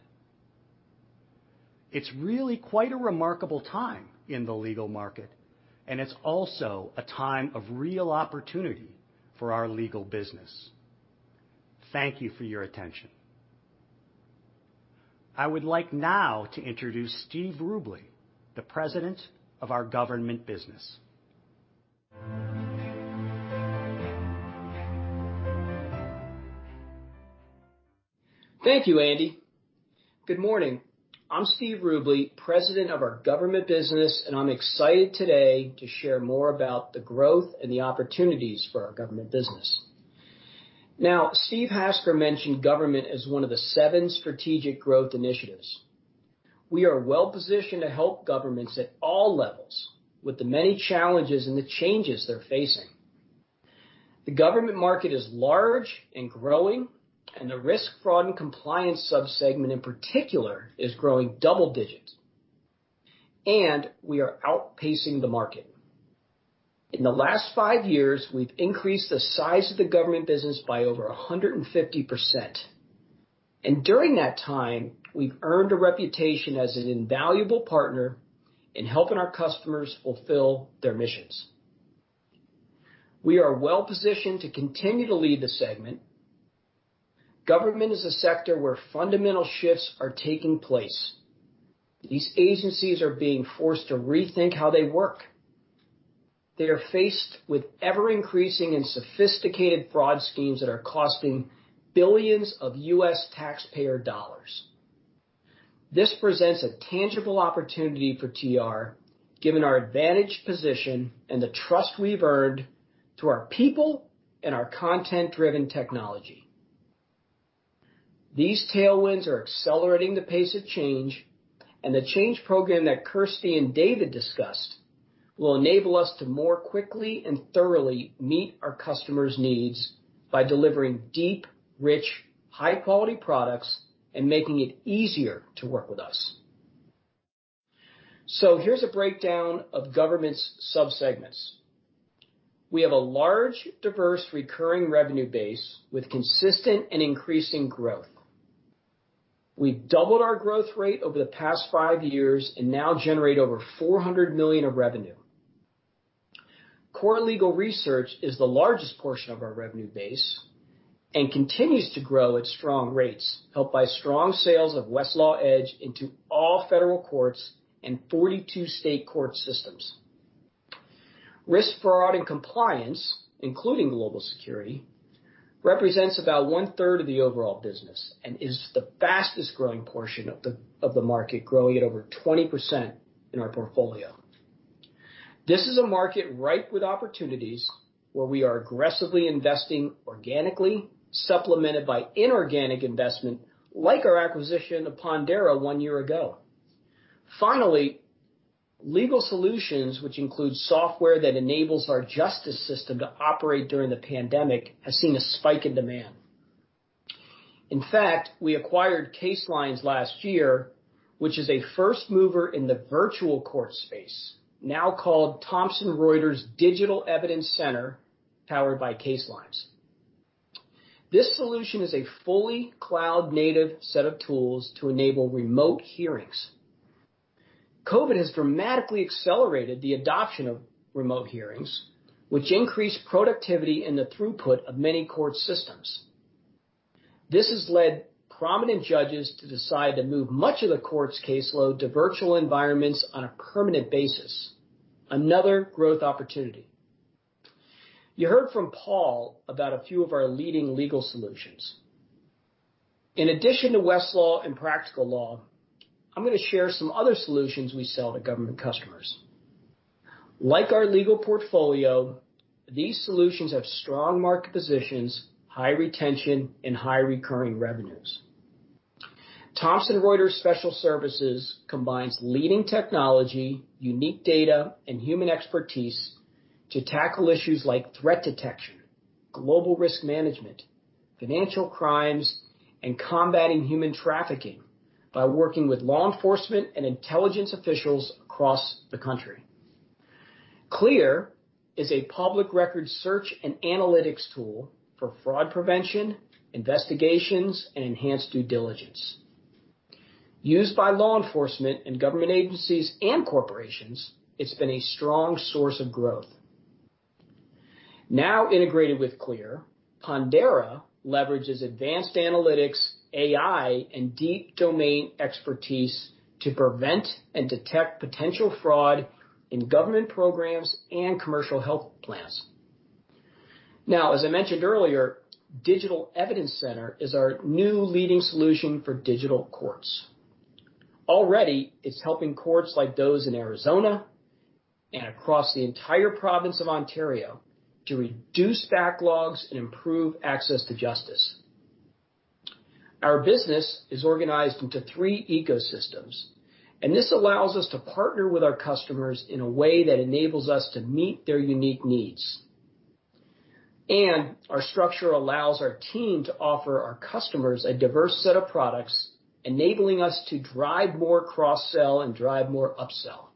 It's really quite a remarkable time in the legal market, and it's also a time of real opportunity for our legal business. Thank you for your attention. I would like now to introduce Steve Rubley, the President of our government business.
Thank you, Andy. Good morning. I'm Steve Rubley, President of our government business, and I'm excited today to share more about the growth and the opportunities for our government business. Now, Steve Hasker mentioned government as one of the seven strategic growth initiatives. We are well-positioned to help governments at all levels with the many challenges and the changes they're facing. The government market is large and growing, and the Risk, Fraud, and Compliance subsegment, in particular, is growing double digits, and we are outpacing the market. In the last five years, we've increased the size of the government business by over 150%. And during that time, we've earned a reputation as an invaluable partner in helping our customers fulfill their missions. We are well-positioned to continue to lead the segment. Government is a sector where fundamental shifts are taking place. These agencies are being forced to rethink how they work. They are faced with ever-increasing and sophisticated fraud schemes that are costing billions of U.S. taxpayer dollars. This presents a tangible opportunity for TR, given our advantaged position and the trust we've earned through our people and our content-driven technology. These tailwinds are accelerating the pace of change, and the change program that Kirsty and David discussed will enable us to more quickly and thoroughly meet our customers' needs by delivering deep, rich, high-quality products and making it easier to work with us. So here's a breakdown of government's subsegments. We have a large, diverse, recurring revenue base with consistent and increasing growth. We've doubled our growth rate over the past five years and now generate over $400 million of revenue. Core legal research is the largest portion of our revenue base and continues to grow at strong rates, helped by strong sales of Westlaw Edge into all federal courts and 42 state court systems. Risk, Fraud and Compliance, including global security, represents about one-third of the overall business and is the fastest-growing portion of the market, growing at over 20% in our portfolio. This is a market ripe with opportunities where we are aggressively investing organically, supplemented by inorganic investment, like our acquisition of Pondera one year ago. Finally, legal solutions, which include software that enables our justice system to operate during the pandemic, have seen a spike in demand. In fact, we acquired CaseLines last year, which is a first mover in the virtual court space, now called Thomson Reuters Digital Evidence Center, powered by CaseLines. This solution is a fully cloud-native set of tools to enable remote hearings. COVID has dramatically accelerated the adoption of remote hearings, which increased productivity and the throughput of many court systems. This has led prominent judges to decide to move much of the court's caseload to virtual environments on a permanent basis, another growth opportunity. You heard from Paul about a few of our leading legal solutions. In addition to Westlaw and Practical Law, I'm going to share some other solutions we sell to government customers. Like our legal portfolio, these solutions have strong market positions, high retention, and high recurring revenues. Thomson Reuters Special Services combines leading technology, unique data, and human expertise to tackle issues like threat detection, global risk management, financial crimes, and combating human trafficking by working with law enforcement and intelligence officials across the country. CLEAR is a public record search and analytics tool for fraud prevention, investigations, and enhanced due diligence. Used by law enforcement and government agencies and corporations, it's been a strong source of growth. Now integrated with CLEAR, Pondera leverages advanced analytics, AI, and deep domain expertise to prevent and detect potential fraud in government programs and commercial health plans. Now, as I mentioned earlier, Digital Evidence Center is our new leading solution for digital courts. Already, it's helping courts like those in Arizona and across the entire province of Ontario to reduce backlogs and improve access to justice. Our business is organized into three ecosystems, and this allows us to partner with our customers in a way that enables us to meet their unique needs, and our structure allows our team to offer our customers a diverse set of products, enabling us to drive more cross-sell and drive more upsell.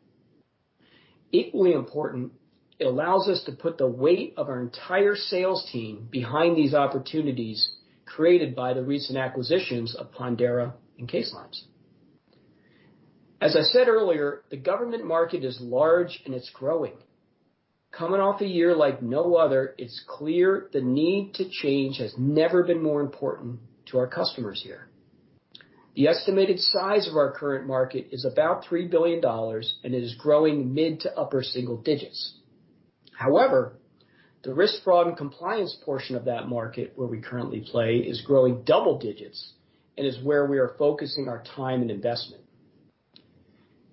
Equally important, it allows us to put the weight of our entire sales team behind these opportunities created by the recent acquisitions of Pondera and CaseLines. As I said earlier, the government market is large and it's growing. Coming off a year like no other, it's clear the need to change has never been more important to our customers here. The estimated size of our current market is about $3 billion, and it is growing mid- to upper-single digits. However, the Risk, Fraud, and Compliance portion of that market where we currently play is growing double digits and is where we are focusing our time and investment,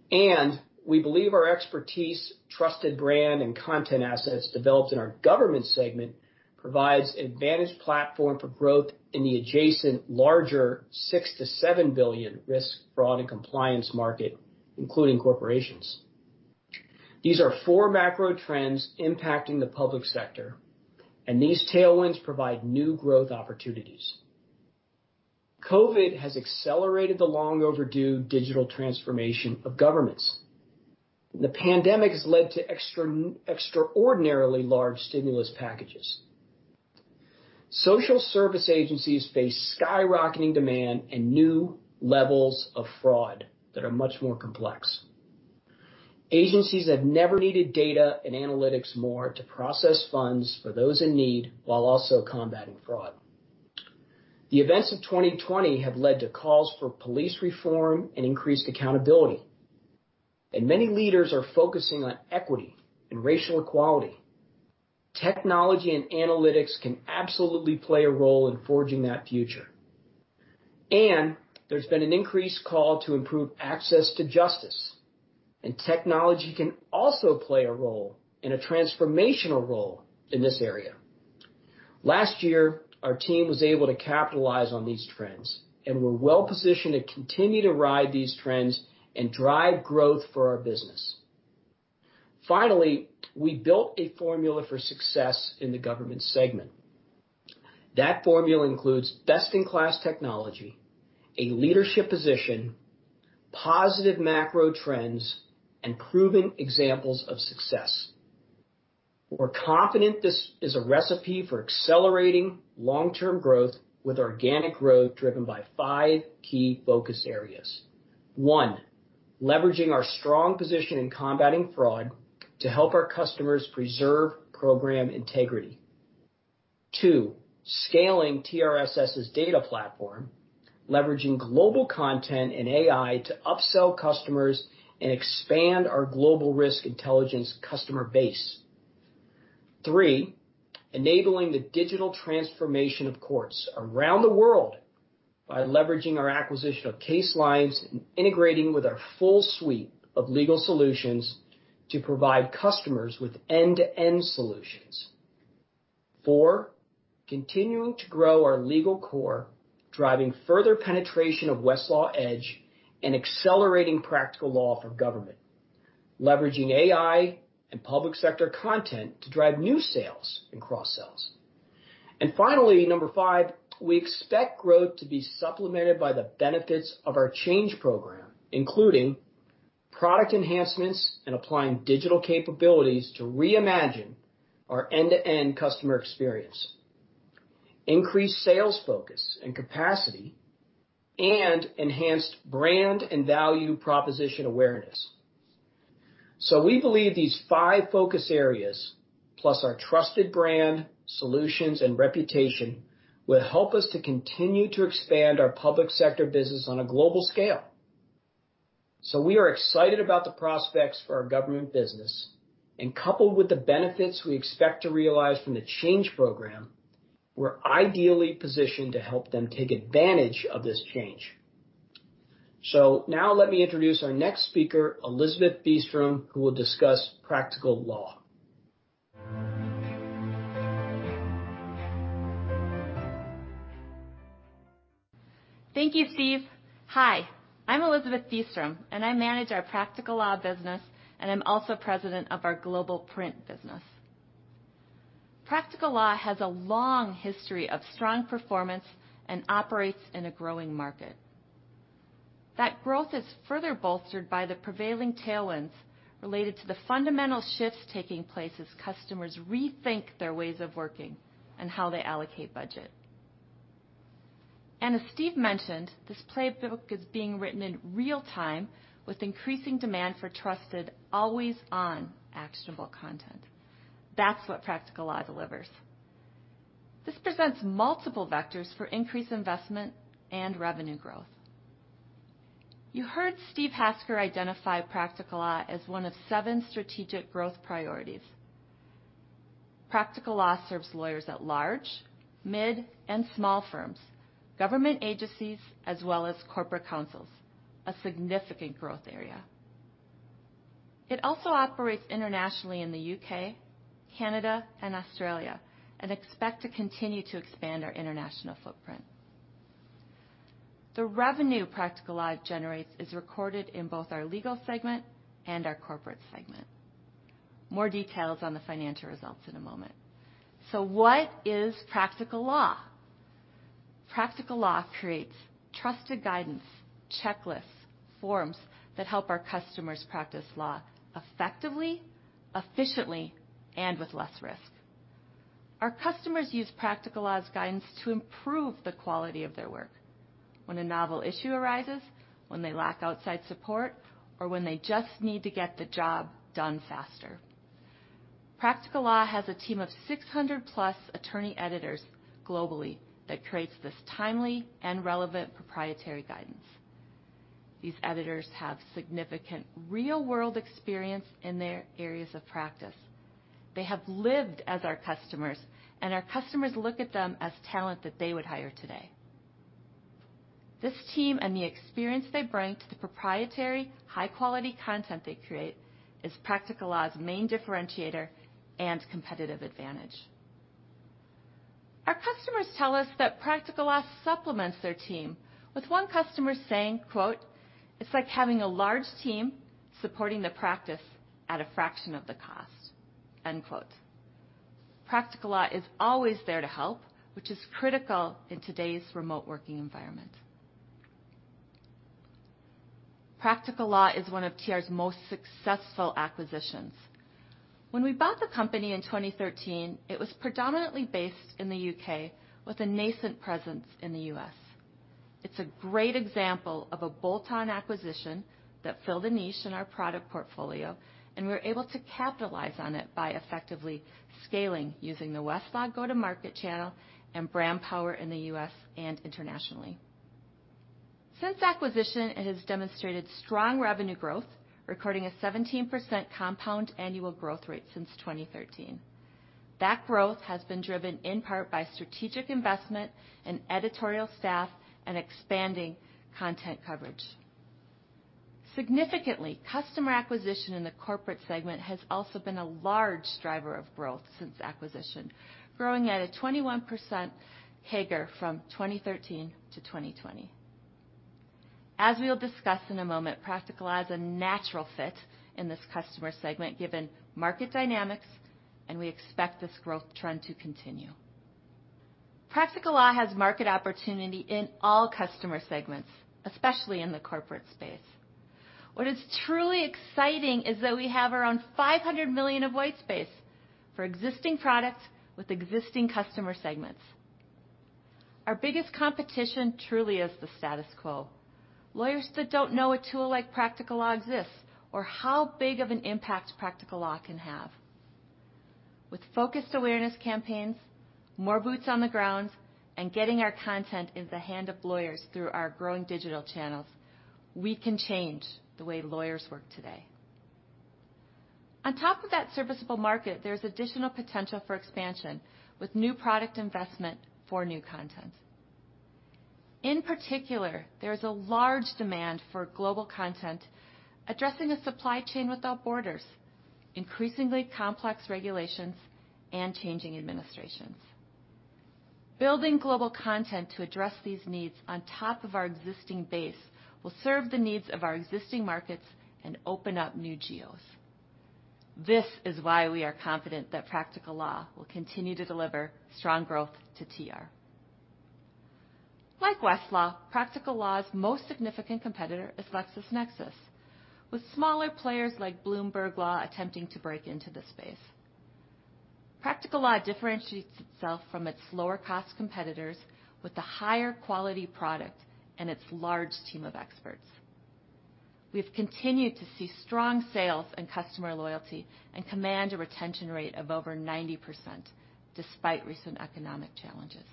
and we believe our expertise, trusted brand, and content assets developed in our government segment provide an advantaged platform for growth in the adjacent larger $6-$7 billion Risk, Fraud, and Compliance market, including corporations. These are four macro trends impacting the public sector, and these tailwinds provide new growth opportunities. COVID has accelerated the long-overdue digital transformation of governments. The pandemic has led to extraordinarily large stimulus packages. Social service agencies face skyrocketing demand and new levels of fraud that are much more complex. Agencies have never needed data and analytics more to process funds for those in need while also combating fraud. The events of 2020 have led to calls for police reform and increased accountability. And many leaders are focusing on equity and racial equality. Technology and analytics can absolutely play a role in forging that future. And there's been an increased call to improve access to justice. And technology can also play a role in a transformational role in this area. Last year, our team was able to capitalize on these trends and were well-positioned to continue to ride these trends and drive growth for our business. Finally, we built a formula for success in the government segment. That formula includes best-in-class technology, a leadership position, positive macro trends, and proven examples of success. We're confident this is a recipe for accelerating long-term growth with organic growth driven by five key focus areas. One, leveraging our strong position in combating fraud to help our customers preserve program integrity. Two, scaling TRSS's data platform, leveraging global content and AI to upsell customers and expand our global risk intelligence customer base. Three, enabling the digital transformation of courts around the world by leveraging our acquisition of CaseLines and integrating with our full suite of legal solutions to provide customers with end-to-end solutions. Four, continuing to grow our legal core, driving further penetration of Westlaw Edge and accelerating Practical Law for government, leveraging AI and public sector content to drive new sales and cross-sells. And finally, number five, we expect growth to be supplemented by the benefits of our Change Program, including product enhancements and applying digital capabilities to reimagine our end-to-end customer experience, increased sales focus and capacity, and enhanced brand and value proposition awareness. We believe these five focus areas, plus our trusted brand, solutions, and reputation, will help us to continue to expand our public sector business on a global scale. We are excited about the prospects for our government business. Coupled with the benefits we expect to realize from the Change Program, we're ideally positioned to help them take advantage of this change. So now let me introduce our next speaker, Elizabeth Beastrom, who will discuss Practical Law.
Thank you, Steve. Hi. I'm Elizabeth Beastrom, and I manage our Practical Law business, and I'm also president of our Global Print business. Practical Law has a long history of strong performance and operates in a growing market. That growth is further bolstered by the prevailing tailwinds related to the fundamental shifts taking place as customers rethink their ways of working and how they allocate budget. And as Steve mentioned, this playbook is being written in real time with increasing demand for trusted, always-on actionable content. That's what Practical Law delivers. This presents multiple vectors for increased investment and revenue growth. You heard Steve Hasker identify Practical Law as one of seven strategic growth priorities. Practical Law serves lawyers at large, mid, and small firms, government agencies, as well as corporate counsel, a significant growth area. It also operates internationally in the U.K., Canada, and Australia, and expects to continue to expand our international footprint. The revenue Practical Law generates is recorded in both our legal segment and our corporate segment. More details on the financial results in a moment. So what is Practical Law? Practical Law creates trusted guidance, checklists, forms that help our customers practice law effectively, efficiently, and with less risk. Our customers use Practical Law's guidance to improve the quality of their work when a novel issue arises, when they lack outside support, or when they just need to get the job done faster. Practical Law has a team of 600-plus attorney editors globally that creates this timely and relevant proprietary guidance. These editors have significant real-world experience in their areas of practice. They have lived as our customers, and our customers look at them as talent that they would hire today. This team and the experience they bring to the proprietary, high-quality content they create is Practical Law's main differentiator and competitive advantage. Our customers tell us that Practical Law supplements their team, with one customer saying, "It's like having a large team supporting the practice at a fraction of the cost." Practical Law is always there to help, which is critical in today's remote working environment. Practical Law is one of TR's most successful acquisitions. When we bought the company in 2013, it was predominantly based in the U.K., with a nascent presence in the U.S. It's a great example of a bolt-on acquisition that filled a niche in our product portfolio, and we were able to capitalize on it by effectively scaling using the Westlaw go-to-market channel and brand power in the U.S. and internationally. Since acquisition, it has demonstrated strong revenue growth, recording a 17% compound annual growth rate since 2013. That growth has been driven in part by strategic investment in editorial staff and expanding content coverage. Significantly, customer acquisition in the corporate segment has also been a large driver of growth since acquisition, growing at a 21% CAGR from 2013 to 2020. As we'll discuss in a moment, Practical Law is a natural fit in this customer segment given market dynamics, and we expect this growth trend to continue. Practical Law has market opportunity in all customer segments, especially in the corporate space. What is truly exciting is that we have around $500 million of white space for existing products with existing customer segments. Our biggest competition truly is the status quo. Lawyers that don't know a tool like Practical Law exists or how big of an impact Practical Law can have. With focused awareness campaigns, more boots on the ground, and getting our content into the hands of lawyers through our growing digital channels, we can change the way lawyers work today. On top of that serviceable market, there is additional potential for expansion with new product investment for new content. In particular, there is a large demand for global content addressing a supply chain without borders, increasingly complex regulations, and changing administrations. Building global content to address these needs on top of our existing base will serve the needs of our existing markets and open up new geos. This is why we are confident that Practical Law will continue to deliver strong growth to TR. Like Westlaw, Practical Law's most significant competitor is LexisNexis, with smaller players like Bloomberg Law attempting to break into the space. Practical Law differentiates itself from its lower-cost competitors with the higher quality product and its large team of experts. We have continued to see strong sales and customer loyalty and command a retention rate of over 90% despite recent economic challenges.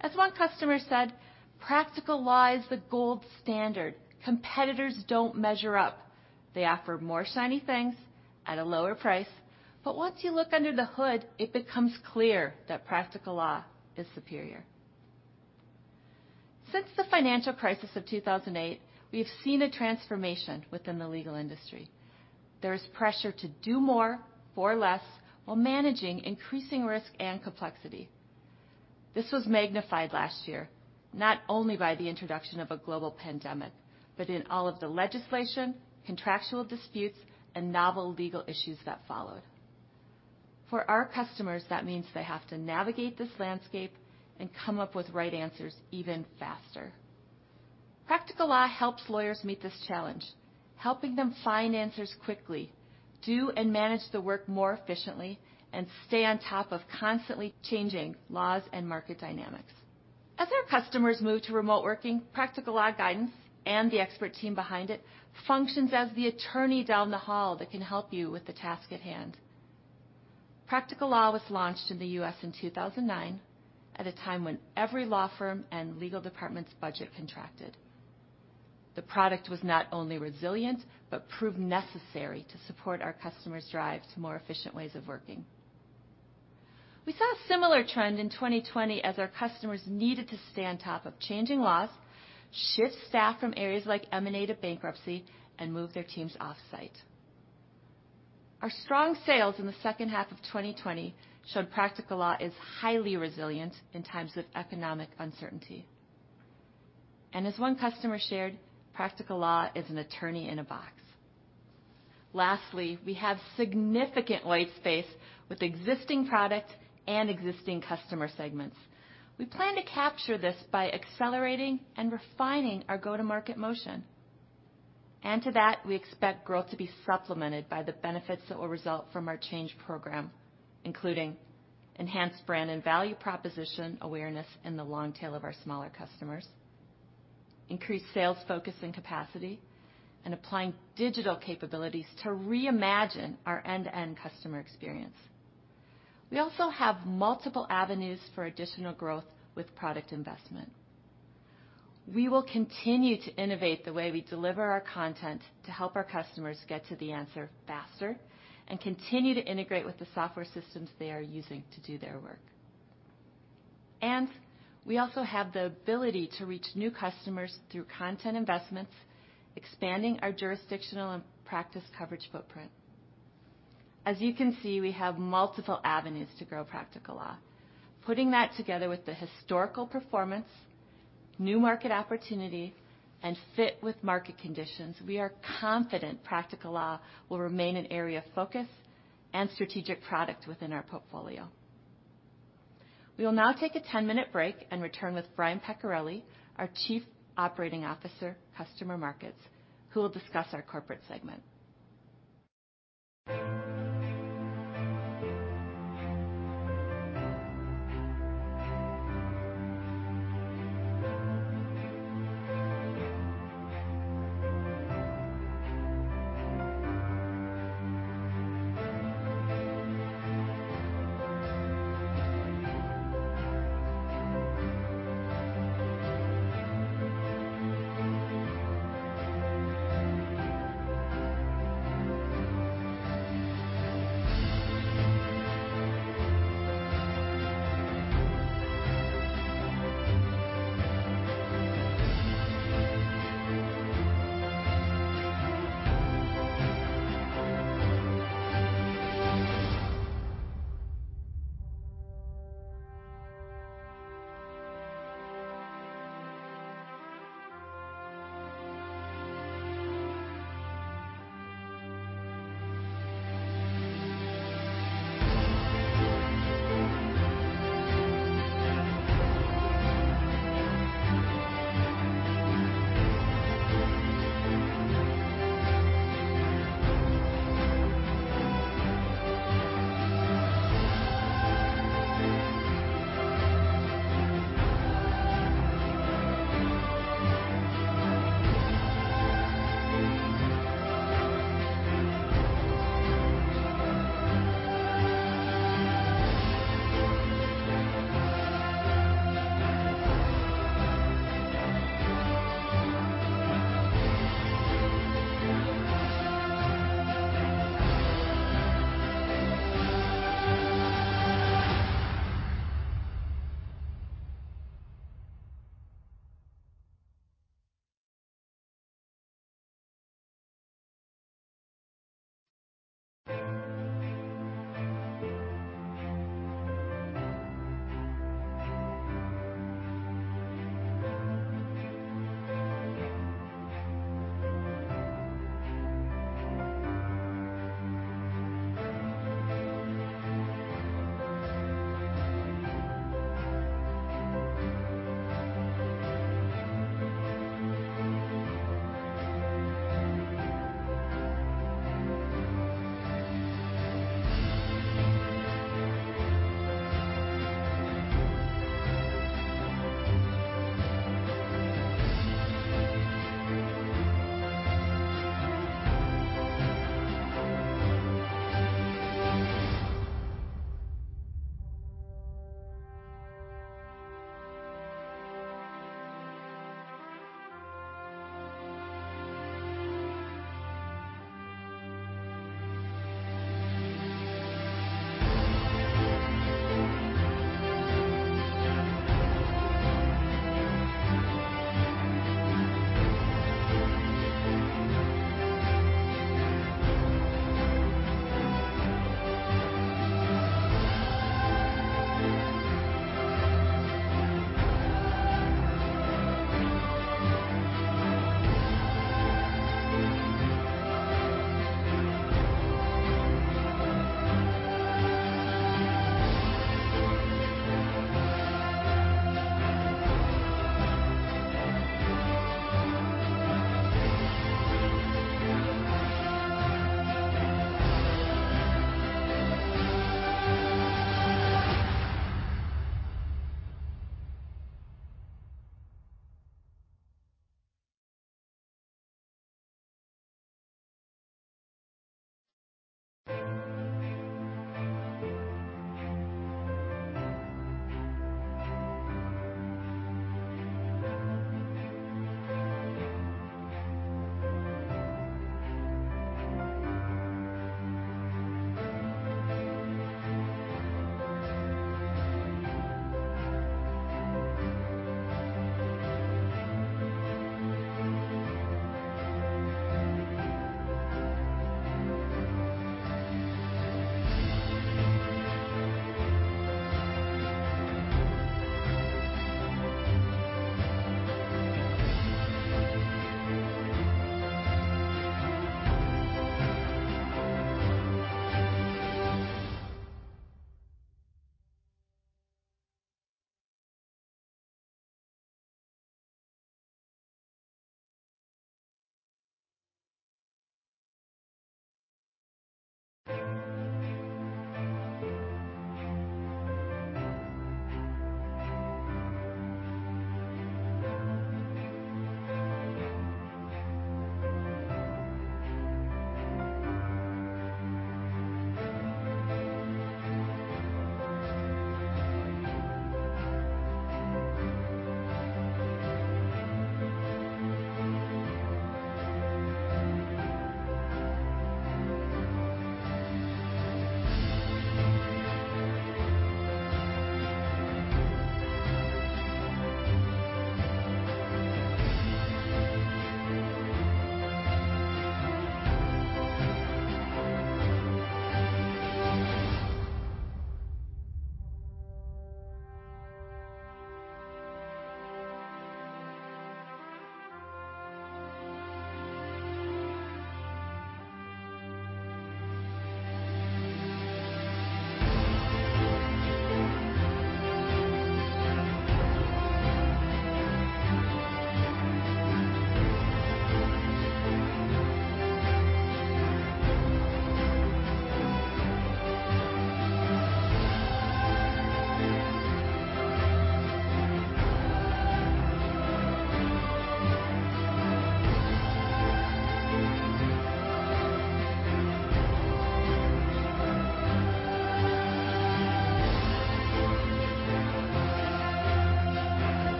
As one customer said, "Practical Law is the gold standard. Competitors don't measure up. They offer more shiny things at a lower price." But once you look under the hood, it becomes clear that Practical Law is superior. Since the financial crisis of 2008, we have seen a transformation within the legal industry. There is pressure to do more for less while managing increasing risk and complexity. This was magnified last year not only by the introduction of a global pandemic, but in all of the legislation, contractual disputes, and novel legal issues that followed. For our customers, that means they have to navigate this landscape and come up with right answers even faster. Practical Law helps lawyers meet this challenge, helping them find answers quickly, do and manage the work more efficiently, and stay on top of constantly changing laws and market dynamics. As our customers move to remote working, Practical Law guidance and the expert team behind it functions as the attorney down the hall that can help you with the task at hand. Practical Law was launched in the U.S. in 2009 at a time when every law firm and legal department's budget contracted. The product was not only resilient but proved necessary to support our customers' drive to more efficient ways of working. We saw a similar trend in 2020 as our customers needed to stay on top of changing laws, shift staff from areas like M&A to bankruptcy, and move their teams off-site. Our strong sales in the second half of 2020 showed Practical Law is highly resilient in times of economic uncertainty. And as one customer shared, "Practical Law is an attorney in a box." Lastly, we have significant white space with existing product and existing customer segments. We plan to capture this by accelerating and refining our go-to-market motion. And to that, we expect growth to be supplemented by the benefits that will result from our Change Program, including enhanced brand and value proposition awareness in the long tail of our smaller customers, increased sales focus and capacity, and applying digital capabilities to reimagine our end-to-end customer experience. We also have multiple avenues for additional growth with product investment. We will continue to innovate the way we deliver our content to help our customers get to the answer faster and continue to integrate with the software systems they are using to do their work. And we also have the ability to reach new customers through content investments, expanding our jurisdictional and practice coverage footprint. As you can see, we have multiple avenues to grow Practical Law. Putting that together with the historical performance, new market opportunity, and fit with market conditions, we are confident Practical Law will remain an area of focus and strategic product within our portfolio. We will now take a 10-minute break and return with Brian Peccarelli, our Chief Operating Officer, Customer Markets, who will discuss our Corporate segment.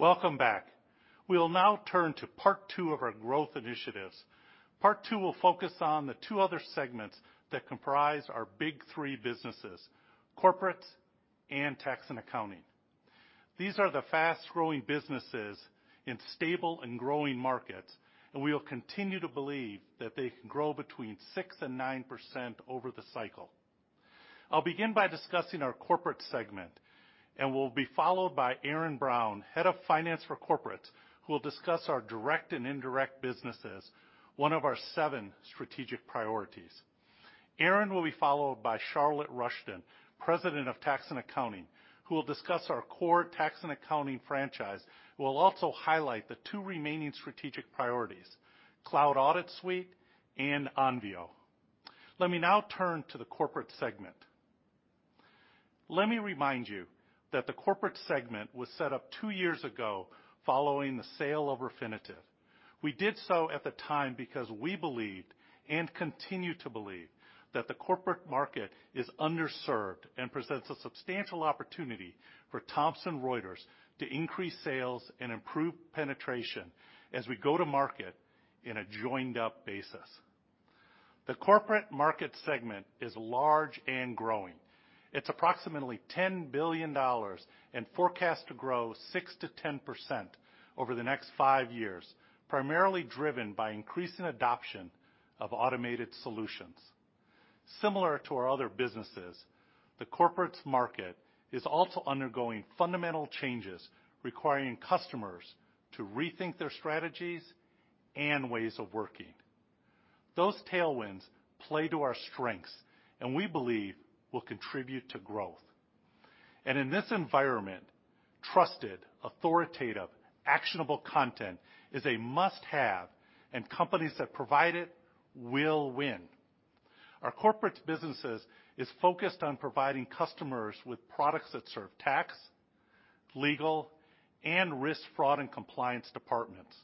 Welcome back. We'll now turn to Part 2 of our growth initiatives. Part 2 will focus on the two other segments that comprise our Big Three businesses: corporates and tax and accounting. These are the fast-growing businesses in stable and growing markets, and we will continue to believe that they can grow between 6% and 9% over the cycle. I'll begin by discussing our Corporate segment, and we'll be followed by Erin Brown, Head of Finance for Corporates, who will discuss our direct and indirect businesses, one of our seven strategic priorities. Erin will be followed by Charlotte Rushton, President of Tax and Accounting, who will discuss our core tax and accounting franchise. We'll also highlight the two remaining strategic priorities: Cloud Audit Suite and Onvio. Let me now turn to the Corporate segment. Let me remind you that the Corporate segment was set up two years ago following the sale of Refinitiv. We did so at the time because we believed, and continue to believe, that the corporate market is underserved and presents a substantial opportunity for Thomson Reuters to increase sales and improve penetration as we go to market in a joined-up basis. The corporate market segment is large and growing. It's approximately $10 billion and forecast to grow 6%-10% over the next five years, primarily driven by increasing adoption of automated solutions. Similar to our other businesses, the corporate market is also undergoing fundamental changes requiring customers to rethink their strategies and ways of working. Those tailwinds play to our strengths, and we believe will contribute to growth. And in this environment, trusted, authoritative, actionable content is a must-have, and companies that provide it will win. Our corporate businesses are focused on providing customers with products that serve tax, legal, and risk, fraud, and compliance departments.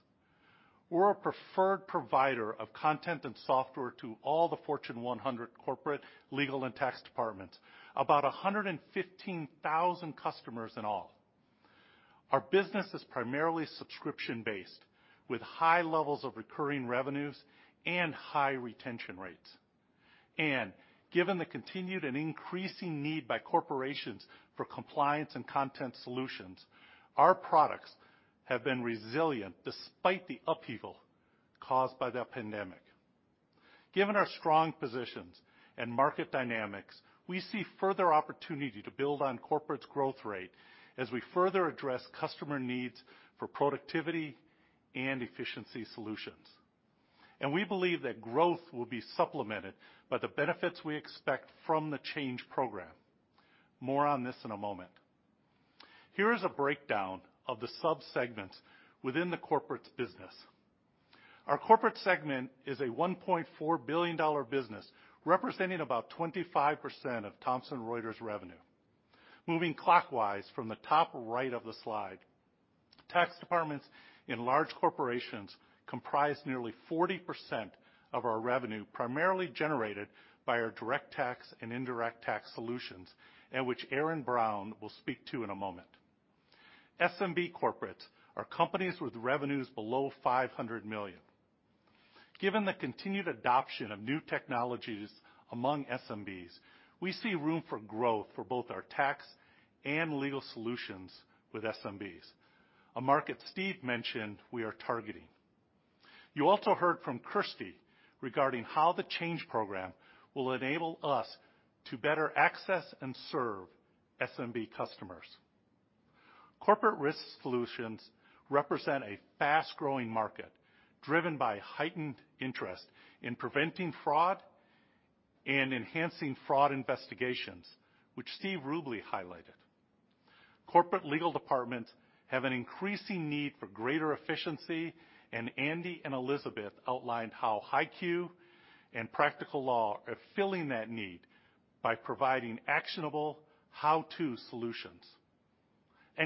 We're a preferred provider of content and software to all the Fortune 100 corporate, legal, and tax departments (about 115,000 customers in all). Our business is primarily subscription-based, with high levels of recurring revenues and high retention rates. And given the continued and increasing need by corporations for compliance and content solutions, our products have been resilient despite the upheaval caused by the pandemic. Given our strong positions and market dynamics, we see further opportunity to build on corporate growth rate as we further address customer needs for productivity and efficiency solutions. And we believe that growth will be supplemented by the benefits we expect from the change program. More on this in a moment. Here is a breakdown of the sub-segments within the corporate business. Our corporate segment is a $1.4 billion business, representing about 25% of Thomson Reuters' revenue. Moving clockwise from the top right of the slide, tax departments in large corporations comprise nearly 40% of our revenue, primarily generated by our direct tax and indirect tax solutions, and which Erin Brown will speak to in a moment. SMB corporates are companies with revenues below $500 million. Given the continued adoption of new technologies among SMBs, we see room for growth for both our tax and legal solutions with SMBs, a market Steve mentioned we are targeting. You also heard from Kirsty regarding how the change program will enable us to better access and serve SMB customers. Corporate risk solutions represent a fast-growing market driven by heightened interest in preventing fraud and enhancing fraud investigations, which Steve Rubley highlighted. Corporate legal departments have an increasing need for greater efficiency, and Andy and Elizabeth outlined how HighQ and Practical Law are filling that need by providing actionable how-to solutions.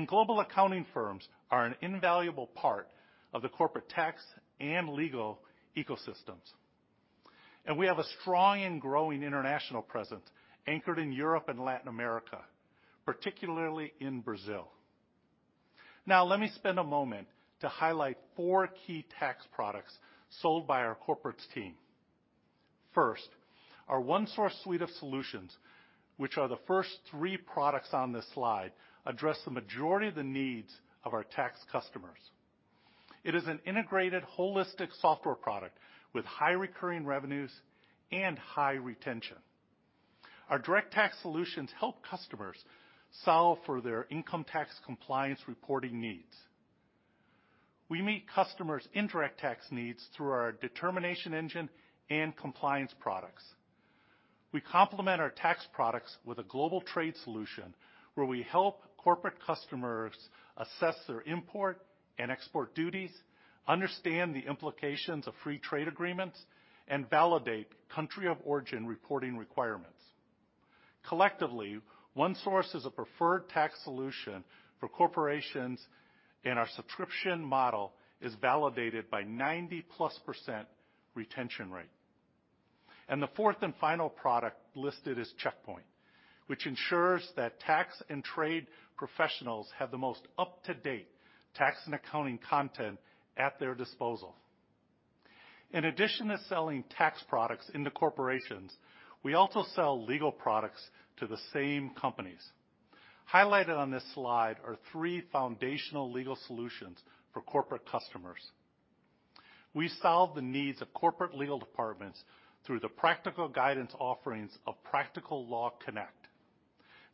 Global accounting firms are an invaluable part of the corporate tax and legal ecosystems. We have a strong and growing international presence anchored in Europe and Latin America, particularly in Brazil. Now, let me spend a moment to highlight four key tax products sold by our corporate team. First, our ONESOURCE suite of solutions, which are the first three products on this slide, address the majority of the needs of our tax customers. It is an integrated, holistic software product with high recurring revenues and high retention. Our direct tax solutions help customers solve for their income tax compliance reporting needs. We meet customers' indirect tax needs through our determination engine and compliance products. We complement our tax products with a global trade solution where we help corporate customers assess their import and export duties, understand the implications of free trade agreements, and validate country of origin reporting requirements. Collectively, ONESOURCE is a preferred tax solution for corporations, and our subscription model is validated by 90-plus% retention rate. And the fourth and final product listed is Checkpoint, which ensures that tax and trade professionals have the most up-to-date tax and accounting content at their disposal. In addition to selling tax products into corporations, we also sell legal products to the same companies. Highlighted on this slide are three foundational legal solutions for corporate customers. We solve the needs of corporate legal departments through the practical guidance offerings of Practical Law Connect.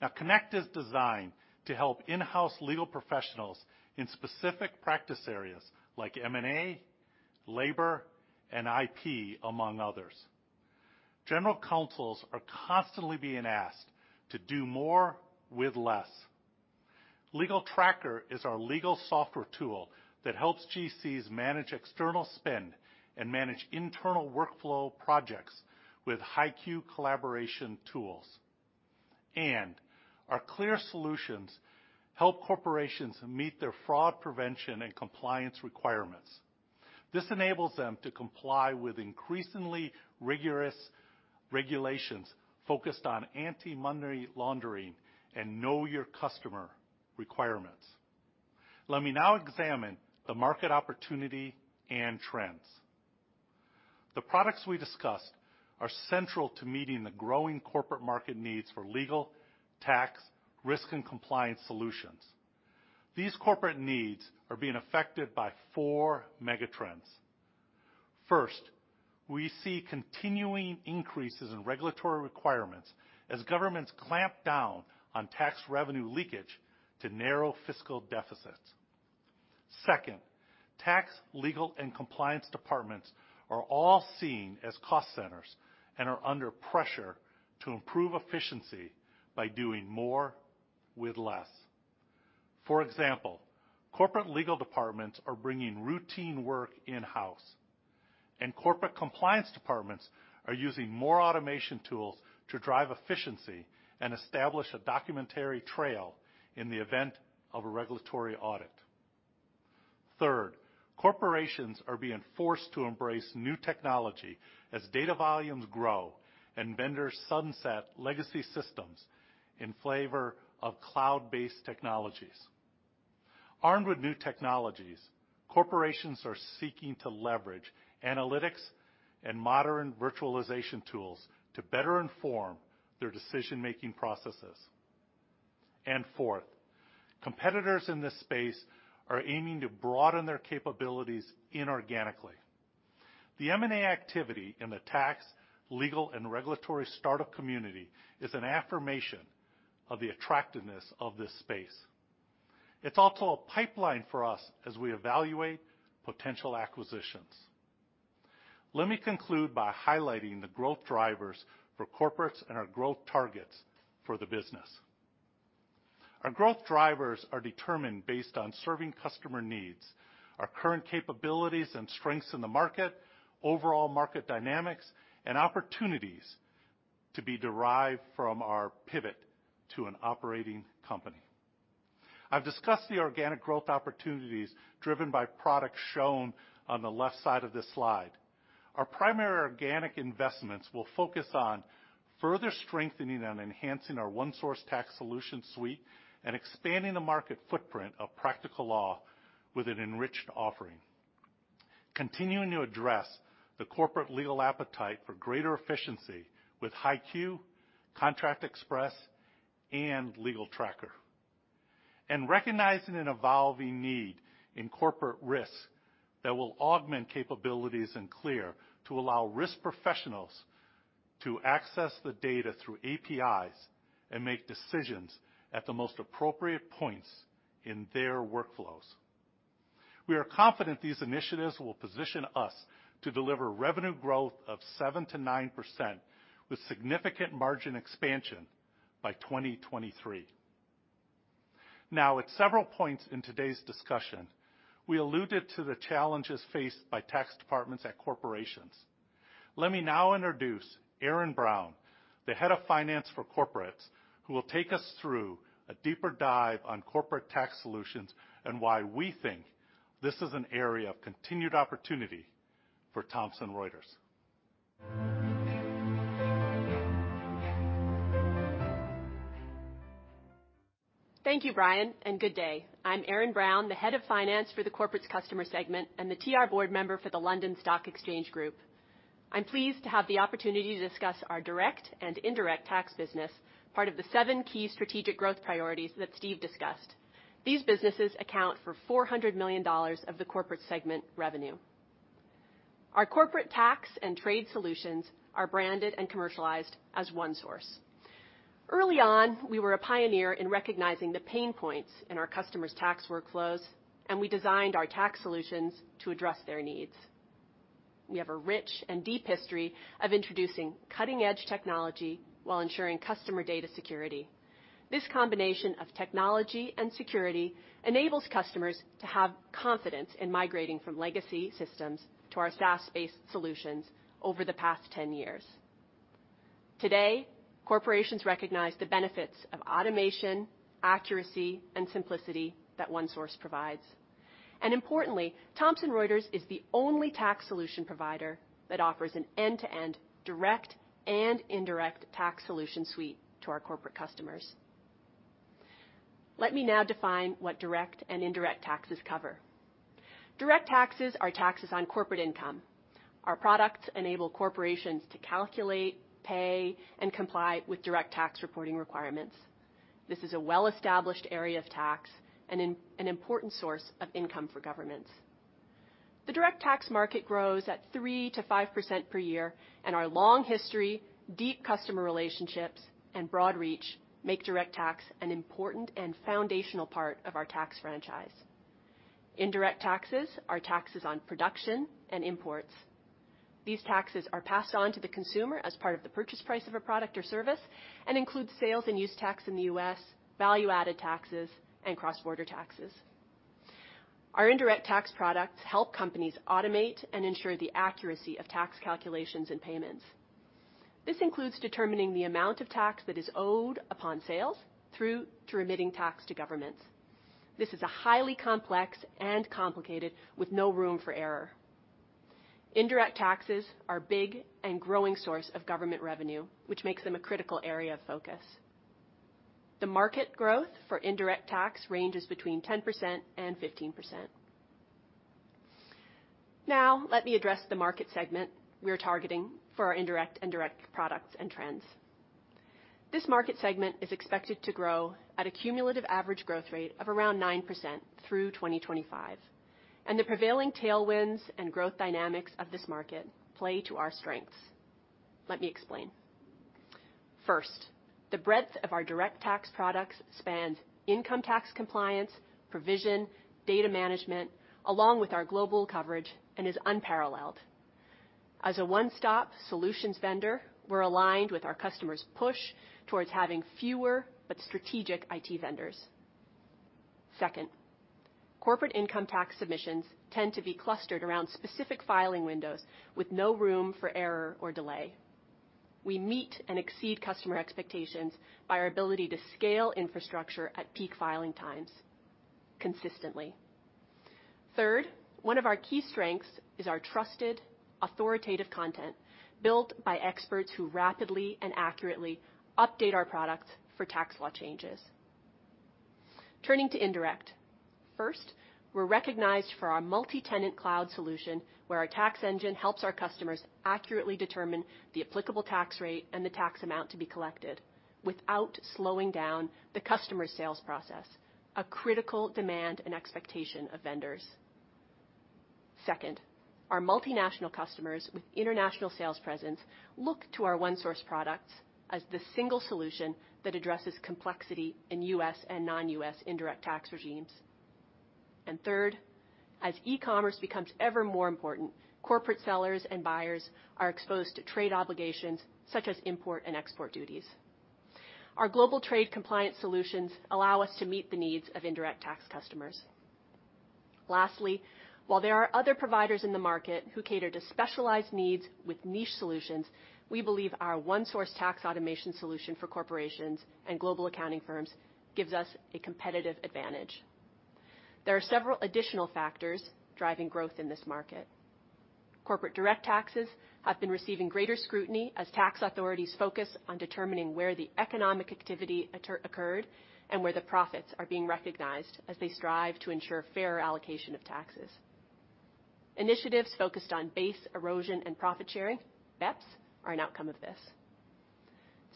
Now, Connect is designed to help in-house legal professionals in specific practice areas like M&A, labor, and IP, among others. General counsels are constantly being asked to do more with less. Legal Tracker is our legal software tool that helps GCs manage external spend and manage internal workflow projects with HighQ collaboration tools. Our CLEAR solutions help corporations meet their fraud prevention and compliance requirements. This enables them to comply with increasingly rigorous regulations focused on anti-money laundering and know-your-customer requirements. Let me now examine the market opportunity and trends. The products we discussed are central to meeting the growing corporate market needs for legal, tax, risk, and compliance solutions. These corporate needs are being affected by four mega trends. First, we see continuing increases in regulatory requirements as governments clamp down on tax revenue leakage to narrow fiscal deficits. Second, tax, legal, and compliance departments are all seen as cost centers and are under pressure to improve efficiency by doing more with less. For example, corporate legal departments are bringing routine work in-house, and corporate compliance departments are using more automation tools to drive efficiency and establish a documentary trail in the event of a regulatory audit. Third, corporations are being forced to embrace new technology as data volumes grow and vendors sunset legacy systems in favor of cloud-based technologies. Armed with new technologies, corporations are seeking to leverage analytics and modern virtualization tools to better inform their decision-making processes. Fourth, competitors in this space are aiming to broaden their capabilities inorganically. The M&A activity in the tax, legal, and regulatory startup community is an affirmation of the attractiveness of this space. It's also a pipeline for us as we evaluate potential acquisitions. Let me conclude by highlighting the growth drivers for corporates and our growth targets for the business. Our growth drivers are determined based on serving customer needs, our current capabilities and strengths in the market, overall market dynamics, and opportunities to be derived from our pivot to an operating company. I've discussed the organic growth opportunities driven by products shown on the left side of this slide. Our primary organic investments will focus on further strengthening and enhancing our ONESOURCE tax solution suite and expanding the market footprint of Practical Law with an enriched offering, continuing to address the corporate legal appetite for greater efficiency with HighQ, Contract Express, and Legal Tracker, and recognizing an evolving need in corporate risk that will augment capabilities in CLEAR to allow risk professionals to access the data through APIs and make decisions at the most appropriate points in their workflows. We are confident these initiatives will position us to deliver revenue growth of 7%-9% with significant margin expansion by 2023. Now, at several points in today's discussion, we alluded to the challenges faced by tax departments at corporations. Let me now introduce Erin Brown, the Head of Finance for Corporates, who will take us through a deeper dive on corporate tax solutions and why we think this is an area of continued opportunity for Thomson Reuters.
Thank you, Brian, and good day. I'm Erin Brown, the Head of Finance for the Corporate Customer Segment and the TR Board member for the London Stock Exchange Group. I'm pleased to have the opportunity to discuss our direct and indirect tax business, part of the seven key strategic growth priorities that Steve discussed. These businesses account for $400 million of the corporate segment revenue. Our corporate tax and trade solutions are branded and commercialized as ONESOURCE. Early on, we were a pioneer in recognizing the pain points in our customers' tax workflows, and we designed our tax solutions to address their needs. We have a rich and deep history of introducing cutting-edge technology while ensuring customer data security. This combination of technology and security enables customers to have confidence in migrating from legacy systems to our SaaS-based solutions over the past 10 years. Today, corporations recognize the benefits of automation, accuracy, and simplicity that ONESOURCE provides. And importantly, Thomson Reuters is the only tax solution provider that offers an end-to-end direct and indirect tax solution suite to our corporate customers. Let me now define what direct and indirect taxes cover. Direct taxes are taxes on corporate income. Our products enable corporations to calculate, pay, and comply with direct tax reporting requirements. This is a well-established area of tax and an important source of income for governments. The direct tax market grows at 3%-5% per year, and our long history, deep customer relationships, and broad reach make direct tax an important and foundational part of our tax franchise. Indirect taxes are taxes on production and imports. These taxes are passed on to the consumer as part of the purchase price of a product or service and include sales and use tax in the U.S., value-added taxes, and cross-border taxes. Our indirect tax products help companies automate and ensure the accuracy of tax calculations and payments. This includes determining the amount of tax that is owed upon sales through to remitting tax to governments. This is highly complex and complicated, with no room for error. Indirect taxes are a big and growing source of government revenue, which makes them a critical area of focus. The market growth for indirect tax ranges between 10% and 15%. Now, let me address the market segment we're targeting for our indirect and direct products and trends. This market segment is expected to grow at a cumulative average growth rate of around 9% through 2025, and the prevailing tailwinds and growth dynamics of this market play to our strengths. Let me explain. First, the breadth of our direct tax products spans income tax compliance, provision, data management, along with our global coverage, and is unparalleled. As a one-stop solutions vendor, we're aligned with our customers' push towards having fewer but strategic IT vendors. Second, corporate income tax submissions tend to be clustered around specific filing windows with no room for error or delay. We meet and exceed customer expectations by our ability to scale infrastructure at peak filing times consistently. Third, one of our key strengths is our trusted, authoritative content built by experts who rapidly and accurately update our products for tax law changes. Turning to indirect, first, we're recognized for our multi-tenant cloud solution where our tax engine helps our customers accurately determine the applicable tax rate and the tax amount to be collected without slowing down the customer sales process, a critical demand and expectation of vendors. Second, our multinational customers with international sales presence look to our ONESOURCE products as the single solution that addresses complexity in U.S. and non-U.S. indirect tax regimes. And third, as e-commerce becomes ever more important, corporate sellers and buyers are exposed to trade obligations such as import and export duties. Our global trade compliance solutions allow us to meet the needs of indirect tax customers. Lastly, while there are other providers in the market who cater to specialized needs with niche solutions, we believe our ONESOURCE tax automation solution for corporations and global accounting firms gives us a competitive advantage. There are several additional factors driving growth in this market. Corporate direct taxes have been receiving greater scrutiny as tax authorities focus on determining where the economic activity occurred and where the profits are being recognized as they strive to ensure fair allocation of taxes. Initiatives focused on base erosion and profit shifting, BEPS, are an outcome of this.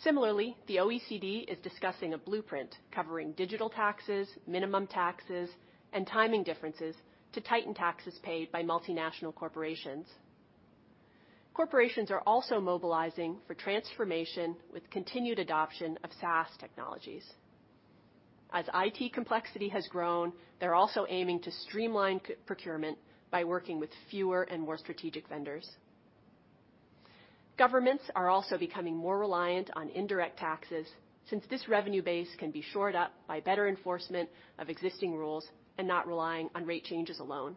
Similarly, the OECD is discussing a blueprint covering digital taxes, minimum taxes, and timing differences to tighten taxes paid by multinational corporations. Corporations are also mobilizing for transformation with continued adoption of SaaS technologies. As IT complexity has grown, they're also aiming to streamline procurement by working with fewer and more strategic vendors. Governments are also becoming more reliant on indirect taxes since this revenue base can be shored up by better enforcement of existing rules and not relying on rate changes alone.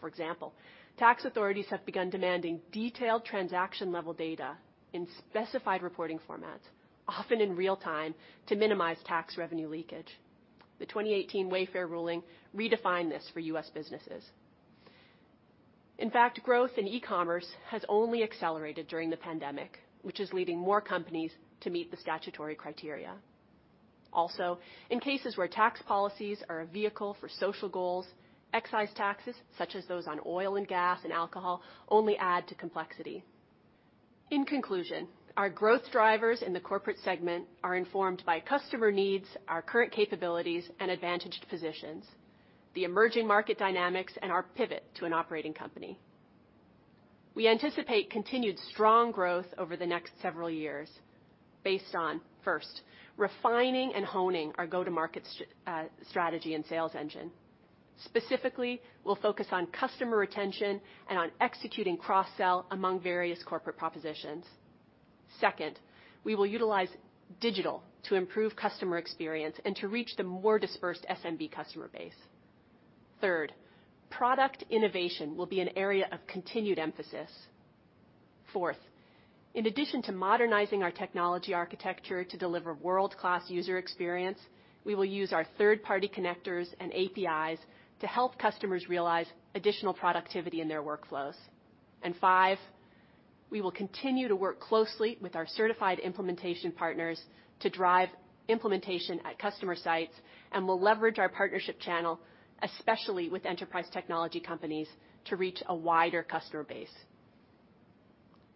For example, tax authorities have begun demanding detailed transaction-level data in specified reporting formats, often in real time, to minimize tax revenue leakage. The 2018 Wayfair ruling redefined this for U.S. businesses. In fact, growth in e-commerce has only accelerated during the pandemic, which is leading more companies to meet the statutory criteria. Also, in cases where tax policies are a vehicle for social goals, excise taxes such as those on oil and gas and alcohol only add to complexity. In conclusion, our growth drivers in the corporate segment are informed by customer needs, our current capabilities, and advantaged positions, the emerging market dynamics, and our pivot to an operating company. We anticipate continued strong growth over the next several years based on, first, refining and honing our go-to-market strategy and sales engine. Specifically, we'll focus on customer retention and on executing cross-sell among various corporate propositions. Second, we will utilize digital to improve customer experience and to reach the more dispersed SMB customer base. Third, product innovation will be an area of continued emphasis. Fourth, in addition to modernizing our technology architecture to deliver world-class user experience, we will use our third-party connectors and APIs to help customers realize additional productivity in their workflows. And five, we will continue to work closely with our certified implementation partners to drive implementation at customer sites and will leverage our partnership channel, especially with enterprise technology companies, to reach a wider customer base.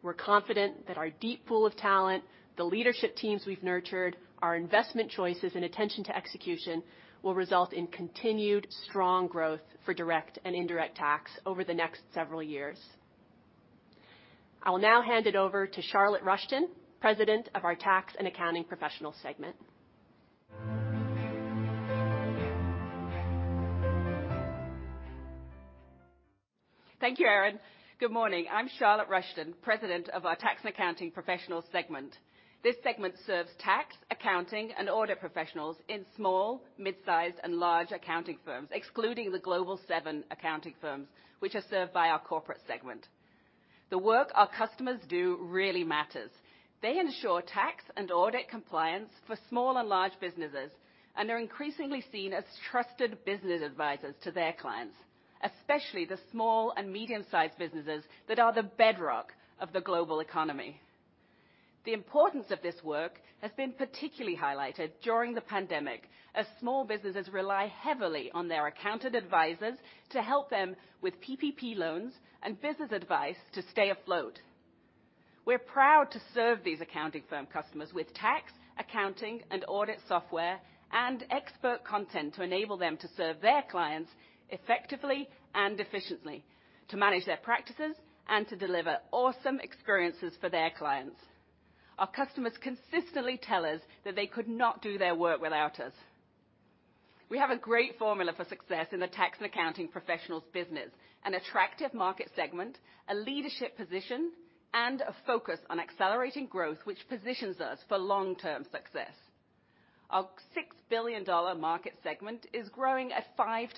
We're confident that our deep pool of talent, the leadership teams we've nurtured, our investment choices, and attention to execution will result in continued strong growth for direct and indirect tax over the next several years. I will now hand it over to Charlotte Rushton, President of our Tax and Accounting Professionals Segment.
Thank you, Erin. Good morning. I'm Charlotte Rushton, President of our Tax and Accounting Professionals Segment. This segment serves tax, accounting, and audit professionals in small, mid-sized, and large accounting firms, excluding the Global Seven accounting firms, which are served by our corporate segment. The work our customers do really matters. They ensure tax and audit compliance for small and large businesses and are increasingly seen as trusted business advisors to their clients, especially the small and medium-sized businesses that are the bedrock of the global economy. The importance of this work has been particularly highlighted during the pandemic as small businesses rely heavily on their accountant advisors to help them with PPP loans and business advice to stay afloat. We're proud to serve these accounting firm customers with tax, accounting, and audit software and expert content to enable them to serve their clients effectively and efficiently, to manage their practices, and to deliver awesome experiences for their clients. Our customers consistently tell us that they could not do their work without us. We have a great formula for success in the tax and accounting professionals business: an attractive market segment, a leadership position, and a focus on accelerating growth, which positions us for long-term success. Our $6 billion market segment is growing at 5%-7%.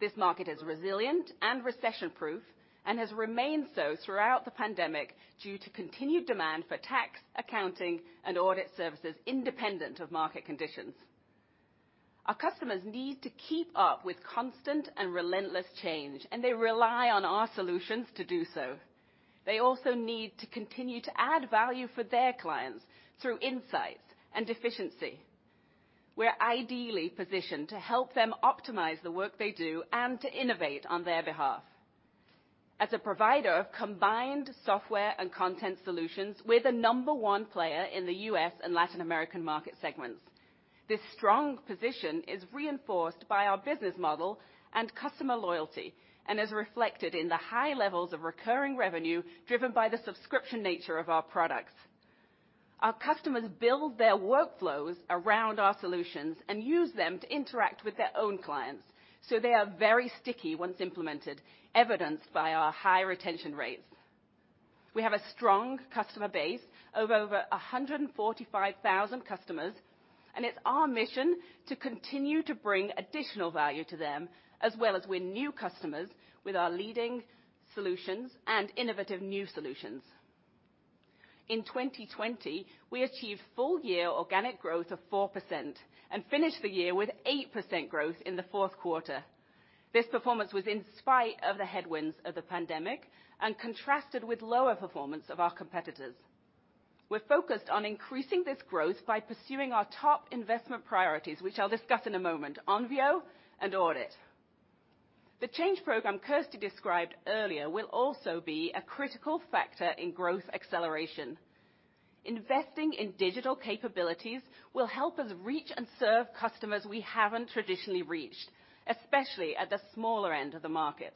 This market is resilient and recession-proof and has remained so throughout the pandemic due to continued demand for tax, accounting, and audit services independent of market conditions. Our customers need to keep up with constant and relentless change, and they rely on our solutions to do so. They also need to continue to add value for their clients through insights and efficiency. We're ideally positioned to help them optimize the work they do and to innovate on their behalf. As a provider of combined software and content solutions, we're the number one player in the U.S. and Latin American market segments. This strong position is reinforced by our business model and customer loyalty and is reflected in the high levels of recurring revenue driven by the subscription nature of our products. Our customers build their workflows around our solutions and use them to interact with their own clients, so they are very sticky once implemented, evidenced by our high retention rates. We have a strong customer base of over 145,000 customers, and it's our mission to continue to bring additional value to them as well as with new customers with our leading solutions and innovative new solutions. In 2020, we achieved full-year organic growth of 4% and finished the year with 8% growth in the fourth quarter. This performance was in spite of the headwinds of the pandemic and contrasted with lower performance of our competitors. We're focused on increasing this growth by pursuing our top investment priorities, which I'll discuss in a moment, Onvio and audit. The change program Kirsty described earlier will also be a critical factor in growth acceleration. Investing in digital capabilities will help us reach and serve customers we haven't traditionally reached, especially at the smaller end of the market.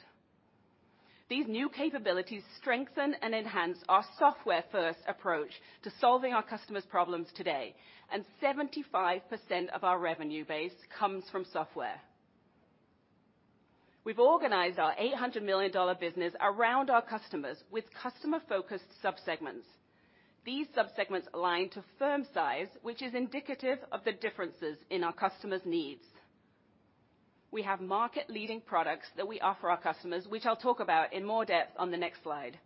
These new capabilities strengthen and enhance our software-first approach to solving our customers' problems today, and 75% of our revenue base comes from software. We've organized our $800 million business around our customers with customer-focused subsegments. These subsegments align to firm size, which is indicative of the differences in our customers' needs. We have market-leading products that we offer our customers, which I'll talk about in more depth on the next slide.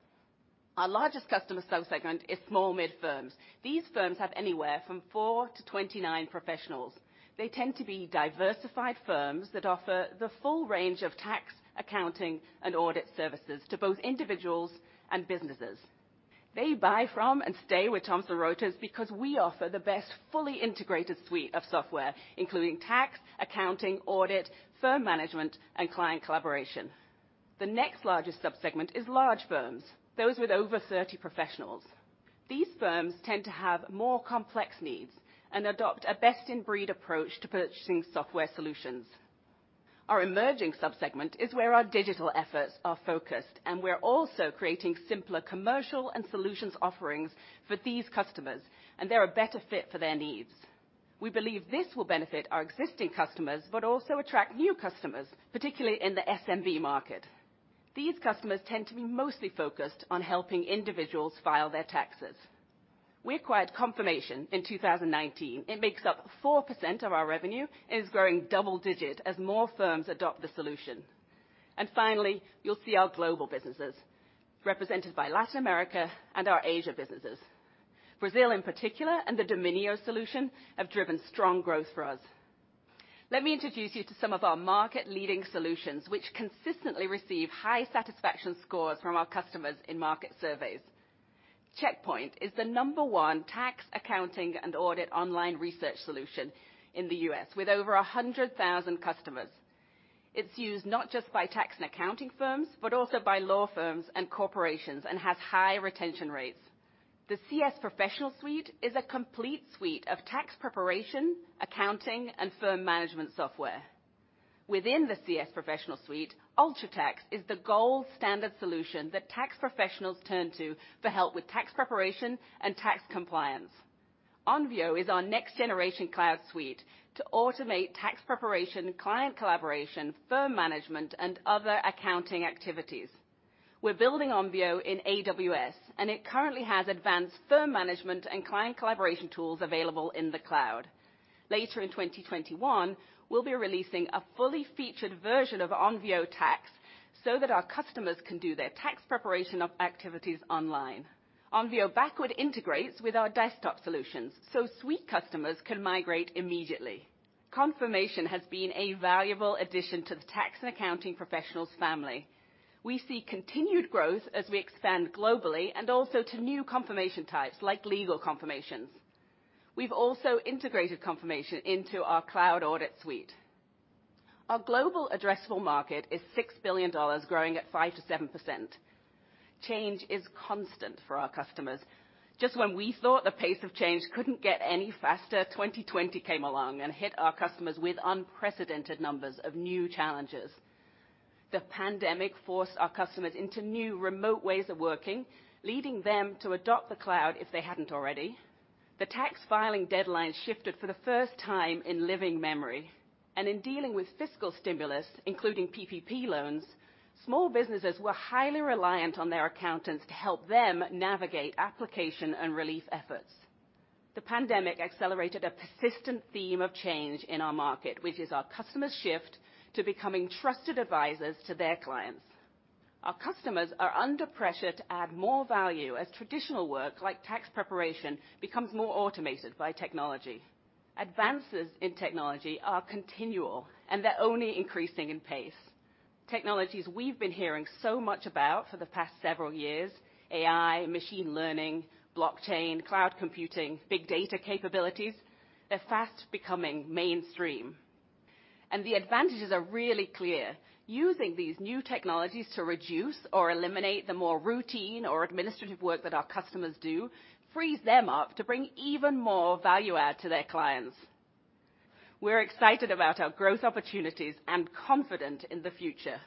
Our largest customer subsegment is small mid-firms. These firms have anywhere from 4-29 professionals. They tend to be diversified firms that offer the full range of tax, accounting, and audit services to both individuals and businesses. They buy from and stay with Thomson Reuters because we offer the best fully integrated suite of software, including tax, accounting, audit, firm management, and client collaboration. The next largest subsegment is large firms, those with over 30 professionals. These firms tend to have more complex needs and adopt a best-in-breed approach to purchasing software solutions. Our emerging subsegment is where our digital efforts are focused, and we're also creating simpler commercial and solutions offerings for these customers, and they're a better fit for their needs. We believe this will benefit our existing customers but also attract new customers, particularly in the SMB market. These customers tend to be mostly focused on helping individuals file their taxes. We acquired Confirmation in 2019. It makes up 4% of our revenue and is growing double-digit as more firms adopt the solution. And finally, you'll see our global businesses represented by Latin America and our Asia businesses. Brazil, in particular, and the Domínio solution have driven strong growth for us. Let me introduce you to some of our market-leading solutions, which consistently receive high satisfaction scores from our customers in market surveys. Checkpoint is the number one tax, accounting, and audit online research solution in the U.S. with over 100,000 customers. It's used not just by tax and accounting firms but also by law firms and corporations and has high retention rates. The CS Professional Suite is a complete suite of tax preparation, accounting, and firm management software. Within the CS Professional Suite, UltraTax is the gold standard solution that tax professionals turn to for help with tax preparation and tax compliance. Onvio is our next-generation cloud suite to automate tax preparation, client collaboration, firm management, and other accounting activities. We're building Onvio in AWS, and it currently has advanced firm management and client collaboration tools available in the cloud. Later in 2021, we'll be releasing a fully featured version of Onvio Tax so that our customers can do their tax preparation activities online. Onvio backward integrates with our desktop solutions so suite customers can migrate immediately. Confirmation has been a valuable addition to the tax and accounting professionals' family. We see continued growth as we expand globally and also to new confirmation types like legal confirmations. We've also integrated Confirmation into our Cloud Audit Suite. Our global addressable market is $6 billion, growing at 5%-7%. Change is constant for our customers. Just when we thought the pace of change couldn't get any faster, 2020 came along and hit our customers with unprecedented numbers of new challenges. The pandemic forced our customers into new remote ways of working, leading them to adopt the cloud if they hadn't already. The tax filing deadline shifted for the first time in living memory, and in dealing with fiscal stimulus, including PPP loans, small businesses were highly reliant on their accountants to help them navigate application and relief efforts. The pandemic accelerated a persistent theme of change in our market, which is our customers' shift to becoming trusted advisors to their clients. Our customers are under pressure to add more value as traditional work like tax preparation becomes more automated by technology. Advances in technology are continual, and they're only increasing in pace. Technologies we've been hearing so much about for the past several years, AI, machine learning, blockchain, cloud computing, big data capabilities, they're fast becoming mainstream, and the advantages are really clear. Using these new technologies to reduce or eliminate the more routine or administrative work that our customers do frees them up to bring even more value add to their clients. We're excited about our growth opportunities and confident in the future.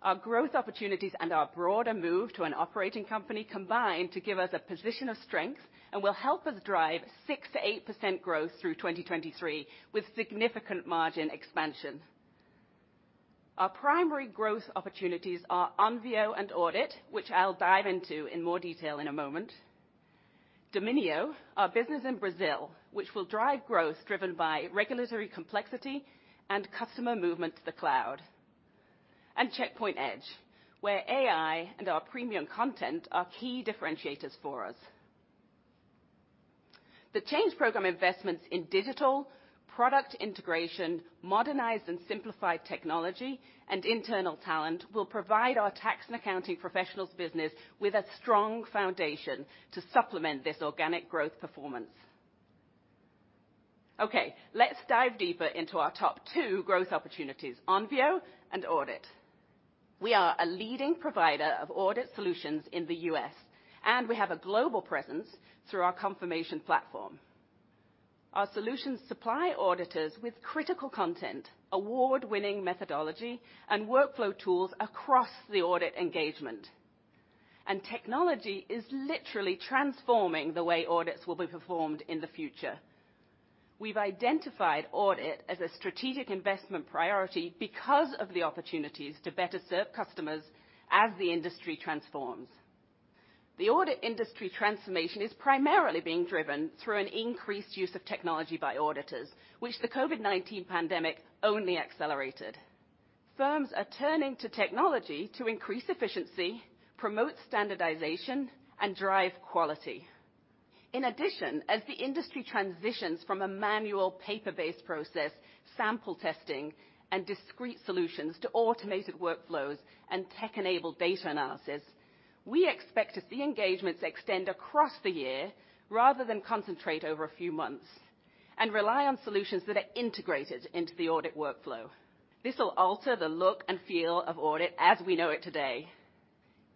Our growth opportunities and our broader move to an operating company combine to give us a position of strength and will help us drive 6%-8% growth through 2023 with significant margin expansion. Our primary growth opportunities are Onvio and audit, which I'll dive into in more detail in a moment. Domínio is our business in Brazil, which will drive growth driven by regulatory complexity and customer movement to the cloud. Checkpoint Edge, where AI and our premium content are key differentiators for us. The Change Program investments in digital product integration, modernized and simplified technology, and internal talent will provide our tax and accounting professionals' business with a strong foundation to supplement this organic growth performance. Okay, let's dive deeper into our top two growth opportunities: Onvio and audit. We are a leading provider of audit solutions in the U.S., and we have a global presence through our Confirmation platform. Our solutions supply auditors with critical content, award-winning methodology, and workflow tools across the audit engagement. Technology is literally transforming the way audits will be performed in the future. We've identified audit as a strategic investment priority because of the opportunities to better serve customers as the industry transforms. The audit industry transformation is primarily being driven through an increased use of technology by auditors, which the COVID-19 pandemic only accelerated. Firms are turning to technology to increase efficiency, promote standardization, and drive quality. In addition, as the industry transitions from a manual paper-based process, sample testing, and discrete solutions to automated workflows and tech-enabled data analysis, we expect to see engagements extend across the year rather than concentrate over a few months and rely on solutions that are integrated into the audit workflow. This will alter the look and feel of audit as we know it today.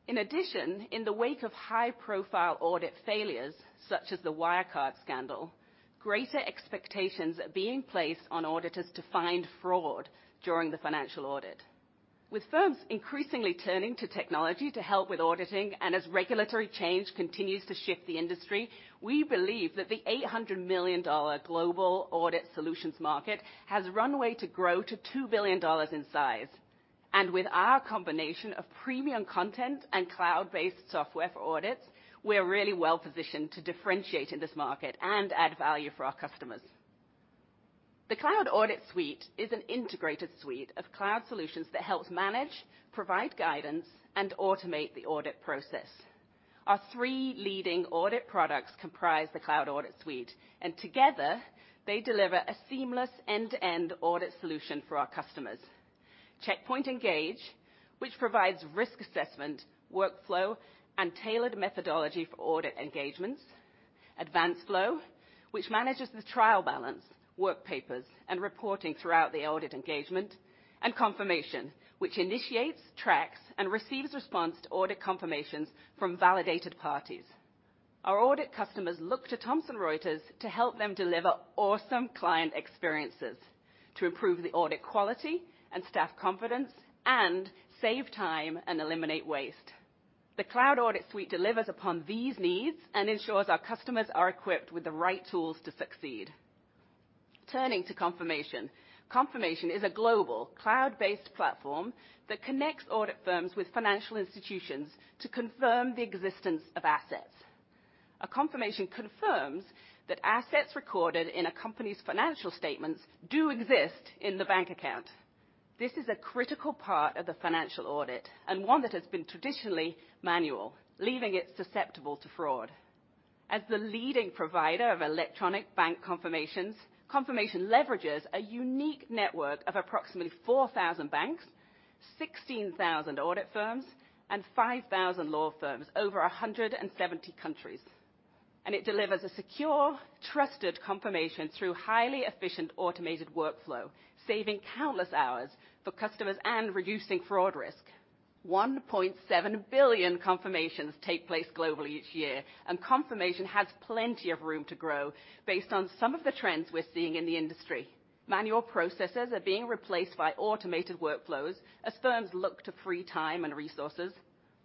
In addition, in the wake of high-profile audit failures, such as the Wirecard scandal, greater expectations are being placed on auditors to find fraud during the financial audit. With firms increasingly turning to technology to help with auditing and as regulatory change continues to shift the industry, we believe that the $800 million global audit solutions market has runway to grow to $2 billion in size. With our combination of premium content and cloud-based software for audits, we're really well positioned to differentiate in this market and add value for our customers. The Cloud Audit Suite is an integrated suite of cloud solutions that helps manage, provide guidance, and automate the audit process. Our three leading audit products comprise the Cloud Audit Suite, and together, they deliver a seamless end-to-end audit solution for our customers. Checkpoint Engage provides risk assessment, workflow, and tailored methodology for audit engagements. AdvanceFlow manages the trial balance, work papers, and reporting throughout the audit engagement. Confirmation initiates, tracks, and receives response to audit confirmations from validated parties. Our audit customers look to Thomson Reuters to help them deliver awesome client experiences to improve the audit quality and staff confidence and save time and eliminate waste. The Cloud Audit Suite delivers upon these needs and ensures our customers are equipped with the right tools to succeed. Turning to Confirmation, Confirmation is a global cloud-based platform that connects audit firms with financial institutions to confirm the existence of assets. A Confirmation confirms that assets recorded in a company's financial statements do exist in the bank account. This is a critical part of the financial audit and one that has been traditionally manual, leaving it susceptible to fraud. As the leading provider of electronic bank confirmations, Confirmation leverages a unique network of approximately 4,000 banks, 16,000 audit firms, and 5,000 law firms over 170 countries. It delivers a secure, trusted confirmation through highly efficient automated workflow, saving countless hours for customers and reducing fraud risk. 1.7 billion Confirmations take place globally each year, and Confirmation has plenty of room to grow based on some of the trends we're seeing in the industry. Manual processes are being replaced by automated workflows as firms look to free time and resources.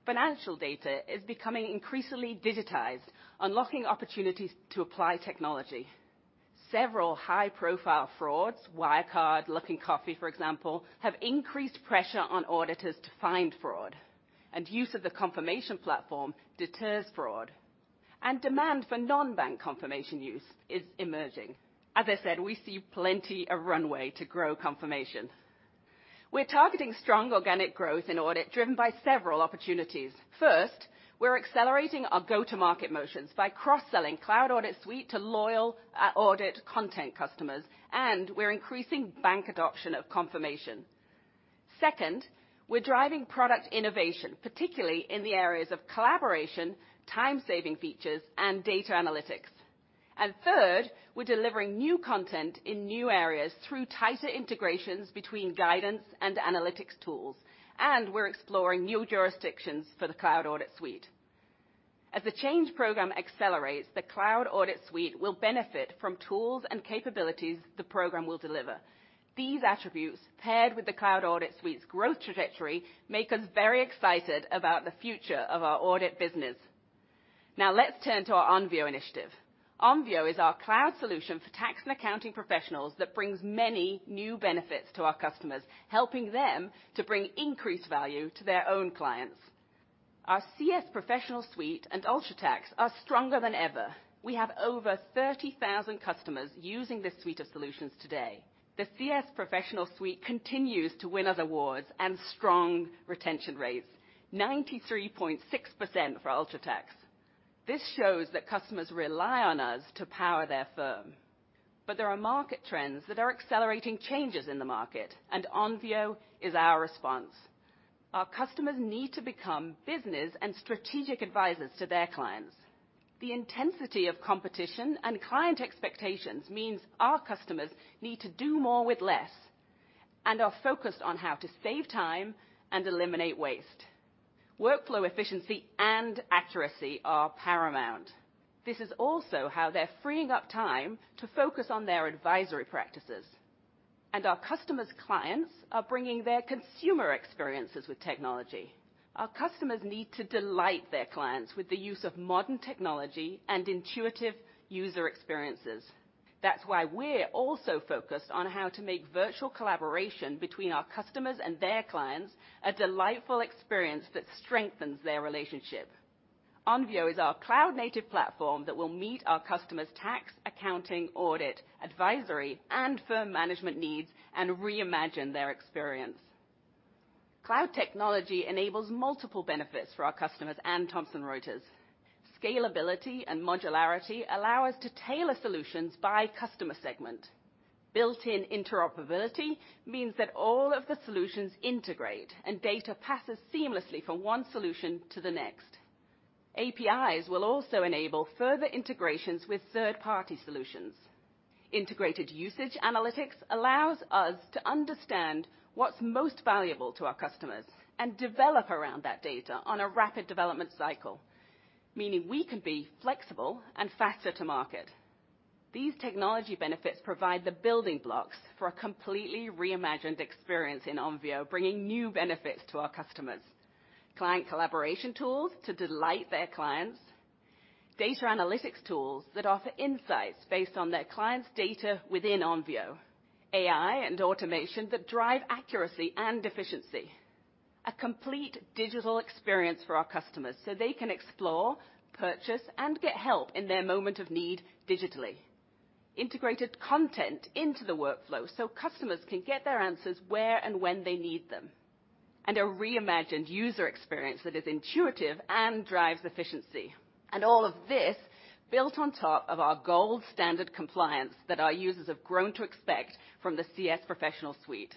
Financial data is becoming increasingly digitized, unlocking opportunities to apply technology. Several high-profile frauds, Wirecard, Luckin Coffee, for example, have increased pressure on auditors to find fraud, and use of the Confirmation platform deters fraud. Demand for non-bank Confirmation use is emerging. As I said, we see plenty of runway to grow Confirmation. We're targeting strong organic growth in audit driven by several opportunities. First, we're accelerating our go-to-market motions by cross-selling Cloud Audit Suite to loyal audit content customers, and we're increasing bank adoption of Confirmation. Second, we're driving product innovation, particularly in the areas of collaboration, time-saving features, and data analytics. And third, we're delivering new content in new areas through tighter integrations between guidance and analytics tools, and we're exploring new jurisdictions for the Cloud Audit Suite. As the Change Program accelerates, the Cloud Audit Suite will benefit from tools and capabilities the program will deliver. These attributes, paired with the Cloud Audit Suite's growth trajectory, make us very excited about the future of our audit business. Now, let's turn to our Onvio initiative. Onvio is our cloud solution for tax and accounting professionals that brings many new benefits to our customers, helping them to bring increased value to their own clients. Our CS Professional Suite and UltraTax are stronger than ever. We have over 30,000 customers using this suite of solutions today. The CS Professional Suite continues to win us awards and strong retention rates, 93.6% for UltraTax. This shows that customers rely on us to power their firm. But there are market trends that are accelerating changes in the market, and Onvio is our response. Our customers need to become business and strategic advisors to their clients. The intensity of competition and client expectations means our customers need to do more with less and are focused on how to save time and eliminate waste. Workflow efficiency and accuracy are paramount. This is also how they're freeing up time to focus on their advisory practices. Our customers' clients are bringing their consumer experiences with technology. Our customers need to delight their clients with the use of modern technology and intuitive user experiences. That's why we're also focused on how to make virtual collaboration between our customers and their clients a delightful experience that strengthens their relationship. Onvio is our cloud-native platform that will meet our customers' tax, accounting, audit, advisory, and firm management needs and reimagine their experience. Cloud technology enables multiple benefits for our customers and Thomson Reuters. Scalability and modularity allow us to tailor solutions by customer segment. Built-in interoperability means that all of the solutions integrate and data passes seamlessly from one solution to the next. APIs will also enable further integrations with third-party solutions. Integrated usage analytics allows us to understand what's most valuable to our customers and develop around that data on a rapid development cycle, meaning we can be flexible and faster to market. These technology benefits provide the building blocks for a completely reimagined experience in Onvio, bringing new benefits to our customers: client collaboration tools to delight their clients, data analytics tools that offer insights based on their clients' data within Onvio, AI and automation that drive accuracy and efficiency, a complete digital experience for our customers so they can explore, purchase, and get help in their moment of need digitally, integrated content into the workflow so customers can get their answers where and when they need them, and a reimagined user experience that is intuitive and drives efficiency, and all of this built on top of our gold standard compliance that our users have grown to expect from the CS Professional Suite.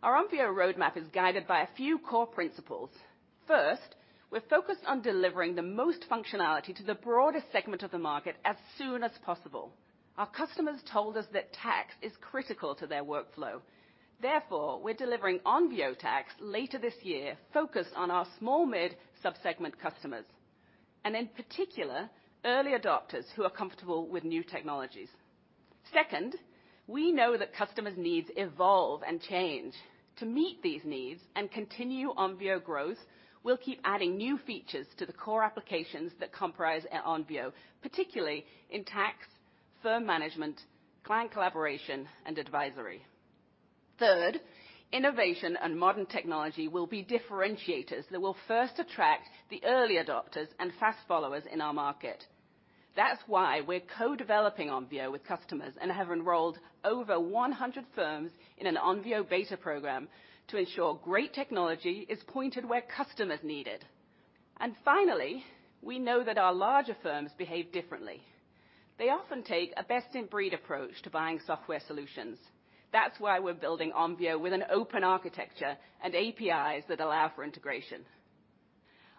Our Onvio roadmap is guided by a few core principles. First, we're focused on delivering the most functionality to the broadest segment of the market as soon as possible. Our customers told us that tax is critical to their workflow. Therefore, we're delivering Onvio Tax later this year, focused on our small, mid-subsegment customers, and in particular, early adopters who are comfortable with new technologies. Second, we know that customers' needs evolve and change. To meet these needs and continue Onvio growth, we'll keep adding new features to the core applications that comprise Onvio, particularly in tax, firm management, client collaboration, and advisory. Third, innovation and modern technology will be differentiators that will first attract the early adopters and fast followers in our market. That's why we're co-developing Onvio with customers and have enrolled over 100 firms in an Onvio beta program to ensure great technology is pointed where customers need it, and finally, we know that our larger firms behave differently. They often take a best-in-breed approach to buying software solutions. That's why we're building Onvio with an open architecture and APIs that allow for integration.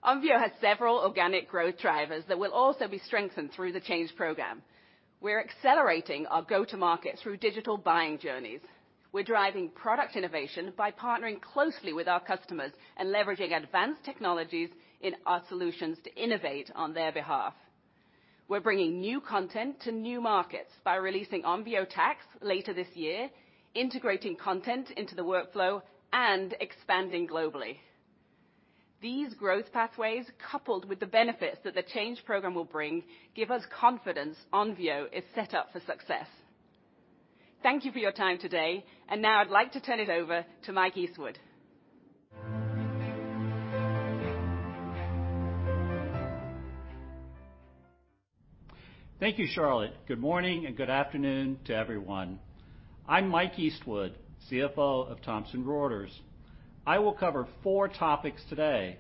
Onvio has several organic growth drivers that will also be strengthened through the Change Program. We're accelerating our go-to-market through digital buying journeys. We're driving product innovation by partnering closely with our customers and leveraging advanced technologies in our solutions to innovate on their behalf. We're bringing new content to new markets by releasing Onvio Tax later this year, integrating content into the workflow, and expanding globally. These growth pathways, coupled with the benefits that the Change Program will bring, give us confidence Onvio is set up for success. Thank you for your time today. And now I'd like to turn it over to Mike Eastwood.
Thank you, Charlotte. Good morning and good afternoon to everyone. I'm Mike Eastwood, CFO of Thomson Reuters. I will cover four topics today.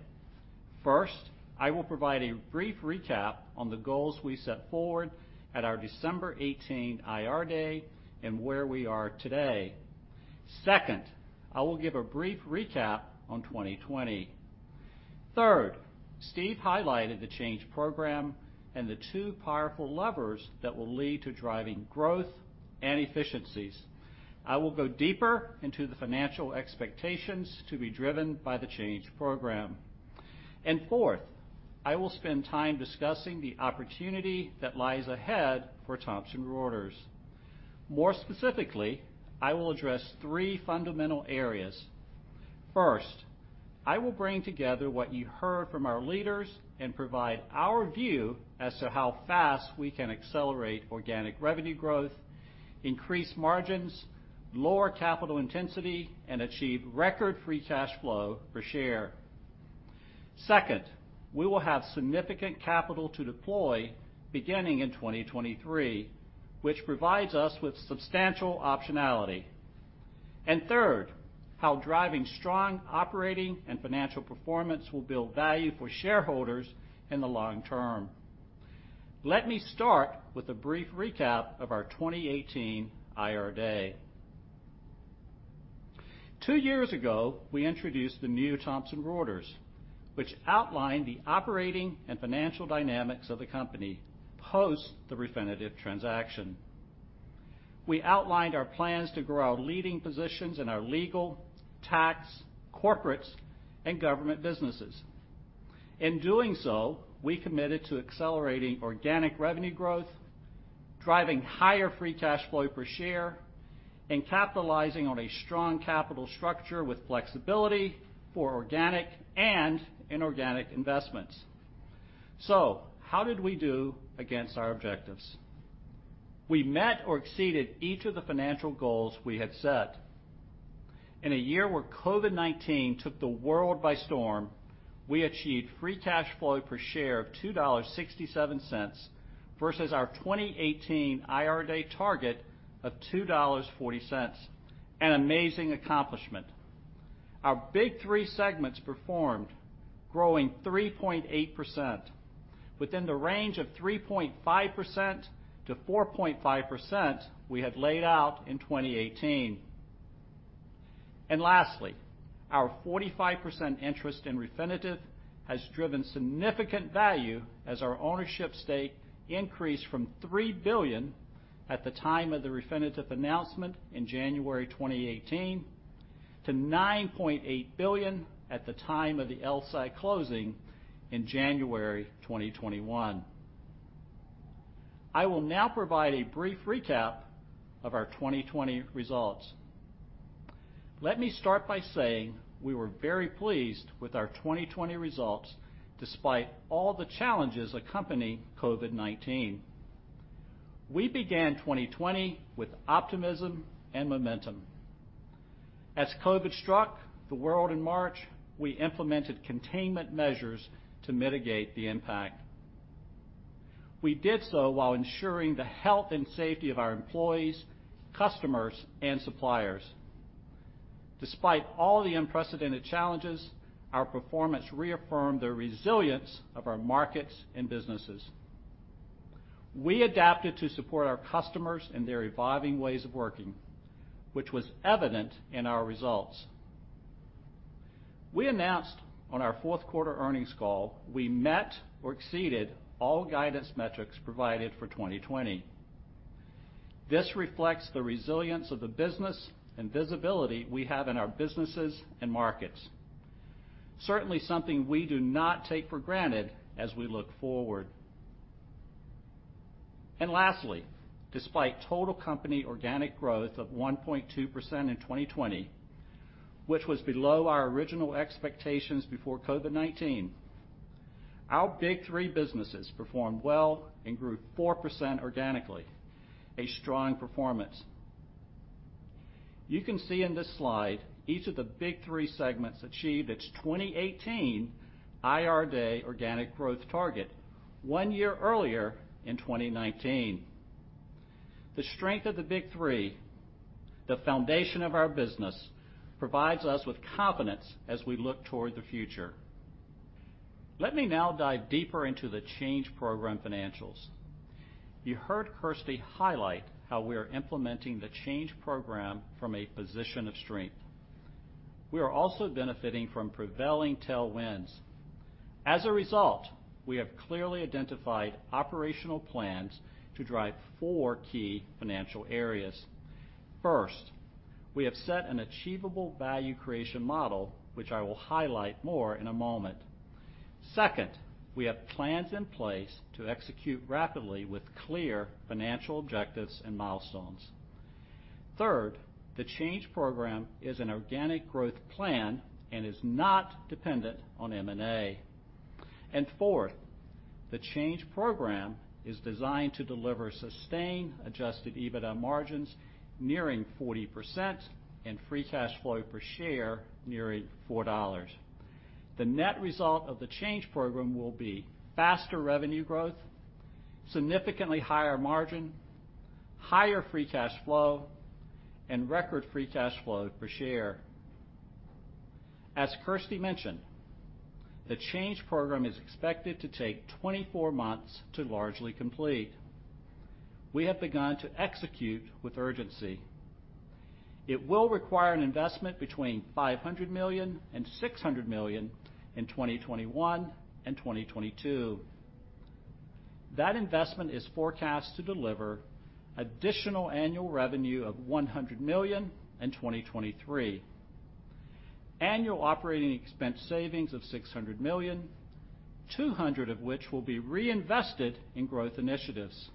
First, I will provide a brief recap on the goals we set forward at our December 18 IR Day and where we are today. Second, I will give a brief recap on 2020. Third, Steve highlighted the Change Program and the two powerful levers that will lead to driving growth and efficiencies. I will go deeper into the financial expectations to be driven by the Change Program. And fourth, I will spend time discussing the opportunity that lies ahead for Thomson Reuters. More specifically, I will address three fundamental areas. First, I will bring together what you heard from our leaders and provide our view as to how fast we can accelerate organic revenue growth, increase margins, lower capital intensity, and achieve record Free Cash Flow per share. Second, we will have significant capital to deploy beginning in 2023, which provides us with substantial optionality. And third, how driving strong operating and financial performance will build value for shareholders in the long term. Let me start with a brief recap of our 2018 IR Day. Two years ago, we introduced the new Thomson Reuters, which outlined the operating and financial dynamics of the company post the Refinitiv transaction. We outlined our plans to grow our leading positions in our legal, tax, corporate, and government businesses. In doing so, we committed to accelerating organic revenue growth, driving higher Free Cash Flow per share, and capitalizing on a strong capital structure with flexibility for organic and inorganic investments. So how did we do against our objectives? We met or exceeded each of the financial goals we had set. In a year where COVID-19 took the world by storm, we achieved Free Cash Flow per share of $2.67 versus our 2018 IR Day target of $2.40, an amazing accomplishment. Our Big Three segments performed, growing 3.8% within the range of 3.5%-4.5% we had laid out in 2018, and lastly, our 45% interest in Refinitiv has driven significant value as our ownership stake increased from $3 billion at the time of the Refinitiv announcement in January 2018 to $9.8 billion at the time of the LSEG closing in January 2021. I will now provide a brief recap of our 2020 results. Let me start by saying we were very pleased with our 2020 results despite all the challenges accompanying COVID-19. We began 2020 with optimism and momentum. As COVID struck the world in March, we implemented containment measures to mitigate the impact. We did so while ensuring the health and safety of our employees, customers, and suppliers. Despite all the unprecedented challenges, our performance reaffirmed the resilience of our markets and businesses. We adapted to support our customers and their evolving ways of working, which was evident in our results. We announced on our fourth quarter earnings call. We met or exceeded all guidance metrics provided for 2020. This reflects the resilience of the business and visibility we have in our businesses and markets, certainly something we do not take for granted as we look forward. And lastly, despite total company organic growth of 1.2% in 2020, which was below our original expectations before COVID-19, our Big Three businesses performed well and grew 4% organically, a strong performance. You can see in this slide each of the Big Three segments achieved its 2018 IR Day organic growth target one year earlier in 2019. The strength of the Big Three, the foundation of our business, provides us with confidence as we look toward the future. Let me now dive deeper into the Change Program financials. You heard Kirsty highlight how we are implementing the Change Program from a position of strength. We are also benefiting from prevailing tailwinds. As a result, we have clearly identified operational plans to drive four key financial areas. First, we have set an achievable value creation model, which I will highlight more in a moment. Second, we have plans in place to execute rapidly with clear financial objectives and milestones. Third, the Change Program is an organic growth plan and is not dependent on M&A. And fourth, the Change Program is designed to deliver sustained adjusted EBITDA margins nearing 40% and free cash flow per share nearing $4. The net result of the Change Program will be faster revenue growth, significantly higher margin, higher free cash flow, and record free cash flow per share. As Kirsty mentioned, the Change Program is expected to take 24 months to largely complete. We have begun to execute with urgency. It will require an investment between $500 million and $600 million in 2021 and 2022. That investment is forecast to deliver additional annual revenue of $100 million in 2023, annual operating expense savings of $600 million, $200 of which will be reinvested in growth initiatives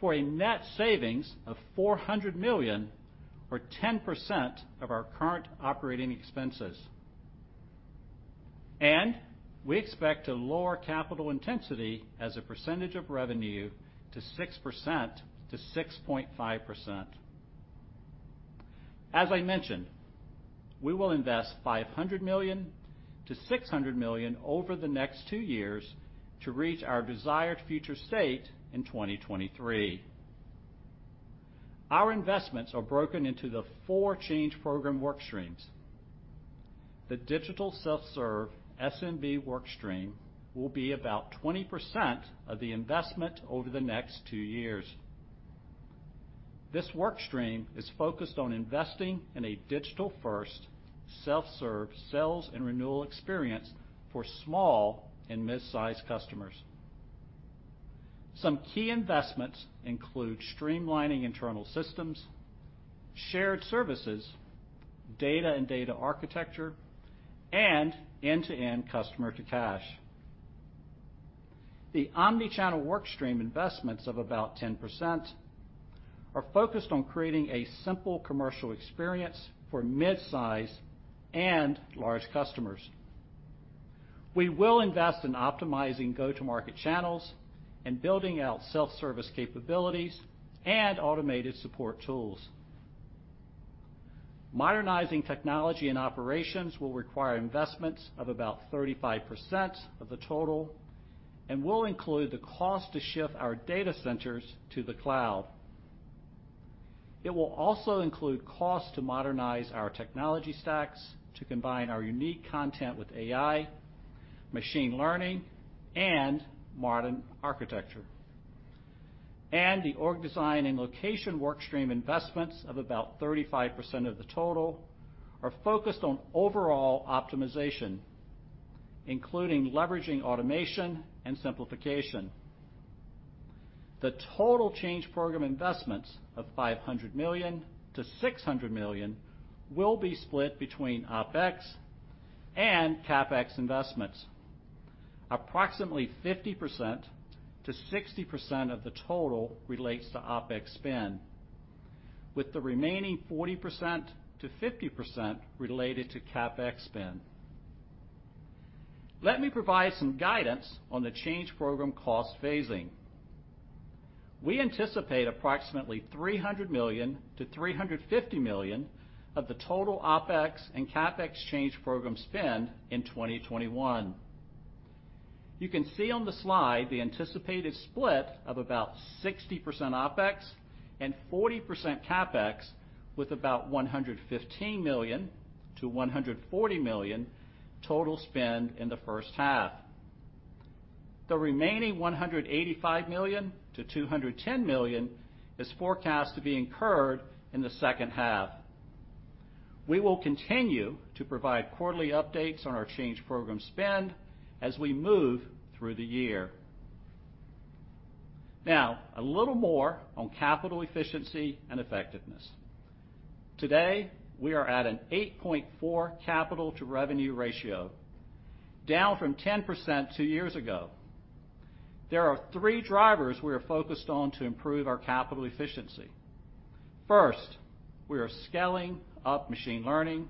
for a net savings of $400 million, or 10% of our current operating expenses. And we expect to lower capital intensity as a percentage of revenue to 6%-6.5%. As I mentioned, we will invest $500 million-$600 million over the next two years to reach our desired future state in 2023. Our investments are broken into the four Change Program workstreams. The digital self-serve SMB workstream will be about 20% of the investment over the next two years. This workstream is focused on investing in a digital-first self-serve sales and renewal experience for small and mid-sized customers. Some key investments include streamlining internal systems, shared services, data and data architecture, and end-to-end customer-to-cash. The omnichannel workstream investments of about 10% are focused on creating a simple commercial experience for mid-size and large customers. We will invest in optimizing go-to-market channels and building out self-service capabilities and automated support tools. Modernizing technology and operations will require investments of about 35% of the total and will include the cost to shift our data centers to the cloud. It will also include costs to modernize our technology stacks to combine our unique content with AI, machine learning, and modern architecture. And the org design and location workstream investments of about 35% of the total are focused on overall optimization, including leveraging automation and simplification. The total change program investments of $500 million-$600 million will be split between OPEX and CAPEX investments. Approximately 50%-60% of the total relates to OPEX spend, with the remaining 40%-50% related to CAPEX spend. Let me provide some guidance on the change program cost phasing. We anticipate approximately $300 million-$350 million of the total OPEX and CAPEX change program spend in 2021. You can see on the slide the anticipated split of about 60% OPEX and 40% CAPEX, with about $115 million-$140 million total spend in the first half. The remaining $185 million-$210 million is forecast to be incurred in the second half. We will continue to provide quarterly updates on our change program spend as we move through the year. Now, a little more on capital efficiency and effectiveness. Today, we are at an 8.4 capital-to-revenue ratio, down from 10% two years ago. There are three drivers we are focused on to improve our capital efficiency. First, we are scaling up machine learning,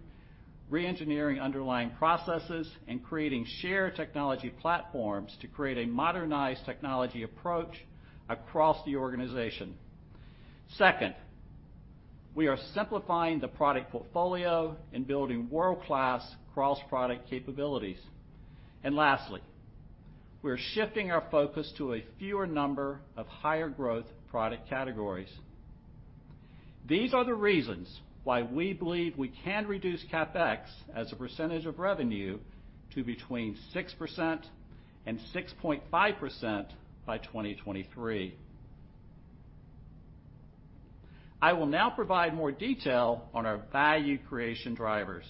reengineering underlying processes, and creating shared technology platforms to create a modernized technology approach across the organization. Second, we are simplifying the product portfolio and building world-class cross-product capabilities. And lastly, we are shifting our focus to a fewer number of higher-growth product categories. These are the reasons why we believe we can reduce CapEx as a percentage of revenue to between 6% and 6.5% by 2023. I will now provide more detail on our value creation drivers.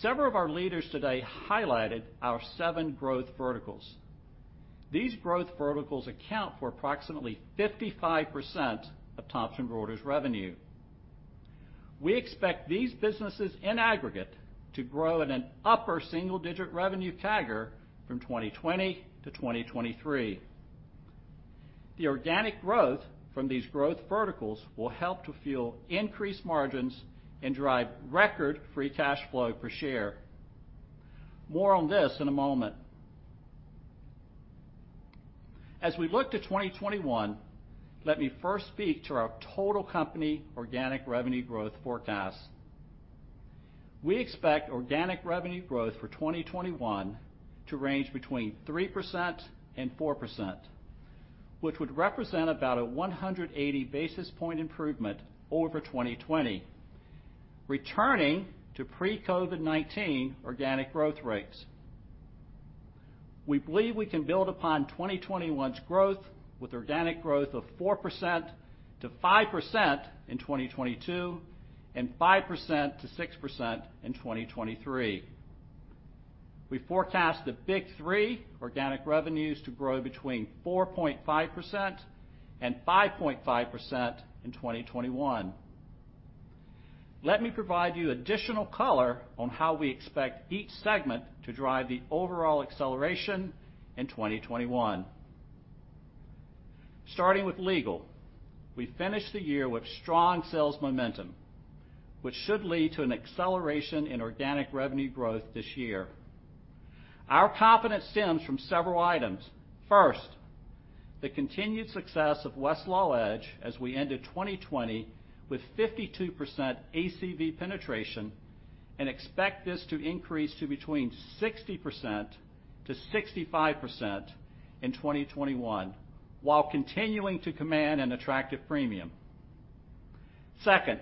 Several of our leaders today highlighted our seven growth verticals. These growth verticals account for approximately 55% of Thomson Reuters' revenue. We expect these businesses in aggregate to grow at an upper single-digit revenue CAGR from 2020 to 2023. The organic growth from these growth verticals will help to fuel increased margins and drive record free cash flow per share. More on this in a moment. As we look to 2021, let me first speak to our total company organic revenue growth forecast. We expect organic revenue growth for 2021 to range between 3% and 4%, which would represent about a 180 basis points improvement over 2020, returning to pre-COVID-19 organic growth rates. We believe we can build upon 2021's growth with organic growth of 4%-5% in 2022 and 5%-6% in 2023. We forecast the Big Three organic revenues to grow between 4.5% and 5.5% in 2021. Let me provide you additional color on how we expect each segment to drive the overall acceleration in 2021. Starting with legal, we finished the year with strong sales momentum, which should lead to an acceleration in organic revenue growth this year. Our confidence stems from several items. First, the continued success of Westlaw Edge as we ended 2020 with 52% ACV penetration and expect this to increase to between 60% to 65% in 2021 while continuing to command an attractive premium. Second,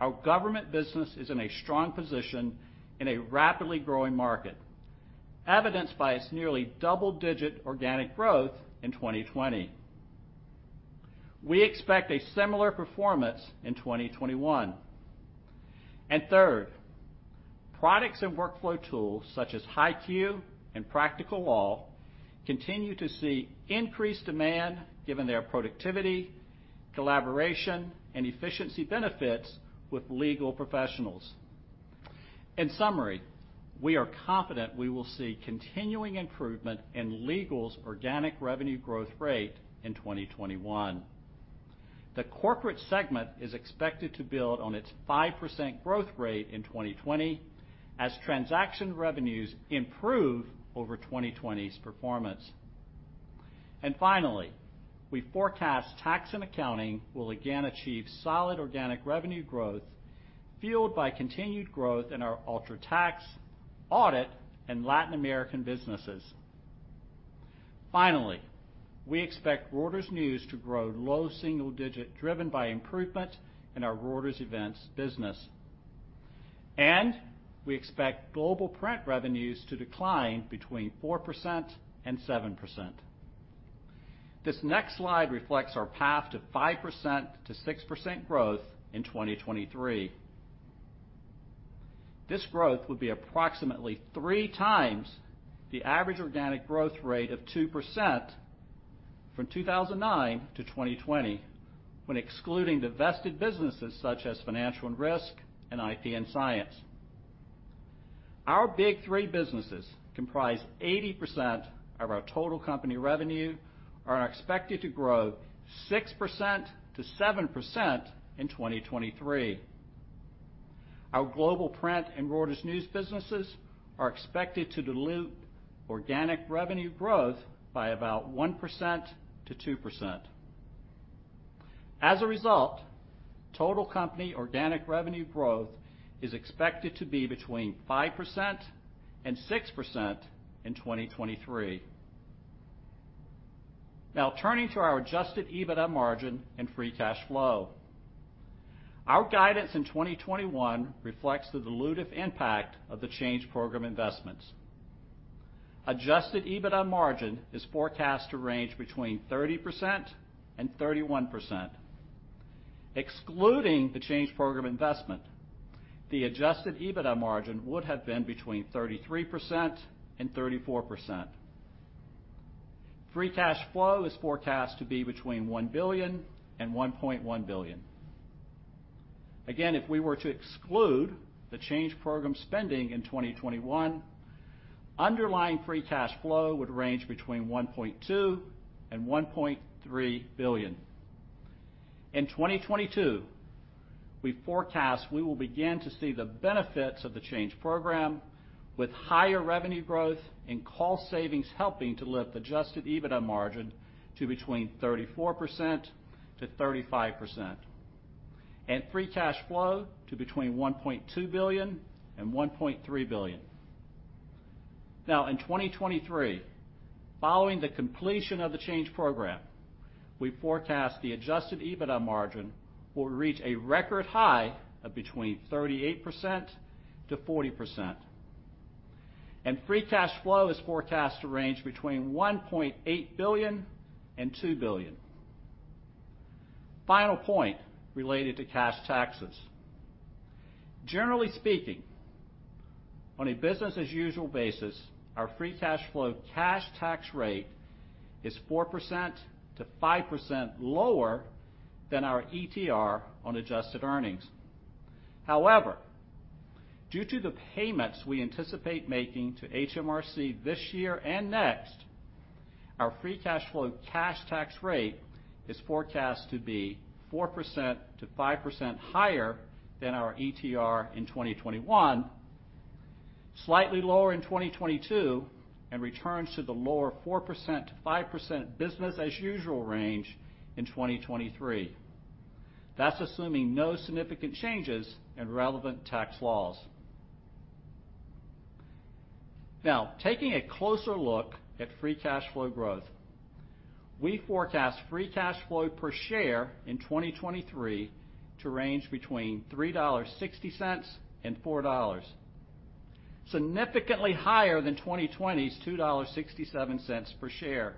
our government business is in a strong position in a rapidly growing market, evidenced by its nearly double-digit organic growth in 2020. We expect a similar performance in 2021. And third, products and workflow tools such as HighQ and Practical Law continue to see increased demand given their productivity, collaboration, and efficiency benefits with legal professionals. In summary, we are confident we will see continuing improvement in legal's organic revenue growth rate in 2021. The corporate segment is expected to build on its 5% growth rate in 2020 as transaction revenues improve over 2020's performance. And finally, we forecast tax and accounting will again achieve solid organic revenue growth fueled by continued growth in our UltraTax, audit, and Latin American businesses. Finally, we expect Reuters News to grow low single-digit driven by improvement in our Reuters Events business. And we expect Global Print revenues to decline between 4% and 7%. This next slide reflects our path to 5% to 6% growth in 2023. This growth would be approximately three times the average organic growth rate of 2% from 2009 to 2020 when excluding divested businesses such as Financial & Risk and IP & Science. Our Big Three businesses comprise 80% of our total company revenue and are expected to grow 6%-7% in 2023. Our global print and Reuters News businesses are expected to dilute organic revenue growth by about 1%-2%. As a result, total company organic revenue growth is expected to be between 5% and 6% in 2023. Now, turning to our adjusted EBITDA margin and free cash flow. Our guidance in 2021 reflects the dilutive impact of the Change Program investments. Adjusted EBITDA margin is forecast to range between 30% and 31%. Excluding the Change Program investment, the adjusted EBITDA margin would have been between 33% and 34%. Free cash flow is forecast to be between $1 billion and $1.1 billion. Again, if we were to exclude the Change Program spending in 2021, underlying free cash flow would range between $1.2 billion and $1.3 billion. In 2022, we forecast we will begin to see the benefits of the Change Program with higher revenue growth and cost savings helping to lift adjusted EBITDA margin to between 34% to 35% and free cash flow to between $1.2 billion and $1.3 billion. Now, in 2023, following the completion of the Change Program, we forecast the adjusted EBITDA margin will reach a record high of between 38% to 40%, and free cash flow is forecast to range between $1.8 billion and $2 billion. Final point related to cash taxes. Generally speaking, on a business-as-usual basis, our free cash flow cash tax rate is 4% to 5% lower than our ETR on adjusted earnings. However, due to the payments we anticipate making to HMRC this year and next, our free cash flow cash tax rate is forecast to be 4% to 5% higher than our ETR in 2021, slightly lower in 2022, and returns to the lower 4% to 5% business-as-usual range in 2023. That's assuming no significant changes in relevant tax laws. Now, taking a closer look at free cash flow growth, we forecast free cash flow per share in 2023 to range between $3.60 and $4, significantly higher than 2020's $2.67 per share,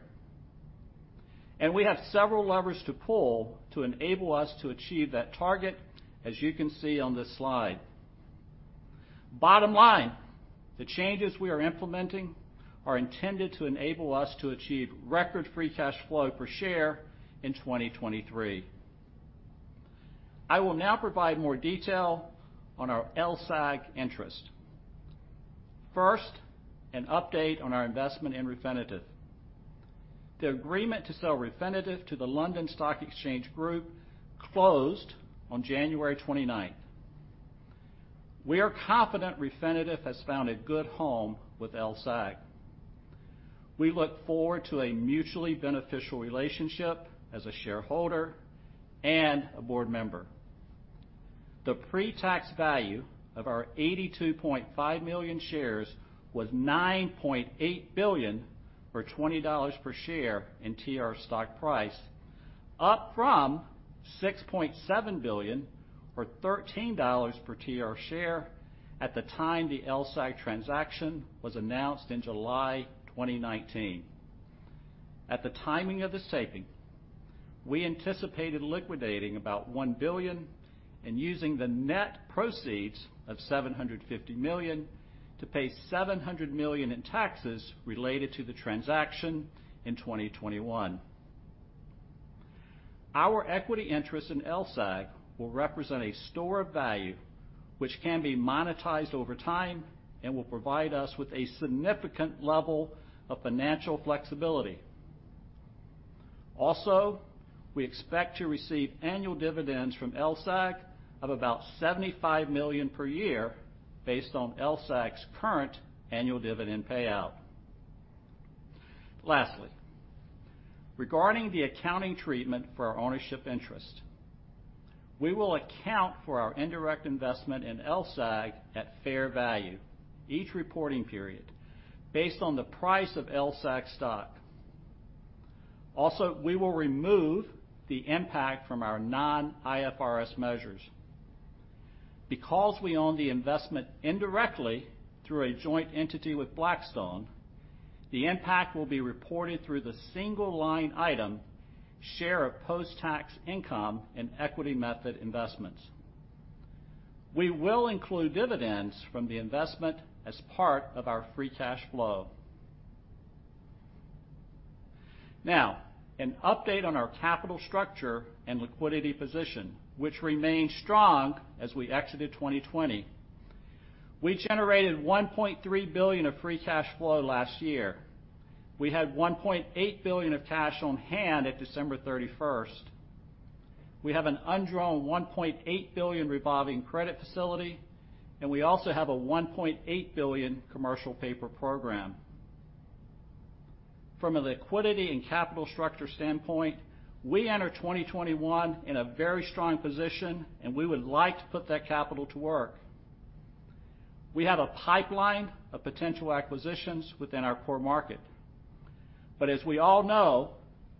and we have several levers to pull to enable us to achieve that target, as you can see on this slide. Bottom line, the changes we are implementing are intended to enable us to achieve record free cash flow per share in 2023. I will now provide more detail on our LSEG interest. First, an update on our investment in Refinitiv. The agreement to sell Refinitiv to the London Stock Exchange Group closed on January 29th. We are confident Refinitiv has found a good home with LSEG. We look forward to a mutually beneficial relationship as a shareholder and a board member. The pre-tax value of our 82.5 million shares was $9.8 billion or $20 per share in TR stock price, up from $6.7 billion or $13 per TR share at the time the LSEG transaction was announced in July 2019. At the time of the signing, we anticipated liquidating about $1 billion and using the net proceeds of $750 million to pay $700 million in taxes related to the transaction in 2021. Our equity interest in LSEG will represent a store of value, which can be monetized over time and will provide us with a significant level of financial flexibility. Also, we expect to receive annual dividends from LSEG of about $75 million per year based on LSEG's current annual dividend payout. Lastly, regarding the accounting treatment for our ownership interest, we will account for our indirect investment in LSEG at fair value each reporting period based on the price of LSEG stock. Also, we will remove the impact from our non-IFRS measures. Because we own the investment indirectly through a joint entity with Blackstone, the impact will be reported through the single line item share of post-tax income and equity method investments. We will include dividends from the investment as part of our free cash flow. Now, an update on our capital structure and liquidity position, which remained strong as we exited 2020. We generated $1.3 billion of free cash flow last year. We had $1.8 billion of cash on hand at December 31st. We have an undrawn $1.8 billion revolving credit facility, and we also have a $1.8 billion commercial paper program. From a liquidity and capital structure standpoint, we enter 2021 in a very strong position, and we would like to put that capital to work. We have a pipeline of potential acquisitions within our core market. But as we all know,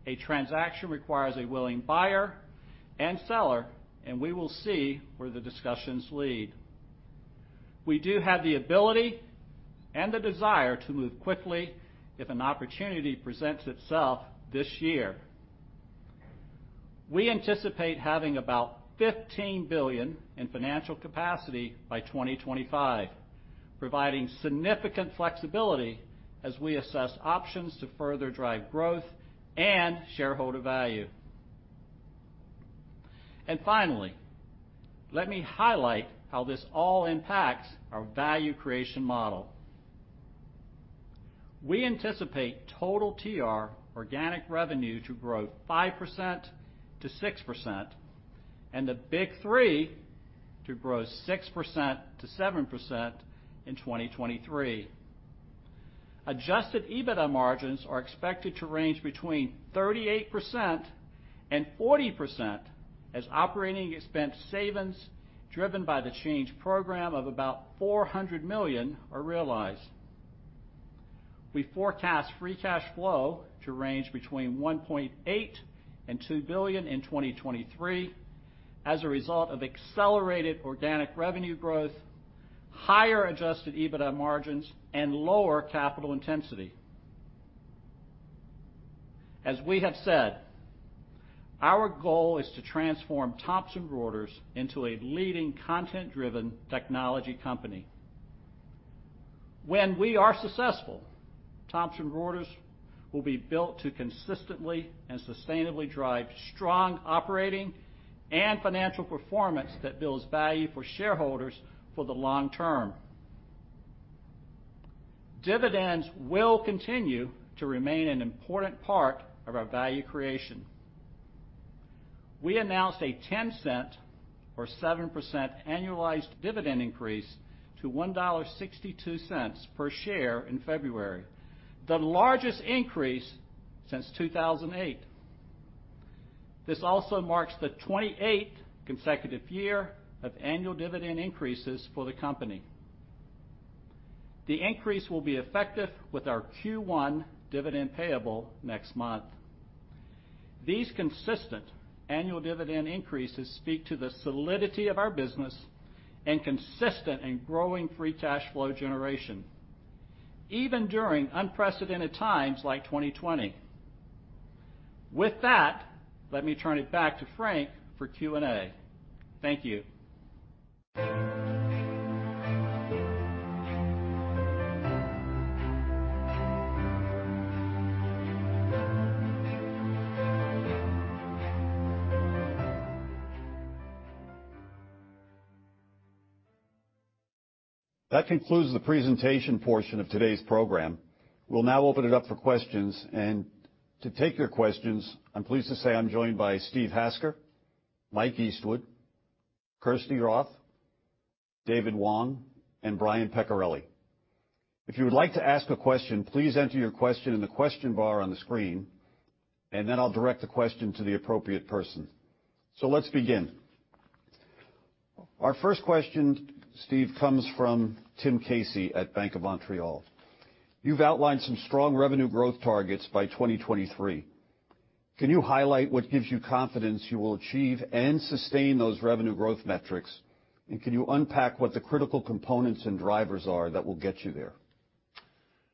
a transaction requires a willing buyer and seller, and we will see where the discussions lead. We do have the ability and the desire to move quickly if an opportunity presents itself this year. We anticipate having about $15 billion in financial capacity by 2025, providing significant flexibility as we assess options to further drive growth and shareholder value. And finally, let me highlight how this all impacts our value creation model. We anticipate total TR organic revenue to grow 5% to 6% and the big three to grow 6% to 7% in 2023. Adjusted EBITDA margins are expected to range between 38% and 40% as operating expense savings driven by the change program of about $400 million are realized. We forecast free cash flow to range between $1.8-$2 billion in 2023 as a result of accelerated organic revenue growth, higher adjusted EBITDA margins, and lower capital intensity. As we have said, our goal is to transform Thomson Reuters into a leading content-driven technology company. When we are successful, Thomson Reuters will be built to consistently and sustainably drive strong operating and financial performance that builds value for shareholders for the long term. Dividends will continue to remain an important part of our value creation. We announced a $0.10 or 7% annualized dividend increase to $1.62 per share in February, the largest increase since 2008. This also marks the 28th consecutive year of annual dividend increases for the company. The increase will be effective with our Q1 dividend payable next month. These consistent annual dividend increases speak to the solidity of our business and consistent and growing Free Cash Flow generation, even during unprecedented times like 2020. With that, let me turn it back to Frank for Q&A. Thank you.
That concludes the presentation portion of today's program. We'll now open it up for questions. And to take your questions, I'm pleased to say I'm joined by Steve Hasker, Mike Eastwood, Kirsty Roth, David Wong, and Brian Peccarelli. If you would like to ask a question, please enter your question in the question bar on the screen, and then I'll direct the question to the appropriate person. So let's begin. Our first question, Steve, comes from Tim Casey at Bank of Montreal. You've outlined some strong revenue growth targets by 2023. Can you highlight what gives you confidence you will achieve and sustain those revenue growth metrics? And can you unpack what the critical components and drivers are that will get you there?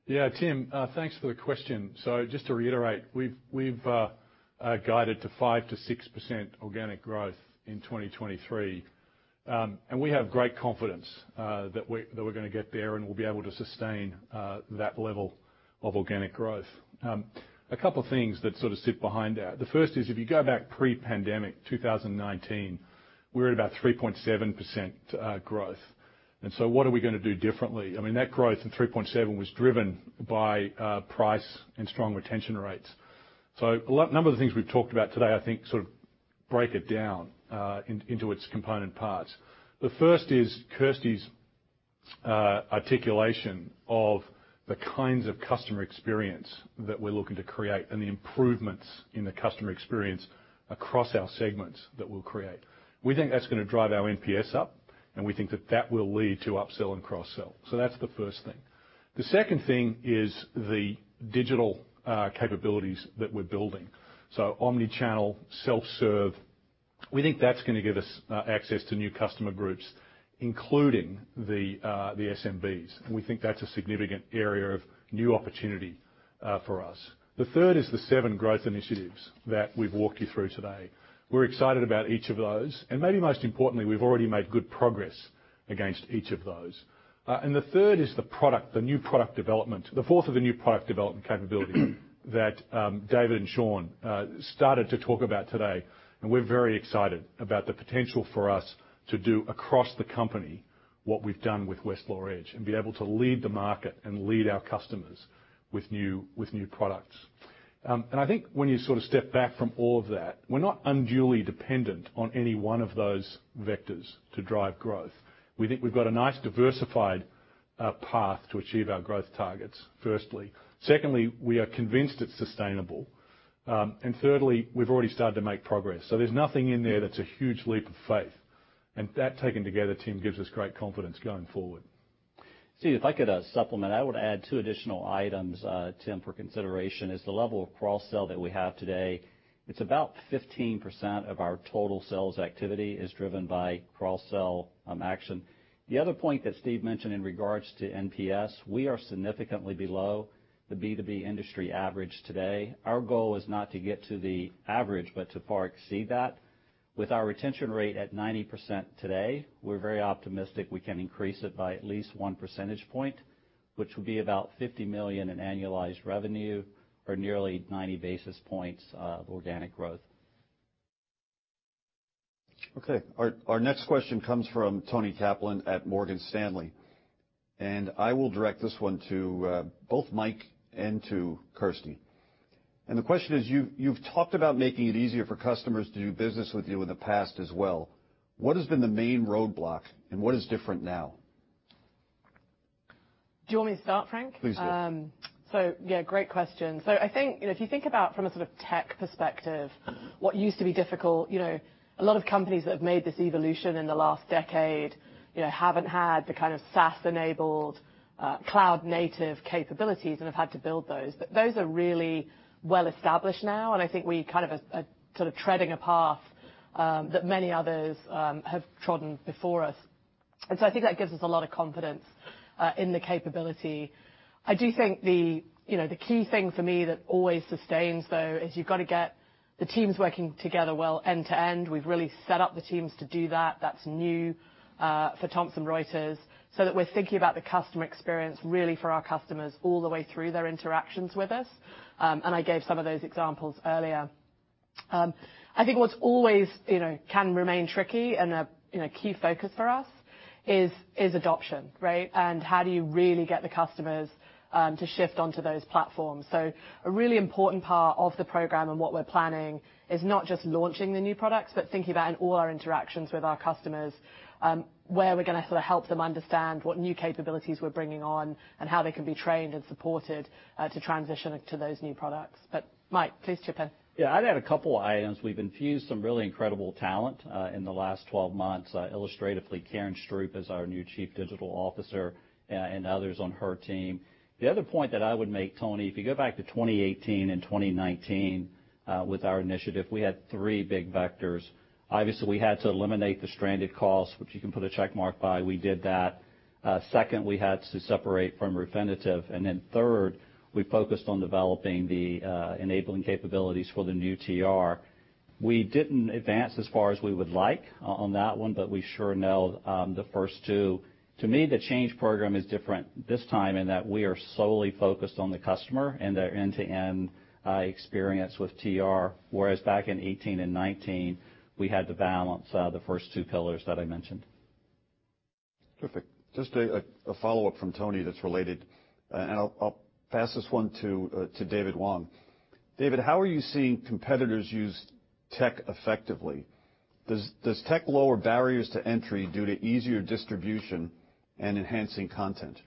Yeah, Tim, thanks for the question. So just to reiterate, we've guided to 5%-6% organic growth in 2023. And we have great confidence that we're going to get there and we'll be able to sustain that level of organic growth. A couple of things that sort of sit behind that. The first is if you go back pre-pandemic, 2019, we were at about 3.7% growth. And so what are we going to do differently? I mean, that growth in 3.7 was driven by price and strong retention rates. So a number of the things we've talked about today, I think, sort of break it down into its component parts. The first is Kirsty's articulation of the kinds of customer experience that we're looking to create and the improvements in the customer experience across our segments that we'll create. We think that's going to drive our NPS up, and we think that that will lead to upsell and cross-sell. So that's the first thing. The second thing is the digital capabilities that we're building. So omnichannel, self-serve, we think that's going to give us access to new customer groups, including the SMBs. And we think that's a significant area of new opportunity for us. The third is the seven growth initiatives that we've walked you through today. We're excited about each of those. And maybe most importantly, we've already made good progress against each of those. And the third is the new product development. The fourth is the new product development capability that David and Shawn started to talk about today. And we're very excited about the potential for us to do across the company what we've done with Westlaw Edge and be able to lead the market and lead our customers with new products. And I think when you sort of step back from all of that, we're not unduly dependent on any one of those vectors to drive growth. We think we've got a nice diversified path to achieve our growth targets, firstly. Secondly, we are convinced it's sustainable. And thirdly, we've already started to make progress. So there's nothing in there that's a huge leap of faith. And that taken together, Tim, gives us great confidence going forward.
Steve, if I could supplement, I would add two additional items, Tim, for consideration. It's the level of cross-sell that we have today. It's about 15% of our total sales activity is driven by cross-sell action. The other point that Steve mentioned in regards to NPS, we are significantly below the B2B industry average today. Our goal is not to get to the average, but to far exceed that. With our retention rate at 90% today, we're very optimistic we can increase it by at least one percentage point, which would be about $50 million in annualized revenue or nearly 90 basis points of organic growth.
Okay. Our next question comes from Toni Kaplan at Morgan Stanley. I will direct this one to both Mike and to Kirsty. The question is, you've talked about making it easier for customers to do business with you in the past as well. What has been the main roadblock, and what is different now?
Do you want me to start, Frank?
Please do.
Yeah, great question. I think if you think about from a sort of tech perspective, what used to be difficult, a lot of companies that have made this evolution in the last decade haven't had the kind of SaaS-enabled cloud-native capabilities and have had to build those. But those are really well established now. I think we're kind of sort of treading a path that many others have trodden before us. I think that gives us a lot of confidence in the capability. I do think the key thing for me that always sustains, though, is you've got to get the teams working together well end to end. We've really set up the teams to do that. That's new for Thomson Reuters so that we're thinking about the customer experience really for our customers all the way through their interactions with us, and I gave some of those examples earlier. I think what always can remain tricky and a key focus for us is adoption, right, and how do you really get the customers to shift onto those platforms? A really important part of the program and what we're planning is not just launching the new products, but thinking about in all our interactions with our customers where we're going to sort of help them understand what new capabilities we're bringing on and how they can be trained and supported to transition to those new products. But Mike, please chip in.
Yeah, I'd add a couple of items. We've infused some really incredible talent in the last 12 months. Illustratively, Karen Stroup is our new Chief Digital Officer and others on her team. The other point that I would make, Toni, if you go back to 2018 and 2019 with our initiative, we had three big vectors. Obviously, we had to eliminate the stranded costs, which you can put a check mark by. We did that. Second, we had to separate from Refinitiv. And then third, we focused on developing the enabling capabilities for the new TR. We didn't advance as far as we would like on that one, but we sure know the first two. To me, the change program is different this time in that we are solely focused on the customer and their end-to-end experience with TR, whereas back in 2018 and 2019, we had to balance the first two pillars that I mentioned.
Perfect. Just a follow-up from Toni that's related, and I'll pass this one to David Wong. David, how are you seeing competitors use tech effectively? Does tech lower barriers to entry due to easier distribution and enhancing content?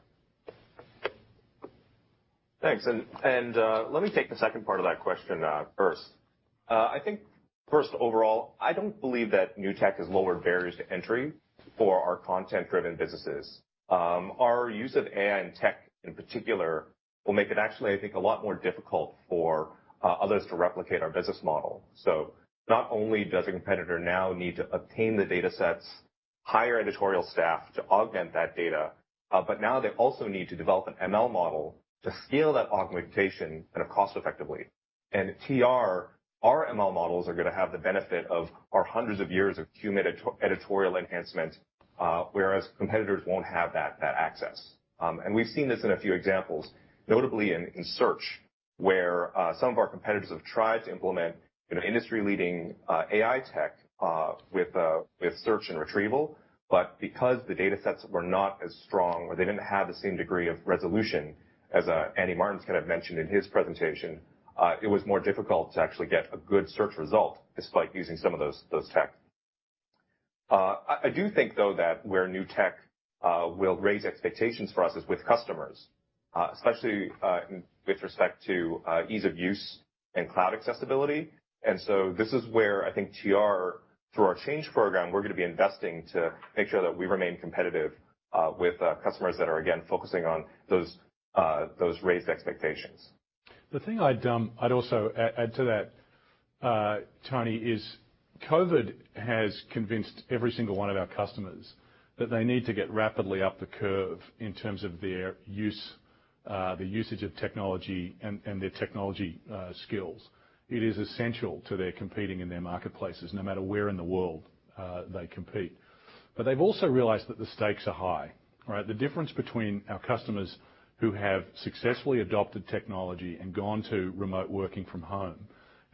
Thanks. And let me take the second part of that question first. I think first, overall, I don't believe that new tech has lowered barriers to entry for our content-driven businesses. Our use of AI and tech in particular will make it actually, I think, a lot more difficult for others to replicate our business model. So not only does a competitor now need to obtain the datasets, hire editorial staff to augment that data, but now they also need to develop an ML model to scale that augmentation kind of cost-effectively. And TR, our ML models are going to have the benefit of our hundreds of years of cumulative editorial enhancement, whereas competitors won't have that access. And we've seen this in a few examples, notably in search, where some of our competitors have tried to implement industry-leading AI tech with search and retrieval. But because the datasets were not as strong or they didn't have the same degree of resolution as Andy Martens kind of mentioned in his presentation, it was more difficult to actually get a good search result despite using some of those tech. I do think, though, that where new tech will raise expectations for us is with customers, especially with respect to ease of use and cloud accessibility. And so this is where I think TR, through our Change Program, we're going to be investing to make sure that we remain competitive with customers that are, again, focusing on those raised expectations.
The thing I'd also add to that, Toni, is COVID has convinced every single one of our customers that they need to get rapidly up the curve in terms of the usage of technology and their technology skills. It is essential to their competing in their marketplaces, no matter where in the world they compete. But they've also realized that the stakes are high, right? The difference between our customers who have successfully adopted technology and gone to remote working from home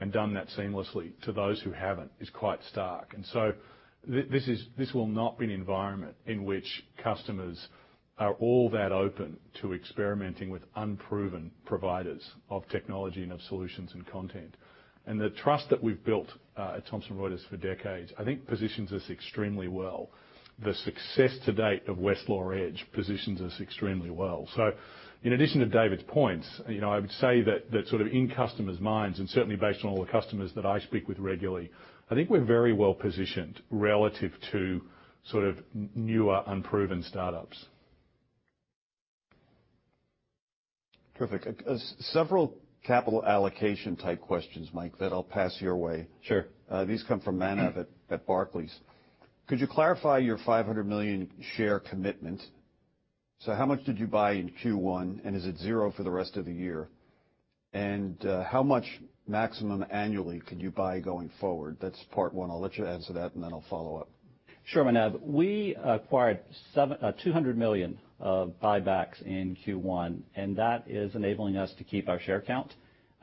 and done that seamlessly to those who haven't is quite stark. And so this will not be an environment in which customers are all that open to experimenting with unproven providers of technology and of solutions and content. And the trust that we've built at Thomson Reuters for decades, I think, positions us extremely well. The success to date of Westlaw Edge positions us extremely well. So in addition to David's points, I would say that sort of in customers' minds, and certainly based on all the customers that I speak with regularly, I think we're very well positioned relative to sort of newer unproven startups.
Perfect. Several capital allocation type questions, Mike, that I'll pass your way. These come from Manav at Barclays. Could you clarify your $500 million share commitment? So how much did you buy in Q1, and is it zero for the rest of the year? And how much maximum annually could you buy going forward? That's part one. I'll let you answer that, and then I'll follow up.
Sure, Manav. We acquired $200 million buybacks in Q1, and that is enabling us to keep our share count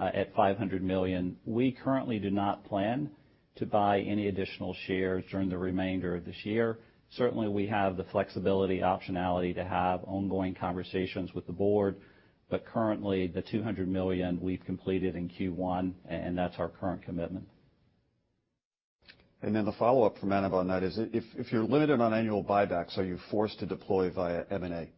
at 500 million. We currently do not plan to buy any additional shares during the remainder of this year. Certainly, we have the flexibility, optionality to have ongoing conversations with the board. But currently, the $200 million we've completed in Q1, and that's our current commitment.
And then the follow-up from Manav on that is, if you're limited on annual buybacks, are you forced to deploy via M&A?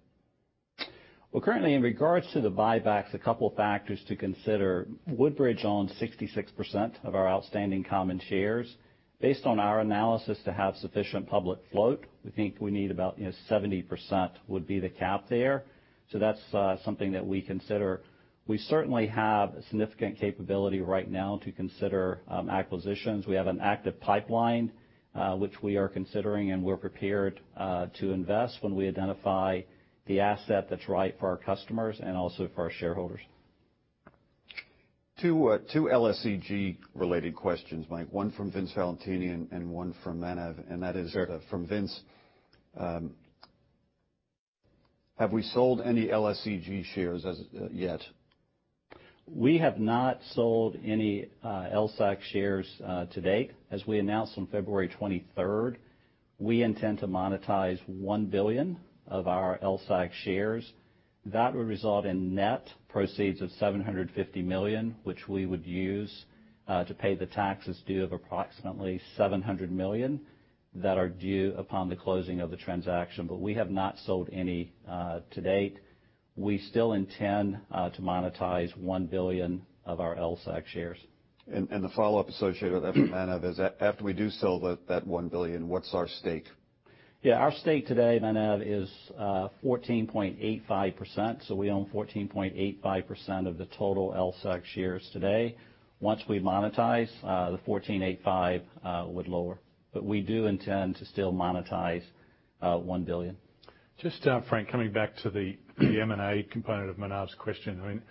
Well, currently, in regards to the buybacks, a couple of factors to consider. Woodbridge owns 66% of our outstanding common shares. Based on our analysis to have sufficient public float, we think we need about 70% would be the cap there. So that's something that we consider. We certainly have significant capability right now to consider acquisitions. We have an active pipeline, which we are considering, and we're prepared to invest when we identify the asset that's right for our customers and also for our shareholders.
Two LSEG-related questions, Mike. One from Vince Valentini and one from Manav. And that is from Vince. Have we sold any LSEG shares yet?
We have not sold any LSEG shares to date. As we announced on February 23rd, we intend to monetize 1 billion of our LSEG shares. That would result in net proceeds of $750 million, which we would use to pay the taxes due of approximately $700 million that are due upon the closing of the transaction, but we have not sold any to date. We still intend to monetize 1 billion of our LSEG shares,
And the follow-up associated with that from Manav is, after we do sell that 1 billion, what's our stake?
Yeah, our stake today, Manav, is 14.85%. So we own 14.85% of the total LSEG shares today. Once we monetize, the 14.85 would lower, but we do intend to still monetize 1 billion.
Just, Frank, coming back to the M&A component of Manav's question, I mean,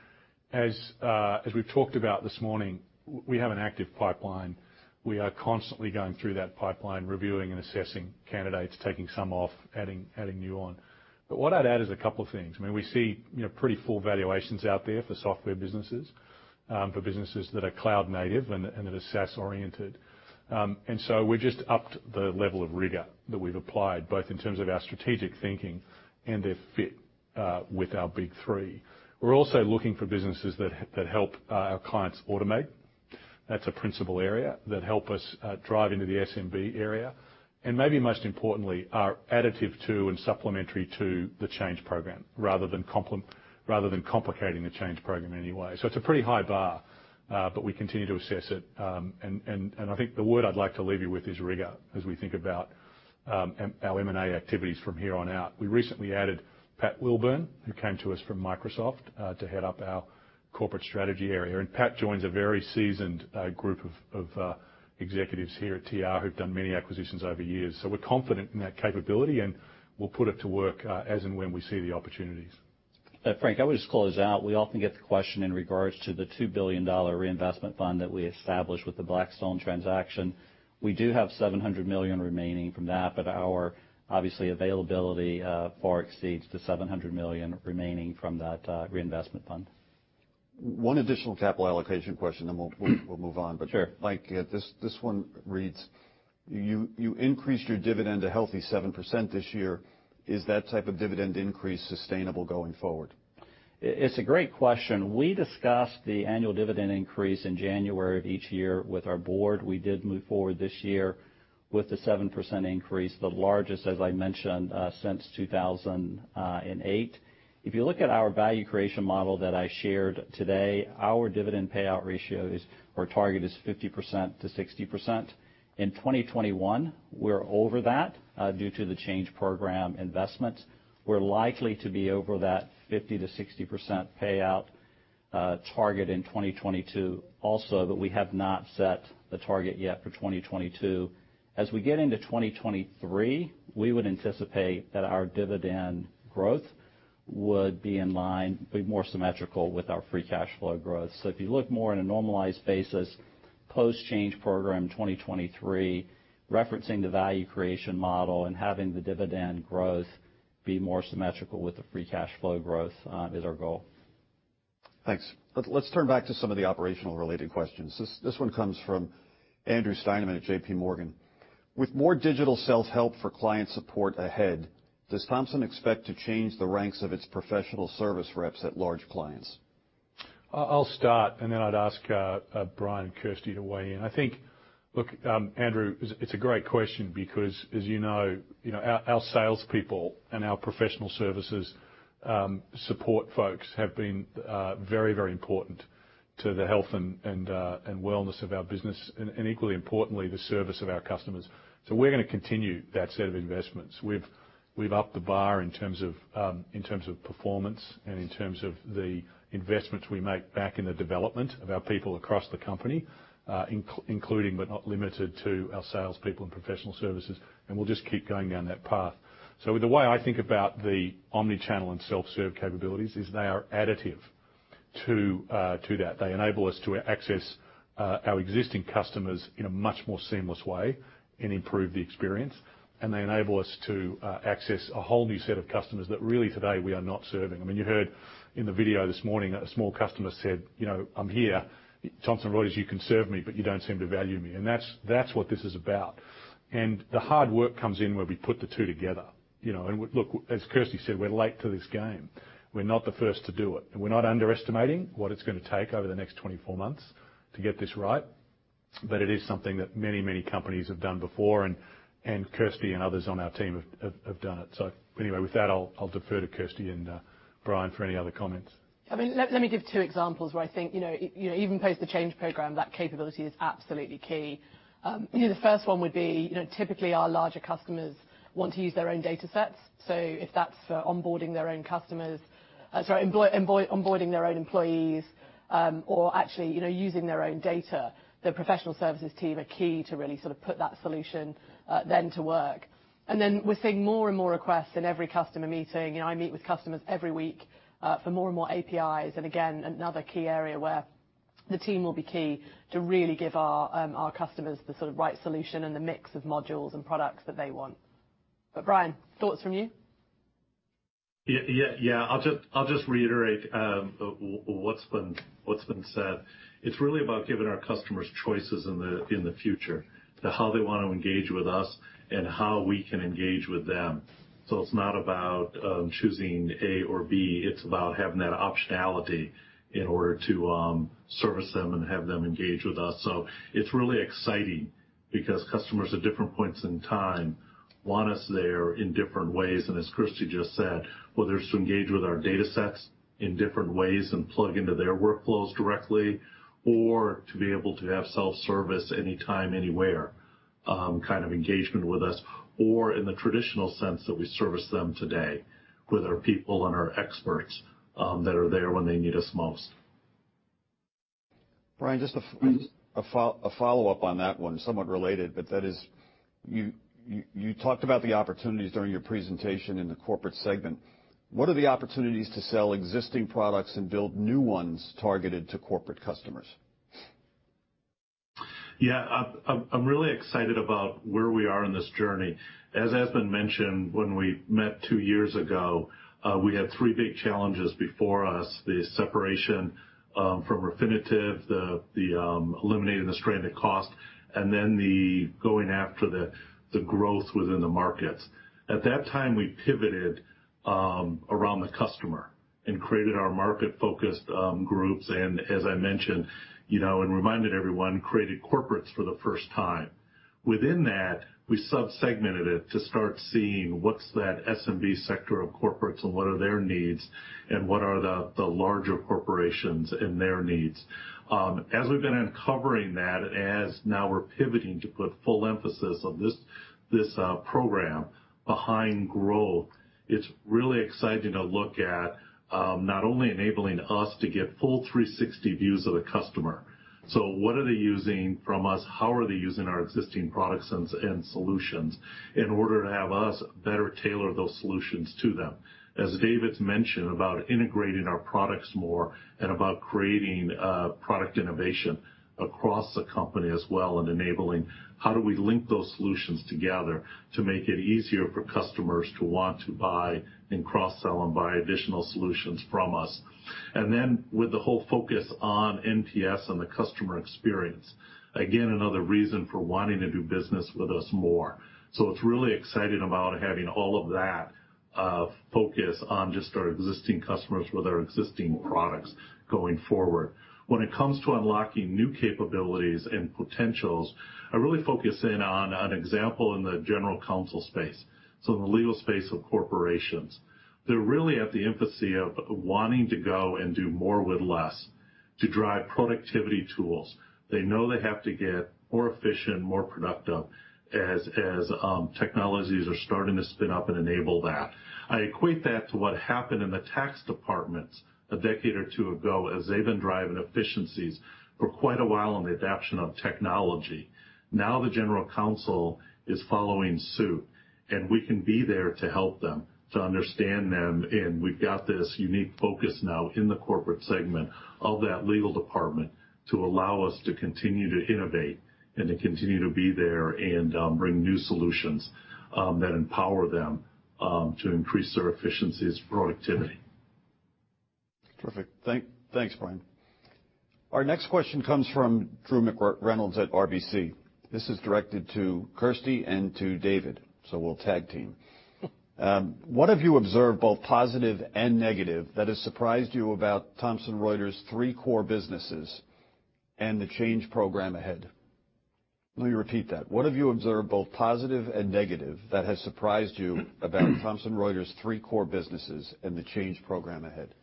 as we've talked about this morning, we have an active pipeline. We are constantly going through that pipeline, reviewing and assessing candidates, taking some off, adding new on. But what I'd add is a couple of things. I mean, we see pretty full valuations out there for software businesses, for businesses that are Cloud-native and that are SaaS-oriented. And so we're just upped the level of rigor that we've applied, both in terms of our strategic thinking and their fit with our Big Three. We're also looking for businesses that help our clients automate. That's a principal area that helps us drive into the SMB area. And maybe most importantly, are additive to and supplementary to the Change Program, rather than complicating the Change Program in any way. So it's a pretty high bar, but we continue to assess it. And I think the word I'd like to leave you with is rigor as we think about our M&A activities from here on out. We recently added Pat Wilburn, who came to us from Microsoft, to head up our corporate strategy area. And Pat joins a very seasoned group of executives here at TR who've done many acquisitions over years. So we're confident in that capability, and we'll put it to work as and when we see the opportunities.
Frank, I would just close out. We often get the question in regards to the $2 billion reinvestment fund that we established with the Blackstone transaction. We do have $700 million remaining from that, but our overall availability far exceeds the $700 million remaining from that reinvestment fund.
One additional capital allocation question, then we'll move on. But Mike, this one reads, you increased your dividend to a healthy 7% this year. Is that type of dividend increase sustainable going forward?
It's a great question. We discussed the annual dividend increase in January of each year with our board. We did move forward this year with the 7% increase, the largest, as I mentioned, since 2008. If you look at our value creation model that I shared today, our dividend payout ratio or target is 50%-60%. In 2021, we're over that due to the Change Program investment. We're likely to be over that 50%-60% payout target in 2022 also, but we have not set the target yet for 2022. As we get into 2023, we would anticipate that our dividend growth would be in line, be more symmetrical with our Free Cash Flow growth. So if you look more on a normalized basis, post-Change Program 2023, referencing the value creation model and having the dividend growth be more symmetrical with the Free Cash Flow growth is our goal.
Thanks. Let's turn back to some of the operational-related questions. This one comes from Andrew Steinerman at JPMorgan. With more digital self-help for client support ahead, does Thomson expect to change the ranks of its professional service reps at large clients?
I'll start, and then I'd ask Brian and Kirsty to weigh in. I think, look, Andrew, it's a great question because, as you know, our salespeople and our professional services support folks have been very, very important to the health and wellness of our business and equally importantly, the service of our customers. So we're going to continue that set of investments. We've upped the bar in terms of performance and in terms of the investments we make back in the development of our people across the company, including but not limited to our salespeople and professional services. And we'll just keep going down that path. So the way I think about the omnichannel and self-serve capabilities is they are additive to that. They enable us to access our existing customers in a much more seamless way and improve the experience. And they enable us to access a whole new set of customers that really today we are not serving. I mean, you heard in the video this morning, a small customer said, "I'm here. Thomson Reuters, you can serve me, but you don't seem to value me." And that's what this is about. And the hard work comes in where we put the two together. Look, as Kirsty said, we're late to this game. We're not the first to do it. And we're not underestimating what it's going to take over the next 24 months to get this right. But it is something that many, many companies have done before, and Kirsty and others on our team have done it. So anyway, with that, I'll defer to Kirsty and Brian for any other comments.
I mean, let me give two examples where I think, even post the Change Program, that capability is absolutely key. The first one would be, typically, our larger customers want to use their own datasets. So if that's for onboarding their own customers, sorry, onboarding their own employees, or actually using their own data, the professional services team are key to really sort of put that solution then to work. And then we're seeing more and more requests in every customer meeting. I meet with customers every week for more and more APIs. And again, another key area where the team will be key to really give our customers the sort of right solution and the mix of modules and products that they want. But Brian, thoughts from you?
Yeah, yeah. I'll just reiterate what's been said. It's really about giving our customers choices in the future, how they want to engage with us, and how we can engage with them. So it's not about choosing A or B. It's about having that optionality in order to service them and have them engage with us. So it's really exciting because customers at different points in time want us there in different ways. And as Kirsty just said, whether it's to engage with our datasets in different ways and plug into their workflows directly, or to be able to have self-service anytime, anywhere kind of engagement with us, or in the traditional sense that we service them today with our people and our experts that are there when they need us most.
Brian, just a follow-up on that one, somewhat related, but that is you talked about the opportunities during your presentation in the corporate segment. What are the opportunities to sell existing products and build new ones targeted to corporate customers?
Yeah, I'm really excited about where we are in this journey. As has been mentioned, when we met two years ago, we had three big challenges before us: the separation from Refinitiv, eliminating the stranded cost, and then going after the growth within the markets. At that time, we pivoted around the customer and created our market-focused groups, and as I mentioned and reminded everyone, created corporates for the first time. Within that, we sub-segmented it to start seeing what's that SMB sector of corporates and what are their needs and what are the larger corporations and their needs. As we've been uncovering that, as now we're pivoting to put full emphasis on this program behind growth, it's really exciting to look at not only enabling us to get full 360 views of the customer, so what are they using from us? How are they using our existing products and solutions in order to have us better tailor those solutions to them? As David's mentioned about integrating our products more and about creating product innovation across the company as well and enabling, how do we link those solutions together to make it easier for customers to want to buy and cross-sell and buy additional solutions from us, and then with the whole focus on NPS and the customer experience, again, another reason for wanting to do business with us more, so it's really exciting about having all of that focus on just our existing customers with our existing products going forward. When it comes to unlocking new capabilities and potentials, I really focus in on an example in the general counsel space, so in the legal space of corporations, they're really at the infancy of wanting to go and do more with less to drive productivity tools. They know they have to get more efficient, more productive as technologies are starting to spin up and enable that. I equate that to what happened in the tax departments a decade or two ago as they've been driving efficiencies for quite a while on the adoption of technology. Now the general counsel is following suit, and we can be there to help them to understand them. And we've got this unique focus now in the corporate segment of that legal department to allow us to continue to innovate and to continue to be there and bring new solutions that empower them to increase their efficiencies and productivity.
Terrific. Thanks, Brian. Our next question comes from Drew McReynolds at RBC. This is directed to Kirsty and to David, so we'll tag team. What have you observed, both positive and negative, that has surprised you about Thomson Reuters' three core businesses and the Change Program ahead? Let me repeat that. What have you observed, both positive and negative, that has surprised you about Thomson Reuters' three core businesses and the Change Program ahead?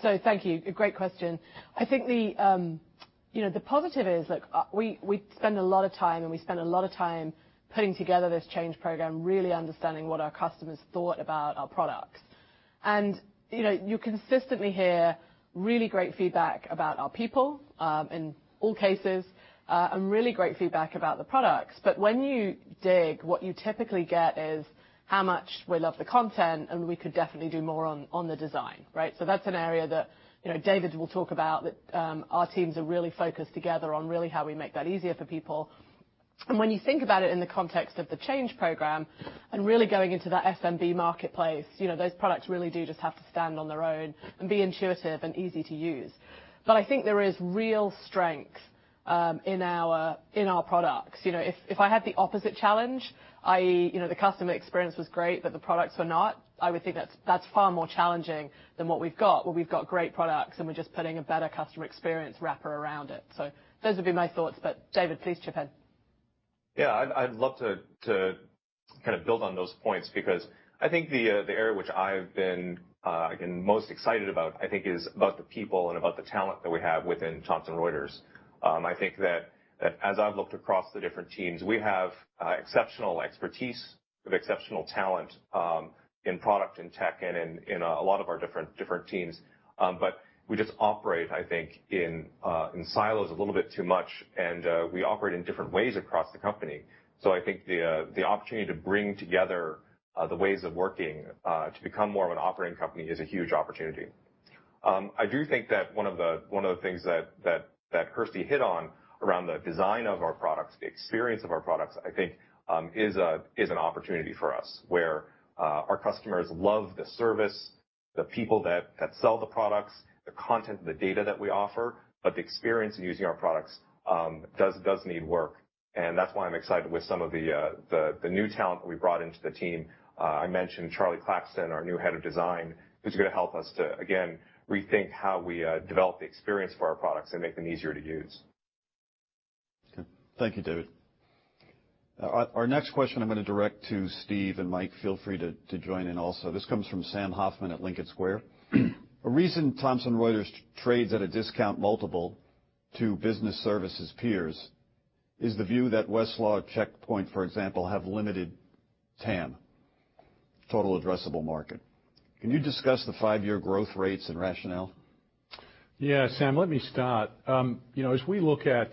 So thank you. Great question. I think the positive is we spend a lot of time, and we spend a lot of time putting together this Change Program, really understanding what our customers thought about our products. And you consistently hear really great feedback about our people in all cases and really great feedback about the products. But when you dig, what you typically get is, "How much we love the content, and we could definitely do more on the design." Right? That's an area that David will talk about, that our teams are really focused together on really how we make that easier for people, and when you think about it in the context of the Change Program and really going into that SMB marketplace, those products really do just have to stand on their own and be intuitive and easy to use. But I think there is real strength in our products. If I had the opposite challenge, i.e., the customer experience was great, but the products were not, I would think that's far more challenging than what we've got, where we've got great products and we're just putting a better customer experience wrapper around it. So those would be my thoughts. But David, please chip in.
Yeah, I'd love to kind of build on those points because I think the area which I've been, again, most excited about, I think, is about the people and about the talent that we have within Thomson Reuters. I think that as I've looked across the different teams, we have exceptional expertise with exceptional talent in product and tech and in a lot of our different teams. But we just operate, I think, in silos a little bit too much, and we operate in different ways across the company. So I think the opportunity to bring together the ways of working to become more of an operating company is a huge opportunity. I do think that one of the things that Kirsty hit on around the design of our products, the experience of our products, I think, is an opportunity for us where our customers love the service, the people that sell the products, the content, the data that we offer, but the experience in using our products does need work. And that's why I'm excited with some of the new talent that we brought into the team. I mentioned Charlie Claxton, our new Head of Design, who's going to help us to, again, rethink how we develop the experience for our products and make them easier to use.
Okay. Thank you, David. Our next question I'm going to direct to Steve and Mike. Feel free to join in also. This comes from Sam Hoffman at Lincoln Square. A reason Thomson Reuters trades at a discount multiple to business services peers is the view that Westlaw, Checkpoint, for example, have limited TAM, total addressable market. Can you discuss the five-year growth rates and rationale?
Yeah, Sam, let me start. As we look at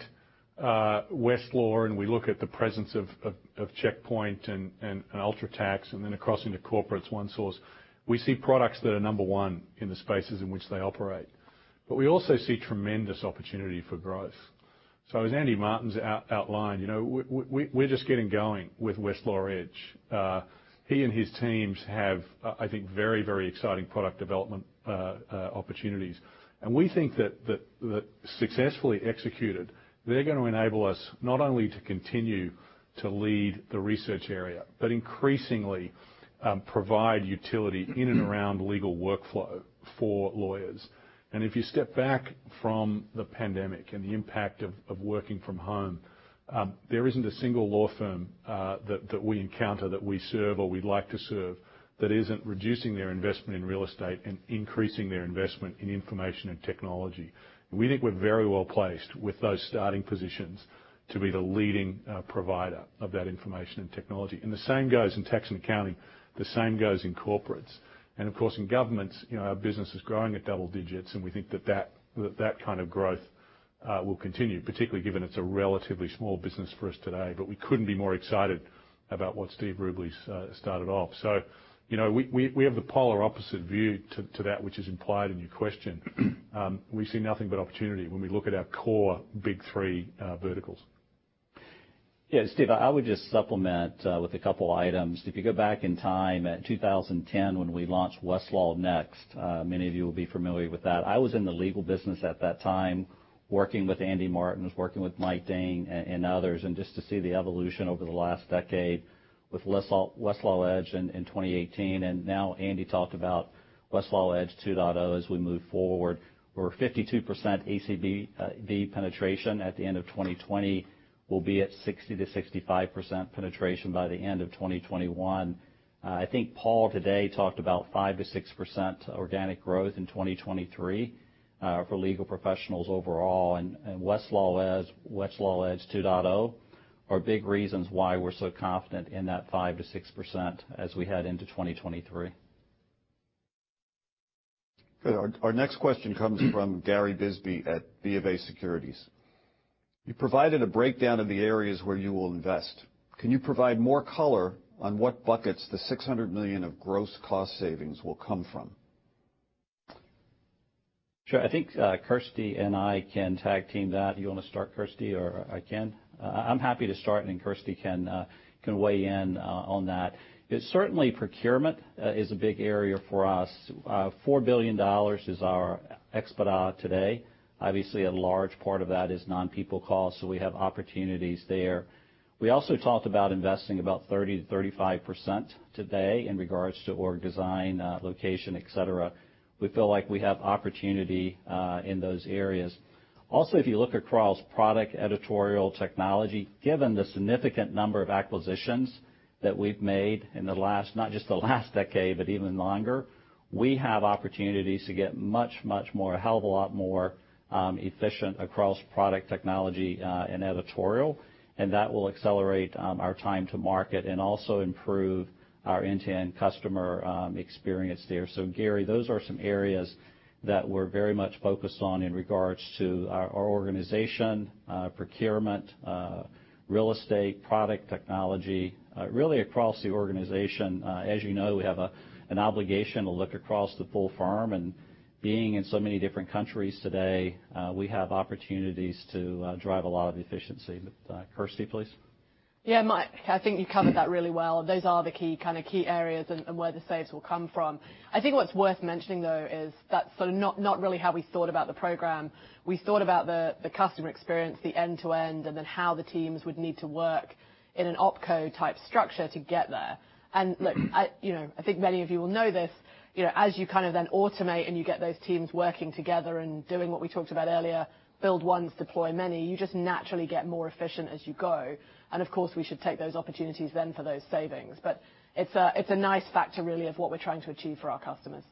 Westlaw and we look at the presence of Checkpoint and UltraTax and then across into corporates, ONESOURCE, we see products that are number one in the spaces in which they operate. But we also see tremendous opportunity for growth. So as Andy Martens outlined, we're just getting going with Westlaw Edge. He and his teams have, I think, very, very exciting product development opportunities. And we think that successfully executed, they're going to enable us not only to continue to lead the research area, but increasingly provide utility in and around legal workflow for lawyers. And if you step back from the pandemic and the impact of working from home, there isn't a single law firm that we encounter, that we serve or we'd like to serve that isn't reducing their investment in real estate and increasing their investment in information and technology. We think we're very well placed with those starting positions to be the leading provider of that information and technology. And the same goes in tax and accounting. The same goes in corporates. And of course, in governments, our business is growing at double digits, and we think that that kind of growth will continue, particularly given it's a relatively small business for us today. But we couldn't be more excited about what Steve Rubley started off. So we have the polar opposite view to that, which is implied in your question. We see nothing but opportunity when we look at our core Big Three verticals.
Yeah, Steve, I would just supplement with a couple of items. If you go back in time at 2010 when we launched WestlawNext, many of you will be familiar with that. I was in the legal business at that time, working with Andy Martens, working with Mike Dahn and others, and just to see the evolution over the last decade with Westlaw Edge in 2018, and now Andy talked about Westlaw Edge 2.0 as we move forward. We're 52% ACV penetration at the end of 2020. We'll be at 60%-65% penetration by the end of 2021. I think Paul today talked about 5%-6% organic growth in 2023 for legal professionals overall. And Westlaw Edge 2.0 are big reasons why we're so confident in that 5%-6% as we head into 2023. Our next question comes from Gary Bisbee at BofA Securities. You provided a breakdown of the areas where you will invest. Can you provide more color on what buckets the $600 million of gross cost savings will come from?
Sure. I think Kirsty and I can tag team that. You want to start, Kirsty, or I can? I'm happy to start, and then Kirsty can weigh in on that. Certainly, procurement is a big area for us. $4 billion is our spend today. Obviously, a large part of that is non-people costs, so we have opportunities there. We also talked about investing about 30%-35% today in regards to org design, location, etc. We feel like we have opportunity in those areas. Also, if you look across product editorial technology, given the significant number of acquisitions that we've made in the last, not just the last decade, but even longer, we have opportunities to get much, much more, a hell of a lot more efficient across product technology and editorial, and that will accelerate our time to market and also improve our end-to-end customer experience there, so Gary, those are some areas that we're very much focused on in regards to our organization, procurement, real estate, product technology, really across the organization. As you know, we have an obligation to look across the full firm, and being in so many different countries today, we have opportunities to drive a lot of efficiency. Kirsty, please.
Yeah, Mike, I think you covered that really well. Those are the key kind of key areas and where the saves will come from. I think what's worth mentioning, though, is that's sort of not really how we thought about the program. We thought about the customer experience, the end-to-end, and then how the teams would need to work in an OpCo-type structure to get there. And look, I think many of you will know this. As you kind of then automate and you get those teams working together and doing what we talked about earlier, build ones, deploy many, you just naturally get more efficient as you go. And of course, we should take those opportunities then for those savings. But it's a nice factor, really, of what we're trying to achieve for our customers.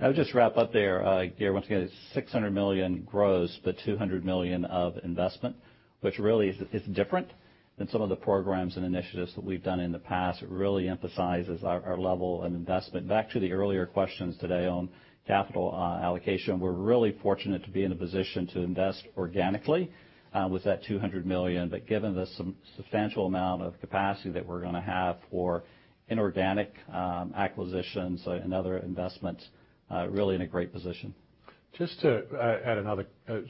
I'll just wrap up there. Gary, once again, it's $600 million gross, but $200 million of investment, which really is different than some of the programs and initiatives that we've done in the past. It really emphasizes our level of investment. Back to the earlier questions today on capital allocation, we're really fortunate to be in a position to invest organically with that $200 million. But given the substantial amount of capacity that we're going to have for inorganic acquisitions and other investments, really in a great position.
Just to add another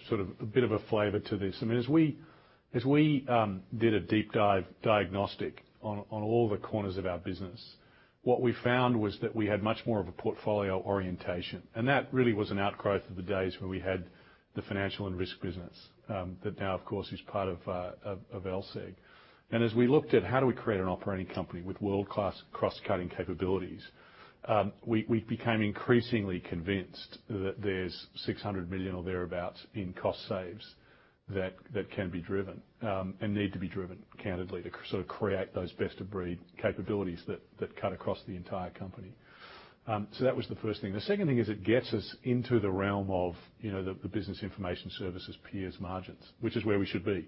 sort of bit of a flavor to this. I mean, as we did a deep dive diagnostic on all the corners of our business, what we found was that we had much more of a portfolio orientation. And that really was an outgrowth of the days when we had the financial and risk business that now, of course, is part of LSEG. As we looked at how do we create an operating company with world-class cross-cutting capabilities, we became increasingly convinced that there's $600 million or thereabouts in cost saves that can be driven and need to be driven candidly to sort of create those best-of-breed capabilities that cut across the entire company. So that was the first thing. The second thing is it gets us into the realm of the business information services peers' margins, which is where we should be.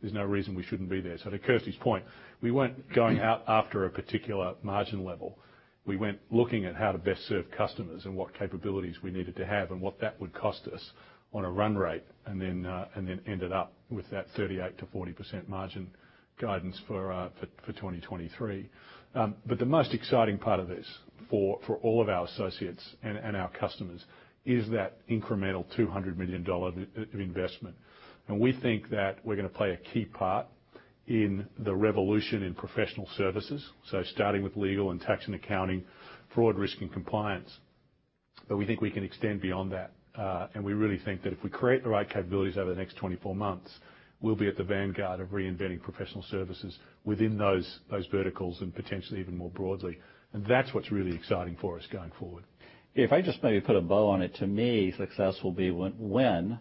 There's no reason we shouldn't be there. So to Kirsty's point, we weren't going out after a particular margin level. We went looking at how to best serve customers and what capabilities we needed to have and what that would cost us on a run rate and then ended up with that 38%-40% margin guidance for 2023. But the most exciting part of this for all of our associates and our customers is that incremental $200 million of investment. And we think that we're going to play a key part in the revolution in professional services, so starting with legal and tax and accounting, fraud, risk, and compliance. But we think we can extend beyond that. And we really think that if we create the right capabilities over the next 24 months, we'll be at the vanguard of reinventing professional services within those verticals and potentially even more broadly. And that's what's really exciting for us going forward.
If I just maybe put a bow on it, to me, success will be when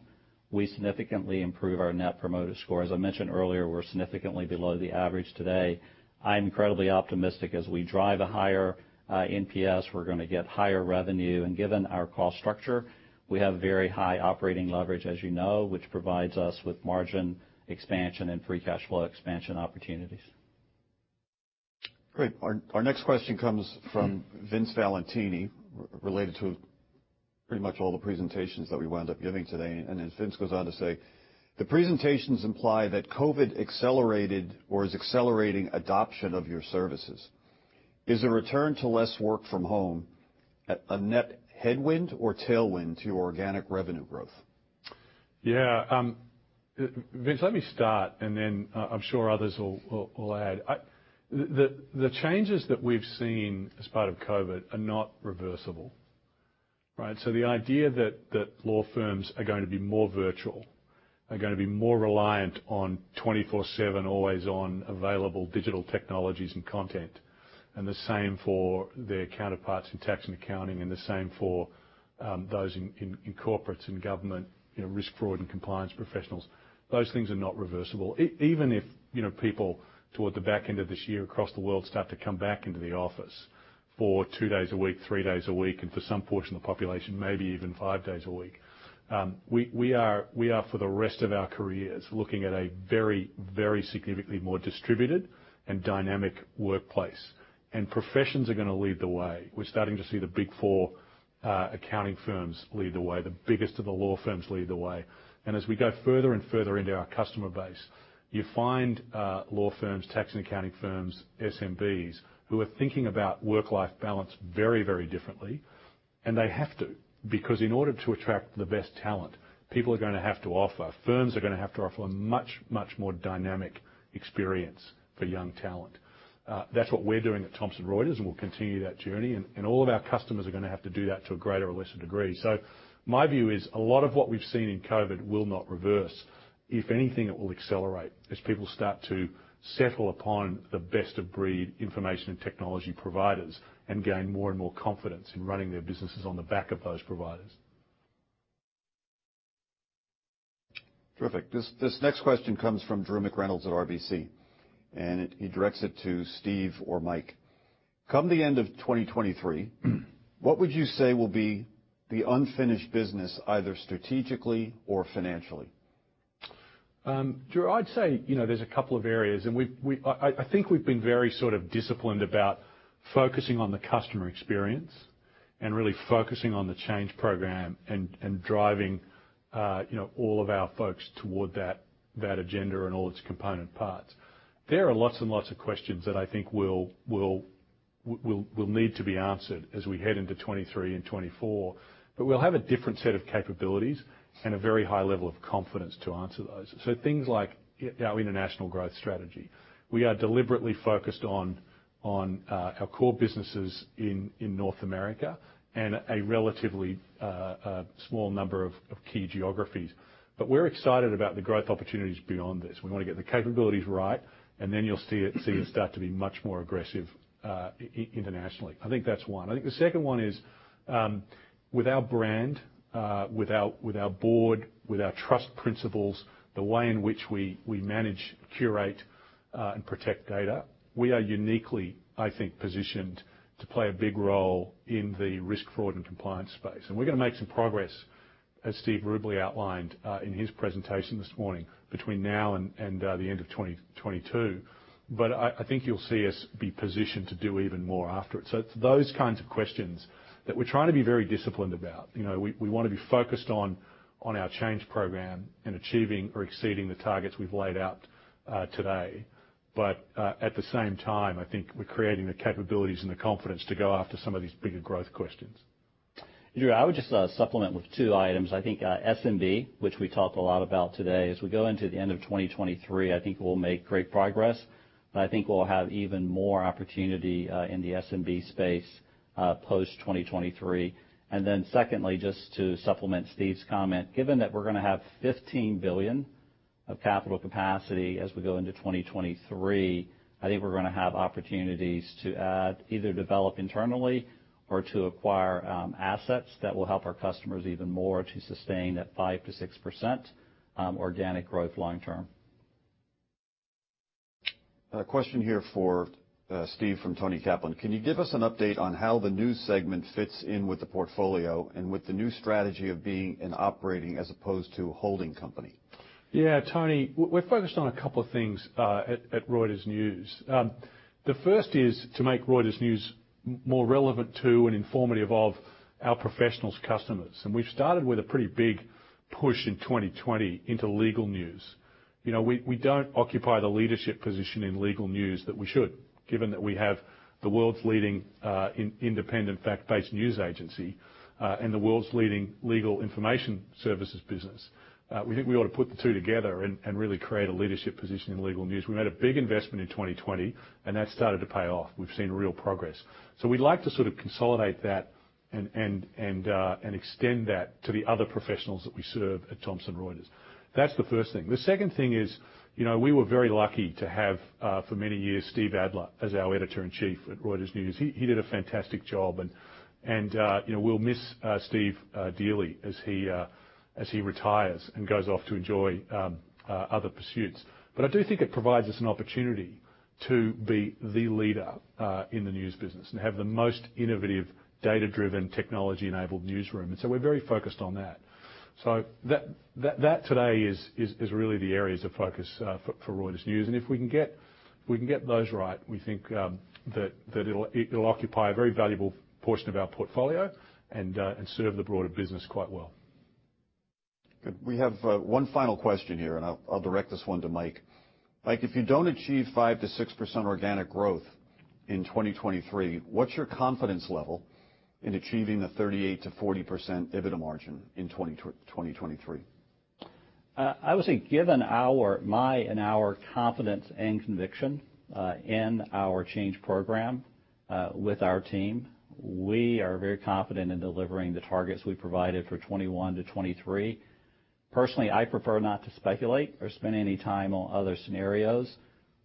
we significantly improve our Net Promoter Score. As I mentioned earlier, we're significantly below the average today. I'm incredibly optimistic as we drive a higher NPS. We're going to get higher revenue. And given our cost structure, we have very high operating leverage, as you know, which provides us with margin expansion and free cash flow expansion opportunities.
Great. Our next question comes from Vince Valentini related to pretty much all the presentations that we wound up giving today. And then Vince goes on to say, "The presentations imply that COVID accelerated or is accelerating adoption of your services. Is a return to less work from home a net headwind or tailwind to your organic revenue growth?"
Yeah. Vince, let me start, and then I'm sure others will add. The changes that we've seen as part of COVID are not reversible. Right? So the idea that law firms are going to be more virtual, are going to be more reliant on 24/7, always on available digital technologies and content, and the same for their counterparts in tax and accounting, and the same for those in corporates and government, risk, fraud, and compliance professionals. Those things are not reversible. Even if people toward the back end of this year across the world start to come back into the office for two days a week, three days a week, and for some portion of the population, maybe even five days a week, we are, for the rest of our careers, looking at a very, very significantly more distributed and dynamic workplace and professions are going to lead the way. We're starting to see the Big Four accounting firms lead the way, the biggest of the law firms lead the way. And as we go further and further into our customer base, you find law firms, tax and accounting firms, SMBs who are thinking about work-life balance very, very differently. And they have to because in order to attract the best talent, people are going to have to offer. Firms are going to have to offer a much, much more dynamic experience for young talent. That's what we're doing at Thomson Reuters, and we'll continue that journey. And all of our customers are going to have to do that to a greater or lesser degree. So my view is a lot of what we've seen in COVID will not reverse. If anything, it will accelerate as people start to settle upon the best-of-breed information and technology providers and gain more and more confidence in running their businesses on the back of those providers.
Terrific. This next question comes from Drew McReynolds at RBC, and he directs it to Steve or Mike. Come the end of 2023, what would you say will be the unfinished business, either strategically or financially?
Drew, I'd say there's a couple of areas. And I think we've been very sort of disciplined about focusing on the customer experience and really focusing on the Change Program and driving all of our folks toward that agenda and all its component parts. There are lots and lots of questions that I think will need to be answered as we head into 2023 and 2024. But we'll have a different set of capabilities and a very high level of confidence to answer those. So things like our international growth strategy. We are deliberately focused on our core businesses in North America and a relatively small number of key geographies. But we're excited about the growth opportunities beyond this. We want to get the capabilities right, and then you'll see us start to be much more aggressive internationally. I think that's one. I think the second one is with our brand, with our board, with our trust principles, the way in which we manage, curate, and protect data, we are uniquely, I think, positioned to play a big role in the risk, fraud, and compliance space. And we're going to make some progress, as Steve Rubley outlined in his presentation this morning, between now and the end of 2022. But I think you'll see us be positioned to do even more after it. So it's those kinds of questions that we're trying to be very disciplined about. We want to be focused on our Change Program and achieving or exceeding the targets we've laid out today. But at the same time, I think we're creating the capabilities and the confidence to go after some of these bigger growth questions.
Drew, I would just supplement with two items. I think SMB, which we talked a lot about today, as we go into the end of 2023, I think we'll make great progress. And I think we'll have even more opportunity in the SMB space post-2023. And then secondly, just to supplement Steve's comment, given that we're going to have $15 billion of capital capacity as we go into 2023, I think we're going to have opportunities to either develop internally or to acquire assets that will help our customers even more to sustain that 5%-6% organic growth long term.
Question here for Steve from Tony Kaplan. Can you give us an update on how the news segment fits in with the portfolio and with the new strategy of being an operating as opposed to a holding company?
Yeah, Tony, we're focused on a couple of things at Reuters News. The first is to make Reuters News more relevant to and informative of our professionals, customers. And we've started with a pretty big push in 2020 into legal news. We don't occupy the leadership position in legal news that we should, given that we have the world's leading independent fact-based news agency and the world's leading legal information services business. We think we ought to put the two together and really create a leadership position in legal news. We made a big investment in 2020, and that started to pay off. We've seen real progress. So we'd like to sort of consolidate that and extend that to the other professionals that we serve at Thomson Reuters. That's the first thing. The second thing is we were very lucky to have for many years Steve Adler as our Editor-in-Chief at Reuters News. He did a fantastic job. And we'll miss Steve dearly as he retires and goes off to enjoy other pursuits. But I do think it provides us an opportunity to be the leader in the news business and have the most innovative, data-driven, technology-enabled newsroom. And so we're very focused on that. So that today is really the areas of focus for Reuters News. And if we can get those right, we think that it'll occupy a very valuable portion of our portfolio and serve the broader business quite well.
We have one final question here, and I'll direct this one to Mike. Mike, if you don't achieve 5%-6% organic growth in 2023, what's your confidence level in achieving the 38%-40% EBITDA margin in 2023?
I would say given my and our confidence and conviction in our change program with our team, we are very confident in delivering the targets we provided for 2021 to 2023. Personally, I prefer not to speculate or spend any time on other scenarios.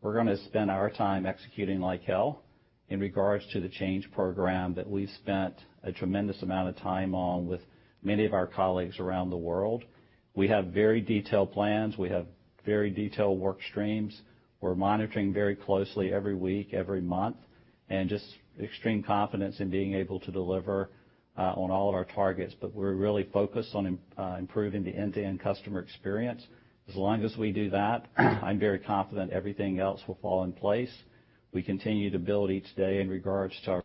We're going to spend our time executing like hell in regards to the change program that we've spent a tremendous amount of time on with many of our colleagues around the world. We have very detailed plans. We have very detailed work streams. We're monitoring very closely every week, every month, and just extreme confidence in being able to deliver on all of our targets. But we're really focused on improving the end-to-end customer experience. As long as we do that, I'm very confident everything else will fall in place. We continue to build each day in regards to our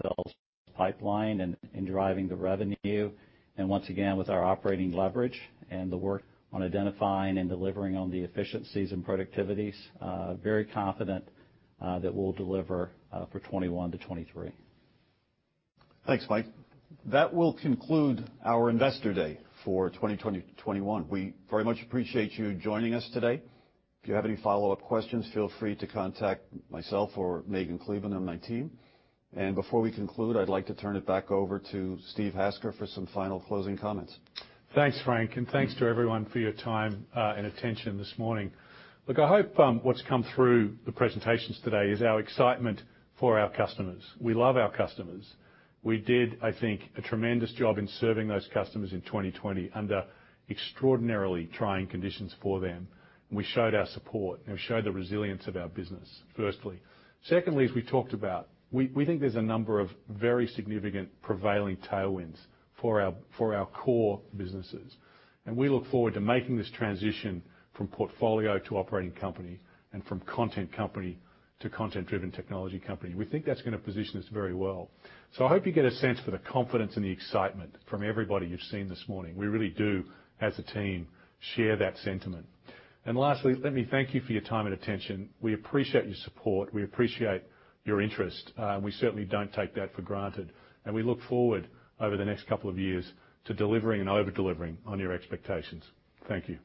sales pipeline and driving the revenue. And once again, with our operating leverage and the work on identifying and delivering on the efficiencies and productivities, very confident that we'll deliver for 2021 to 2023. Thanks, Mike. That will conclude our Investor Day for 2021. We very much appreciate you joining us today. If you have any follow-up questions, feel free to contact myself or Megan Cleland and my team. And before we conclude, I'd like to turn it back over to Steve Hasker for some final closing comments.
Thanks, Frank, and thanks to everyone for your time and attention this morning. Look, I hope what's come through the presentations today is our excitement for our customers. We love our customers. We did, I think, a tremendous job in serving those customers in 2020 under extraordinarily trying conditions for them. We showed our support, and we showed the resilience of our business, firstly. Secondly, as we talked about, we think there's a number of very significant prevailing tailwinds for our core businesses, and we look forward to making this transition from portfolio to operating company and from content company to content-driven technology company. We think that's going to position us very well, so I hope you get a sense for the confidence and the excitement from everybody you've seen this morning. We really do, as a team, share that sentiment, and lastly, let me thank you for your time and attention. We appreciate your support. We appreciate your interest. We certainly don't take that for granted. We look forward over the next couple of years to delivering and over-delivering on your expectations. Thank you.